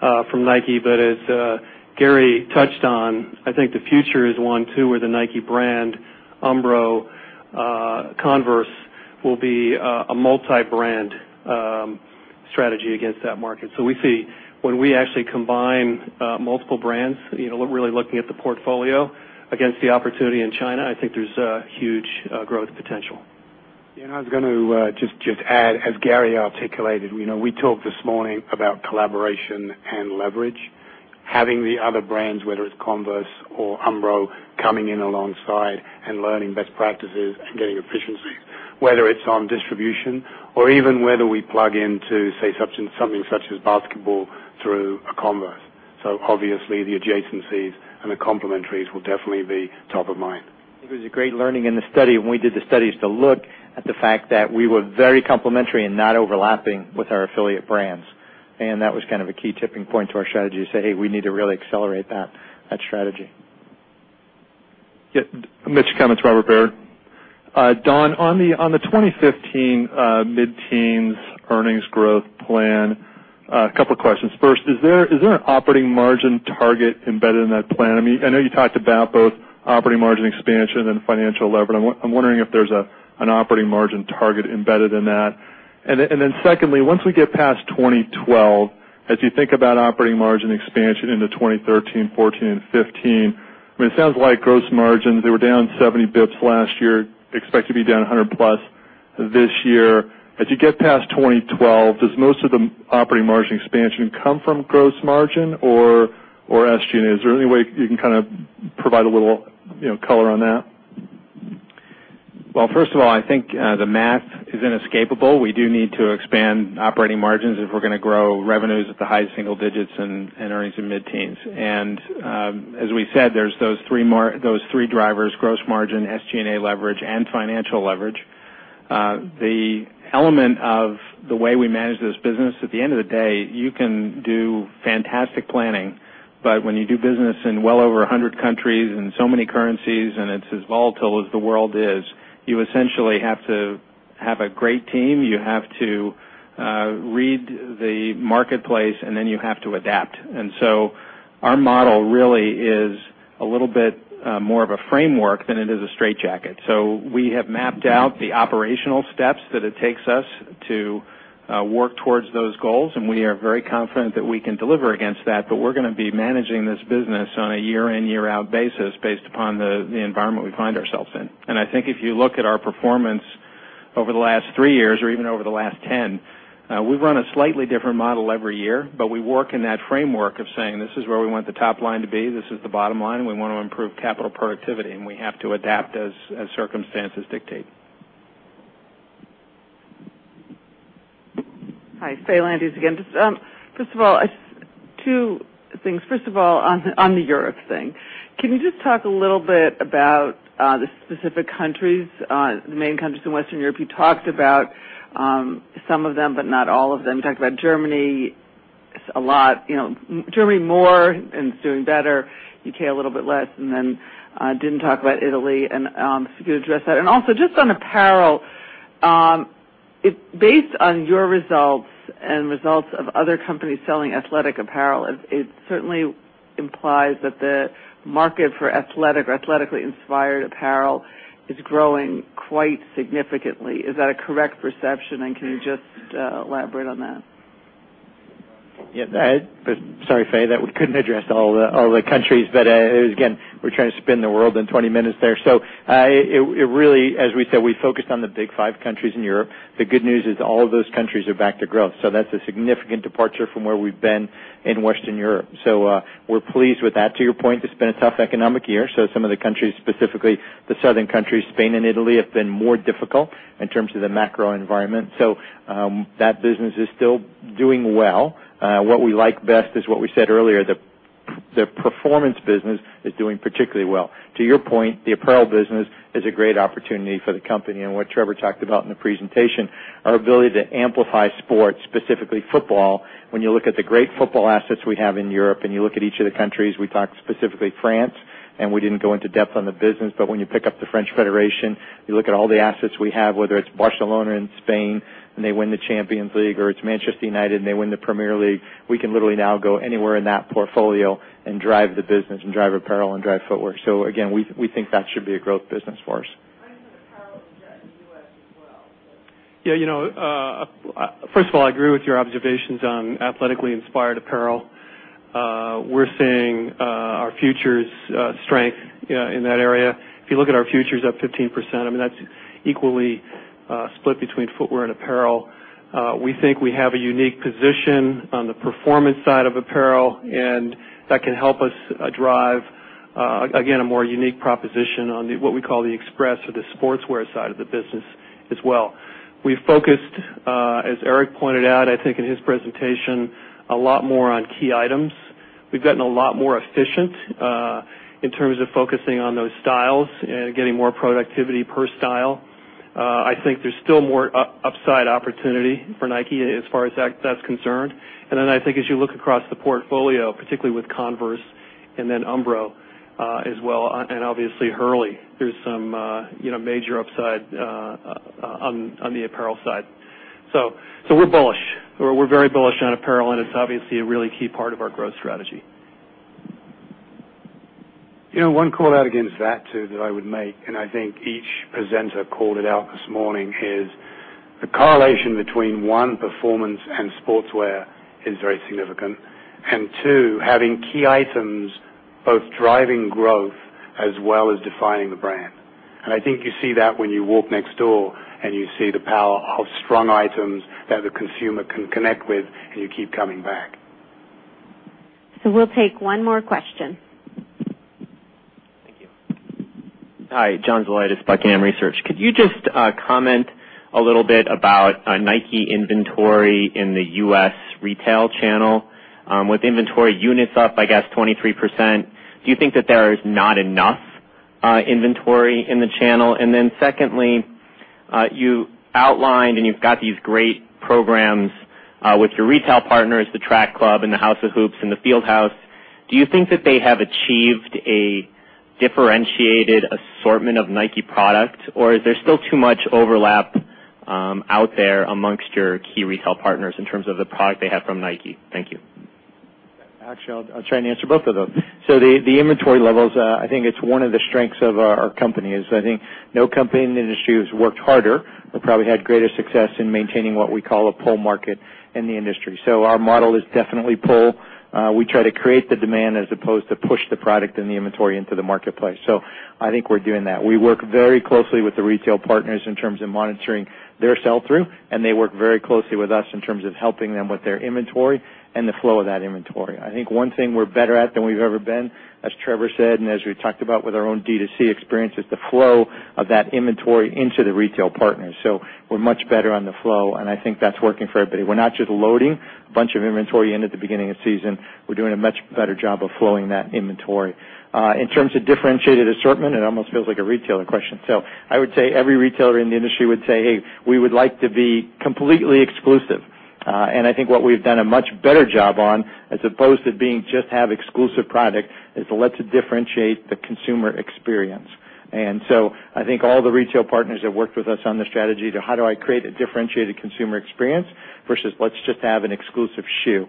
from Nike. As Gary touched on, I think the future is one, too, where the Nike brand, Umbro, Converse will be a multi-brand strategy against that market. We see when we actually combine multiple brands, really looking at the portfolio against the opportunity in China, I think there's huge growth potential. I was going to just add, as Gary articulated, we talked this morning about collaboration and leverage, having the other brands, whether it's Converse or Umbro, coming in alongside and learning best practices and getting efficiency, whether it's on distribution or even whether we plug into, say, something such as basketball through a Converse. Obviously, the adjacencies and the complementaries will definitely be top of mind. I think it was a great learning in the study when we did the studies to look at the fact that we were very complementary and not overlapping with our affiliate brands. That was kind of a key tipping point to our strategy to say, hey, we need to really accelerate that strategy. Don, on the 2015 mid-teens earnings growth plan, a couple of questions. First, is there an operating margin target embedded in that plan? I know you talked about both operating margin expansion and financial leverage. I'm wondering if there's an operating margin target embedded in that. Secondly, once we get past 2012, as you think about operating margin expansion into 2013, 2014, and 2015, it sounds like gross margins, they were down 70 bps last year, expect to be down 100+ this year. As you get past 2012, does most of the operating margin expansion come from gross margin or SG&A? Is there any way you can kind of provide a little color on that? I think the math is inescapable. We do need to expand operating margins if we're going to grow revenues at the high single digits and earnings in mid-teens. As we said, there's those three drivers: gross margin, SG&A leverage, and financial leverage. The element of the way we manage this business, at the end of the day, you can do fantastic planning. When you do business in well over 100 countries and so many currencies, and it's as volatile as the world is, you essentially have to have a great team. You have to read the marketplace, and then you have to adapt. Our model really is a little bit more of a framework than it is a straightjacket. We have mapped out the operational steps that it takes us to work towards those goals. We are very confident that we can deliver against that. We're going to be managing this business on a year-in, year-out basis based upon the environment we find ourselves in. I think if you look at our performance over the last three years or even over the last 10 years, we've run a slightly different model every year. We work in that framework of saying, this is where we want the top line to be. This is the bottom line. We want to improve capital productivity. We have to adapt as circumstances dictate. Hi, Faye Landes again. First of all, just two things. First of all, on the Europe thing, can you just talk a little bit about the specific countries, the main countries in Western Europe? You talked about some of them, but not all of them. You talked about Germany. It's a lot. Germany more and is doing better. U.K. a little bit less. Didn't talk about Italy. If you could address that. Also, just on apparel, based on your results and results of other companies selling athletic apparel, it certainly implies that the market for athletic or athletically inspired apparel is growing quite significantly. Is that a correct perception? Can you just elaborate on that? Yeah, sorry, Faye, that we couldn't address all the countries. Again, we're trying to spin the world in 20 minutes there. As we said, we focused on the big five countries in Europe. The good news is all of those countries are back to growth. That's a significant departure from where we've been in Western Europe. We're pleased with that. To your point, it's been a tough economic year. Some of the countries, specifically the southern countries, Spain and Italy, have been more difficult in terms of the macro environment. That business is still doing well. What we like best is what we said earlier, the performance business is doing particularly well. To your point, the apparel business is a great opportunity for the company. What Trevor talked about in the presentation, our ability to amplify sports, specifically football, when you look at the great football assets we have in Europe, and you look at each of the countries, we talked specifically France, and we didn't go into depth on the business. When you pick up the French Federation, you look at all the assets we have, whether it's Barcelona in Spain and they win the Champions League, or it's Manchester United and they win the Premier League, we can literally now go anywhere in that portfolio and drive the business and drive apparel and drive footwear. We think that should be a growth business for us. Yeah, you know, first of all, I agree with your observations on athletically inspired apparel. We're seeing our futures strength in that area. If you look at our futures up 15%, that's equally split between footwear and apparel. We think we have a unique position on the performance side of apparel, and that can help us drive, again, a more unique proposition on what we call the express or the sportswear side of the business as well. We've focused, as Eric pointed out, I think in his presentation, a lot more on key items. We've gotten a lot more efficient in terms of focusing on those styles and getting more productivity per style. I think there's still more upside opportunity for Nike as far as that's concerned. As you look across the portfolio, particularly with Converse and then Umbro as well, and obviously Hurley, there's some major upside on the apparel side. We're bullish. We're very bullish on apparel, and it's obviously a really key part of our growth strategy. You know, one call out against that too that I would make, and I think each presenter called it out this morning, is the correlation between, one, performance and sportswear is very significant. Two, having key items both driving growth. As well as defining the brand, I think you see that when you walk next door and you see the power of strong items that the consumer can connect with, and you keep coming back. We'll take one more question. Thank you. Hi, John Zolidis Buckingham Research. Could you just comment a little bit about Nike inventory in the U.S. retail channel? With inventory units up, I guess, 23%, do you think that there is not enough inventory in the channel? Secondly, you outlined and you've got these great programs with your retail partners, the Track Club, the house of hoops, and the field house. Do you think that they have achieved a differentiated assortment of Nike product, or is there still too much overlap out there amongst your key retail partners in terms of the product they have from Nike? Thank you. Actually, I'll try and answer both of those. The inventory levels, I think it's one of the strengths of our company. I think no company in the industry has worked harder or probably had greater success in maintaining what we call a pull market in the industry. Our model is definitely pull. We try to create the demand as opposed to push the product and the inventory into the marketplace. I think we're doing that. We work very closely with the retail partners in terms of monitoring their sell-through, and they work very closely with us in terms of helping them with their inventory and the flow of that inventory. I think one thing we're better at than we've ever been, as Trevor said and as we've talked about with our own direct-to-consumer experience, is the flow of that inventory into the retail partners. We're much better on the flow, and I think that's working for everybody. We're not just loading a bunch of inventory in at the beginning of the season. We're doing a much better job of flowing that inventory. In terms of differentiated assortment, it almost feels like a retailer question. I would say every retailer in the industry would say, "Hey, we would like to be completely exclusive." I think what we've done a much better job on, as opposed to being just have exclusive product, is let's differentiate the consumer experience. I think all the retail partners have worked with us on the strategy to how do I create a differentiated consumer experience versus let's just have an exclusive shoe.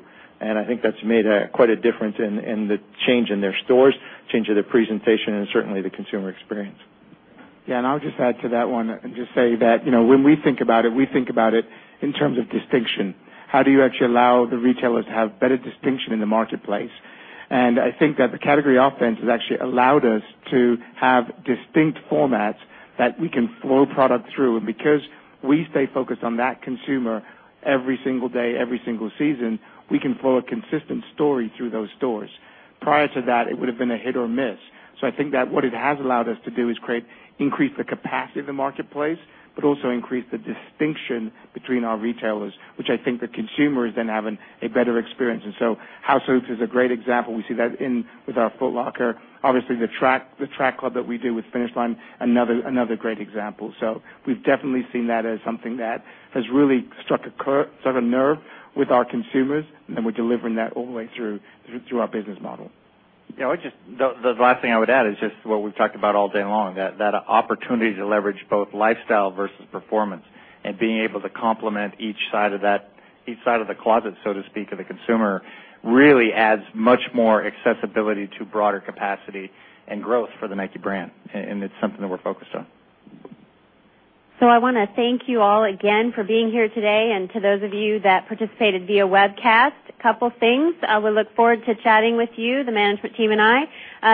I think that's made quite a difference in the change in their stores, change of their presentation, and certainly the consumer experience. I'll just add to that one and just say that when we think about it, we think about it in terms of distinction. How do you actually allow the retailer to have better distinction in the marketplace? I think that the category offense has actually allowed us to have distinct formats that we can flow product through. Because we stay focused on that consumer every single day, every single season, we can flow a consistent story through those stores. Prior to that, it would have been a hit or miss. I think that what it has allowed us to do is increase the capacity of the marketplace, but also increase the distinction between our retailers, which I think the consumer is then having a better experience. House of Hoops is a great example. We see that in with our Foot Locker. Obviously, the Track Club that we do with Finish Line, another great example. We've definitely seen that as something that has really struck a nerve with our consumers, and then we're delivering that all the way through our business model. The last thing I would add is just what we've talked about all day long, that opportunity to leverage both lifestyle versus performance, and being able to complement each side of the closet, so to speak, of the consumer really adds much more accessibility to broader capacity and growth for the Nike brand. It's something that we're focused on. I want to thank you all again for being here today. To those of you that participated via webcast, a couple of things. We look forward to chatting with you, the management team and I,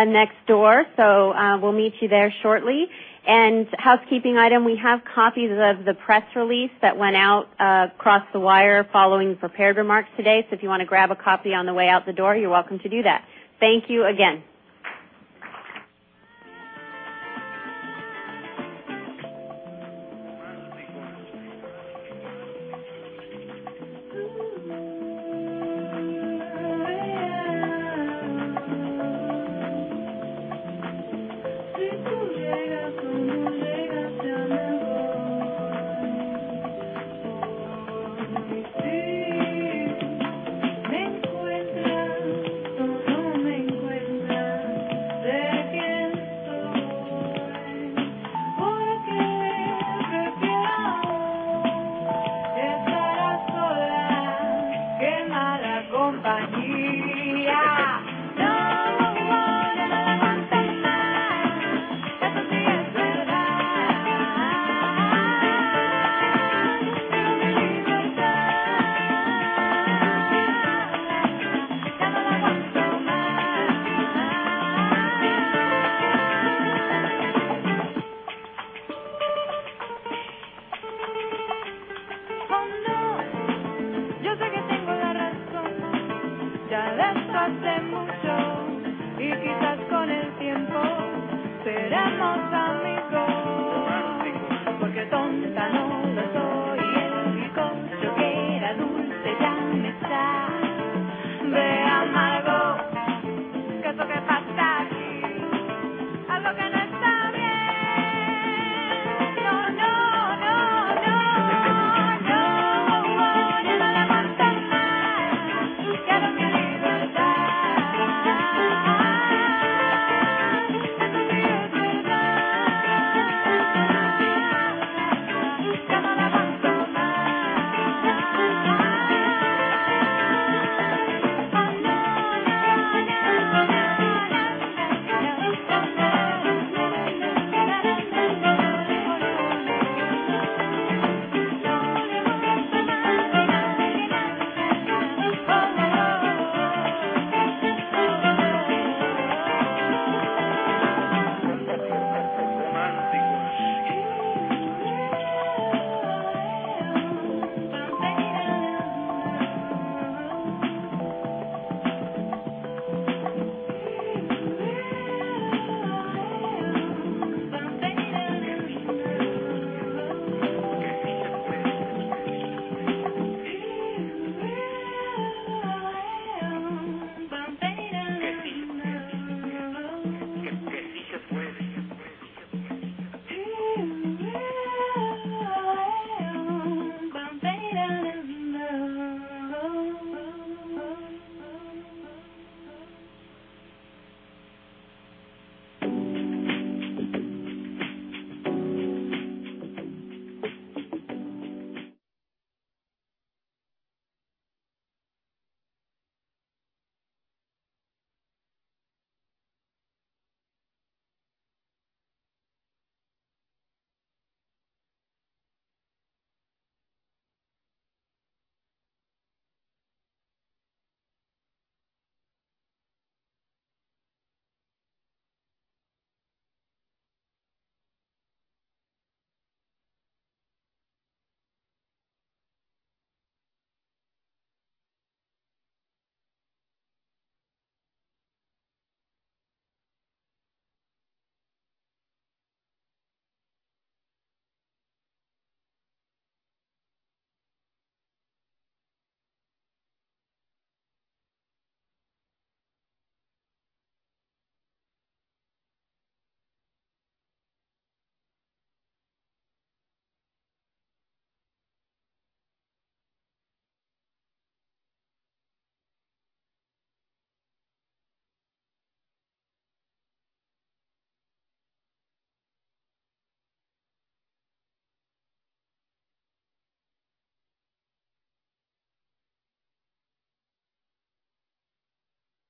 next door. We'll meet you there shortly. A housekeeping item, we have copies of the press release that went out across the wire following prepared remarks today. If you want to grab a copy on the way out the door, you're welcome to do that. Thank you.